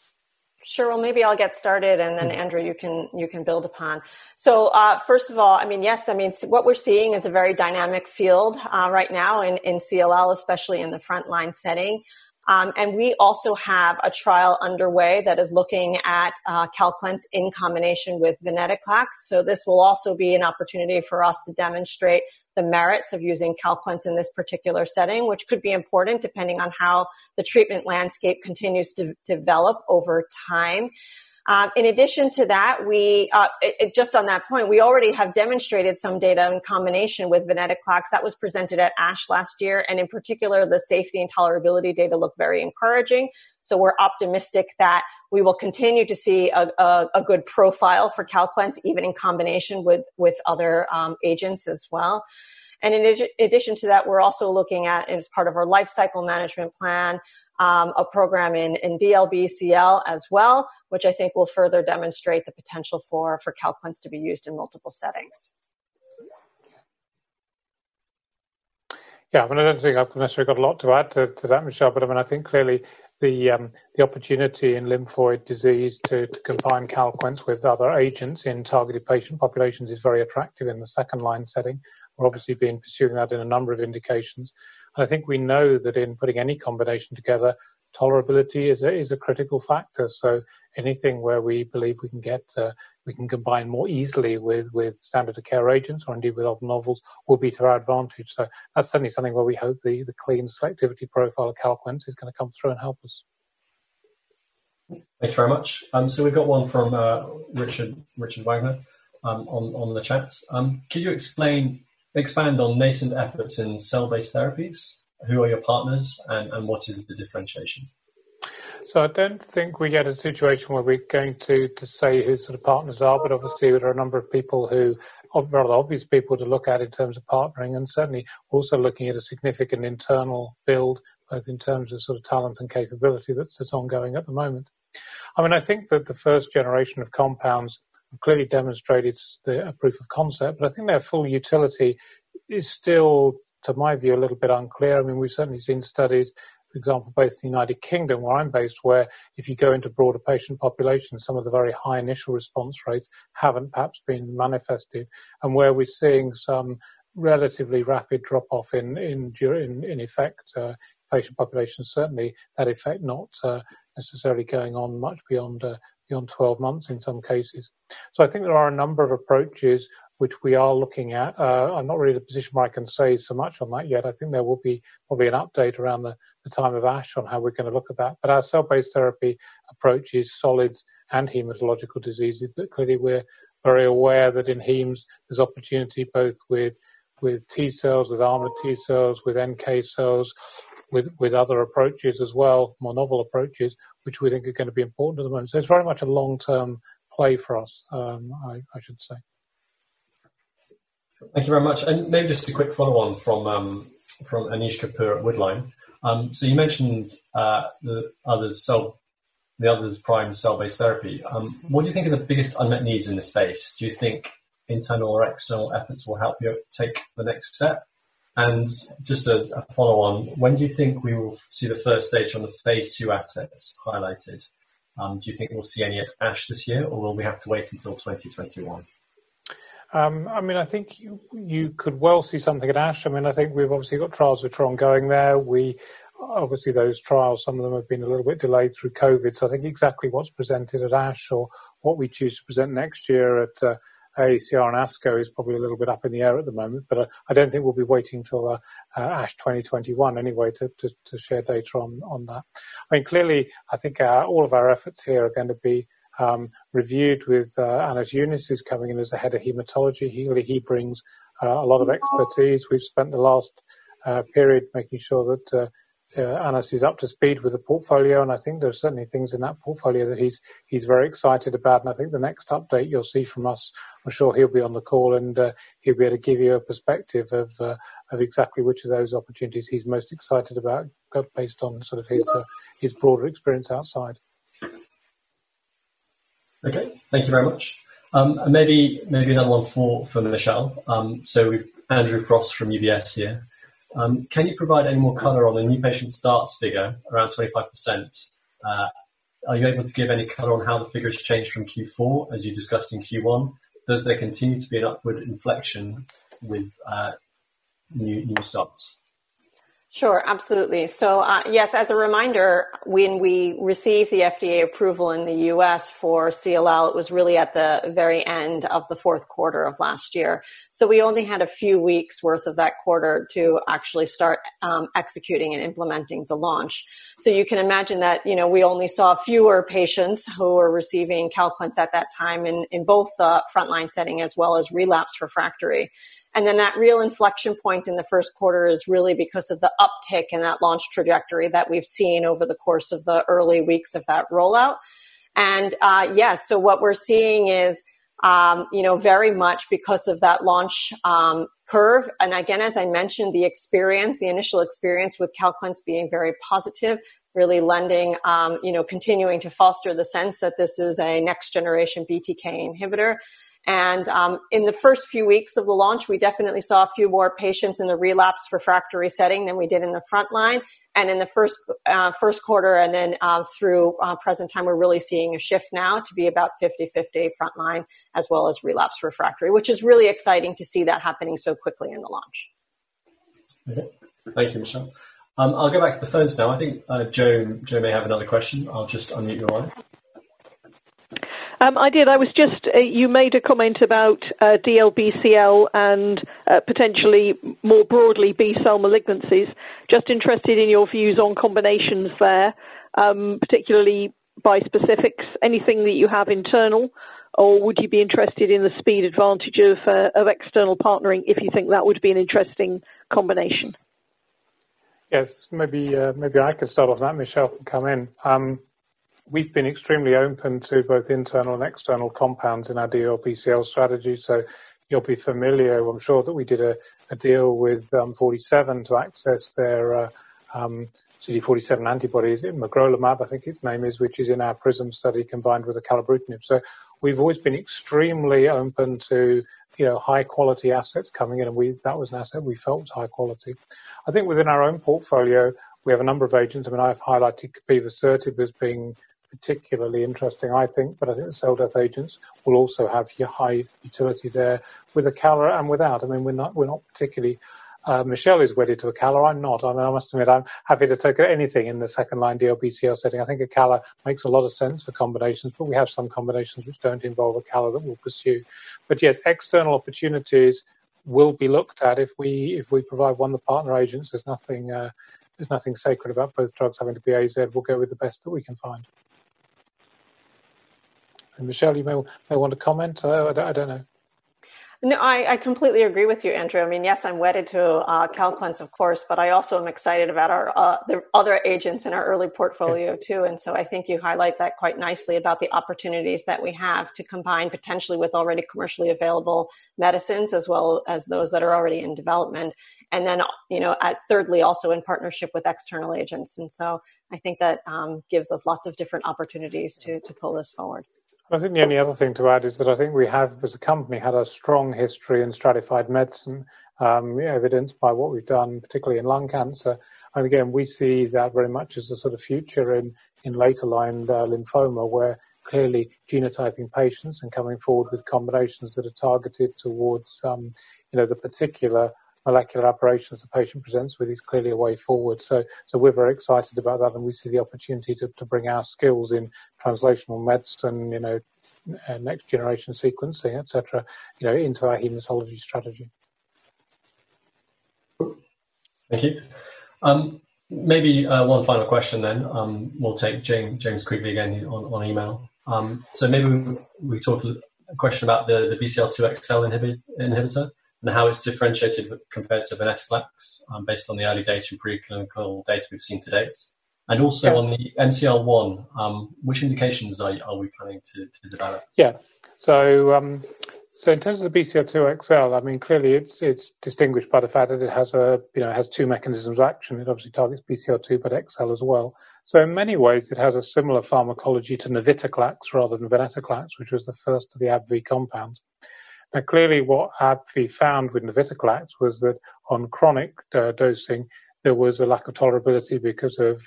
Sure. Well, maybe I'll get started, then Andrew, you can build upon. First of all, yes, what we're seeing is a very dynamic field right now in CLL, especially in the frontline setting. We also have a trial underway that is looking at CALQUENCE in combination with venetoclax. This will also be an opportunity for us to demonstrate the merits of using CALQUENCE in this particular setting, which could be important depending on how the treatment landscape continues to develop over time. In addition to that, just on that point, we already have demonstrated some data in combination with venetoclax that was presented at ASH last year, and in particular, the safety and tolerability data looked very encouraging. We're optimistic that we will continue to see a good profile for CALQUENCE, even in combination with other agents as well. In addition to that, we're also looking at, as part of our life cycle management plan, a program in DLBCL as well, which I think will further demonstrate the potential for Calquence to be used in multiple settings. Yeah. I don't think I've necessarily got a lot to add to that, Michelle. I think clearly the opportunity in lymphoid disease to combine CALQUENCE with other agents in targeted patient populations is very attractive in the second-line setting. We're obviously been pursuing that in a number of indications. I think we know that in putting any combination together, tolerability is a critical factor. Anything where we believe we can combine more easily with standard of care agents or indeed with other novels, will be to our advantage. That's certainly something where we hope the clean selectivity profile of CALQUENCE is going to come through and help us. Thank you very much. We've got one from Richard Wagner on the chat. "Can you expand on nascent efforts in cell-based therapies? Who are your partners and what is the differentiation? I don't think we're in a situation where we're going to say who sort of partners are. Obviously, there are a number of people who are very obvious people to look at in terms of partnering, and certainly also looking at a significant internal build, both in terms of talent and capability that's ongoing at the moment. I think that the first generation of compounds have clearly demonstrated their proof of concept. I think their full utility is still, to my view, a little bit unclear. We've certainly seen studies, for example, both the United Kingdom where I'm based, where if you go into broader patient populations, some of the very high initial response rates haven't perhaps been manifested, and where we're seeing some relatively rapid drop-off in effect patient populations, certainly that effect not necessarily going on much beyond 12 months in some cases. I think there are a number of approaches which we are looking at. I'm not really in a position where I can say so much on that yet. I think there will be probably an update around the time of ASH on how we're going to look at that. Our cell-based therapy approach is solids and hematological diseases. Clearly, we're very aware that in hemes there's opportunity both with T-cells, with armor T-cells, with NK cells, with other approaches as well, more novel approaches, which we think are going to be important at the moment. It's very much a long-term play for us, I should say. Thank you very much. Maybe just a quick follow-on from Aneesh Kapur at Woodline Partners. You mentioned the others prime cell-based therapy. What do you think are the biggest unmet needs in this space? Do you think internal or external efforts will help you take the next step? Just a follow-on, when do you think we will see the first data on the phase II assets highlighted? Do you think we'll see any at ASH this year, or will we have to wait until 2021? I think you could well see something at ASH. I think we've obviously got trials with Tron going there. Those trials, some of them have been a little bit delayed through COVID-19. I think exactly what's presented at ASH or what we choose to present next year at AACR and ASCO is probably a little bit up in the air at the moment. I don't think we'll be waiting till ASH 2021 anyway to share data on that. I think all of our efforts here are going to be reviewed with Anas Younes, who's coming in as the head of hematology. He brings a lot of expertise. We've spent the last period making sure that Anas is up to speed with the portfolio, and I think there are certainly things in that portfolio that he's very excited about. I think the next update you'll see from us, I'm sure he'll be on the call and he'll be able to give you a perspective of exactly which of those opportunities he's most excited about based on sort of his broader experience outside. Okay. Thank you very much. Maybe another one for Michelle. Andrew Frost from UBS here. Can you provide any more color on the new patient starts figure around 25%? Are you able to give any color on how the figures changed from Q4 as you discussed in Q1? Does there continue to be an upward inflection with new starts? Sure, absolutely. Yes, as a reminder, when we received the U.S. FDA approval in the U.S. for CLL, it was really at the very end of the fourth quarter of last year. We only had a few weeks worth of that quarter to actually start executing and implementing the launch. You can imagine that we only saw fewer patients who were receiving CALQUENCE at that time in both the frontline setting as well as relapse refractory. That real inflection point in the first quarter is really because of the uptick in that launch trajectory that we've seen over the course of the early weeks of that rollout. Yes, what we're seeing is very much because of that launch curve, again, as I mentioned, the initial experience with CALQUENCE being very positive, really lending, continuing to foster the sense that this is a next generation BTK inhibitor. In the first few weeks of the launch, we definitely saw a few more patients in the relapse refractory setting than we did in the frontline. In the first quarter and then through present time, we're really seeing a shift now to be about 50/50 frontline as well as relapse refractory, which is really exciting to see that happening so quickly in the launch. Okay. Thank you, Michelle. I'll go back to the phones now. I think Jo may have another question. I'll just unmute your line. I did. You made a comment about DLBCL and potentially more broadly B-cell malignancies. Interested in your views on combinations there, particularly bispecifics. Anything that you have internal, or would you be interested in the speed advantage of external partnering if you think that would be an interesting combination? Yes. I could start off that. Michelle can come in. We've been extremely open to both internal and external compounds in our DLBCL strategy. You'll be familiar, I'm sure, that we did a deal with 47 to access their CD47 antibodies. Magrolimab, I think its name is, which is in our PRISM study, combined with acalabrutinib. We've always been extremely open to high-quality assets coming in, and that was an asset we felt was high quality. I think within our own portfolio, we have a number of agents. I mean, I have highlighted capivasertib as being particularly interesting, I think. I think the cell death agents will also have high utility there with acala and without. I mean, we're not particularly Michelle Werner is wedded to acala. I'm not. I mean, I must admit, I'm happy to take anything in the second-line DLBCL setting. I think acala makes a lot of sense for combinations, but we have some combinations which don't involve acala that we'll pursue. Yes, external opportunities will be looked at if we provide one of the partner agents. There's nothing sacred about both drugs having to be AZ'd. We'll go with the best that we can find. Michelle Werner, you may want to comment. I don't know. No, I completely agree with you, Andrew. I mean, yes, I'm wedded to CALQUENCE, of course, but I also am excited about the other agents in our early portfolio too. I think you highlight that quite nicely about the opportunities that we have to combine potentially with already commercially available medicines, as well as those that are already in development. Thirdly, also in partnership with external agents. I think that gives us lots of different opportunities to pull this forward. I think the only other thing to add is that I think we have, as a company, had a strong history in stratified medicine, evidenced by what we've done, particularly in lung cancer. Again, we see that very much as the sort of future in later-line lymphoma, where clearly genotyping patients and coming forward with combinations that are targeted towards the particular molecular aberrations the patient presents with is clearly a way forward. We're very excited about that, and we see the opportunity to bring our skills in translational medicine, next-generation sequencing, et cetera, into our hematology strategy. Thank you. Maybe one final question then. We'll take James Quigley again on email. Maybe we talk a question about the Bcl-xL inhibitor and how it's differentiated compared to venetoclax based on the early data and preclinical data we've seen to date. Also on the MCL-1, which indications are we planning to develop? Yeah. In terms of the Bcl-xL, I mean, clearly it's distinguished by the fact that it has two mechanisms of action. It obviously targets Bcl-2, xL as well. In many ways, it has a similar pharmacology to navitoclax rather than venetoclax, which was the first of the AbbVie compounds. Now, clearly, what AbbVie found with navitoclax was that on chronic dosing, there was a lack of tolerability because of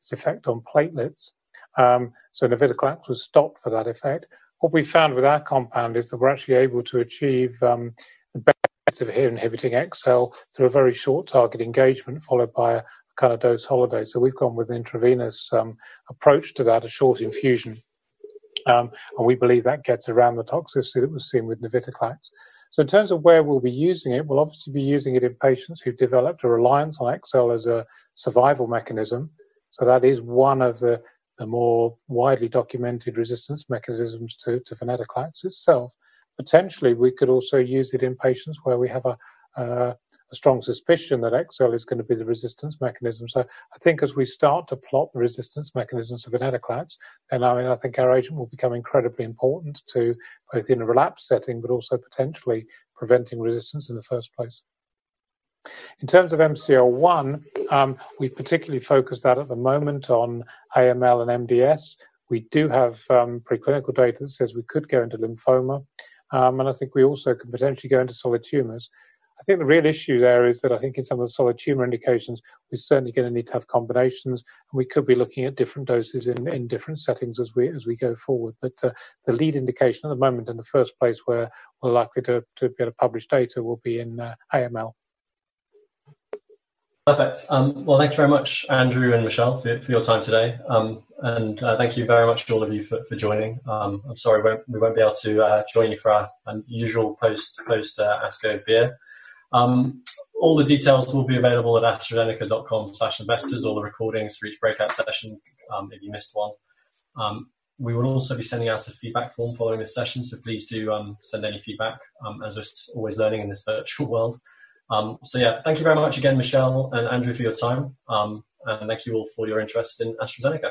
its effect on platelets. Navitoclax was stopped for that effect. What we found with our compound is that we're actually able to achieve the best of inhibiting xL through a very short target engagement followed by a kind of dose holiday. We've gone with intravenous approach to that, a short infusion. We believe that gets around the toxicity that was seen with navitoclax. In terms of where we'll be using it, we'll obviously be using it in patients who've developed a reliance on xL as a survival mechanism. That is one of the more widely documented resistance mechanisms to venetoclax itself. Potentially, we could also use it in patients where we have a strong suspicion that xL is going to be the resistance mechanism. I think as we start to plot the resistance mechanisms of venetoclax, I think our agent will become incredibly important to both in a relapse setting, but also potentially preventing resistance in the first place. In terms of MCL-1, we've particularly focused that at the moment on AML and MDS. We do have preclinical data that says we could go into lymphoma. I think we also could potentially go into solid tumors. I think the real issue there is that I think in some of the solid tumor indications, we're certainly going to need to have combinations, and we could be looking at different doses in different settings as we go forward. The lead indication at the moment in the first place where we're likely to be able to publish data will be in AML. Perfect. Well, thank you very much, Andrew and Michelle, for your time today. Thank you very much to all of you for joining. I'm sorry we won't be able to join you for our usual post-ASCO beer. All the details will be available at astrazeneca.com/investors, all the recordings for each breakout session, if you missed one. We will also be sending out a feedback form following this session, please do send any feedback as we're always learning in this virtual world. Thank you very much again, Michelle and Andrew, for your time. Thank you all for your interest in AstraZeneca.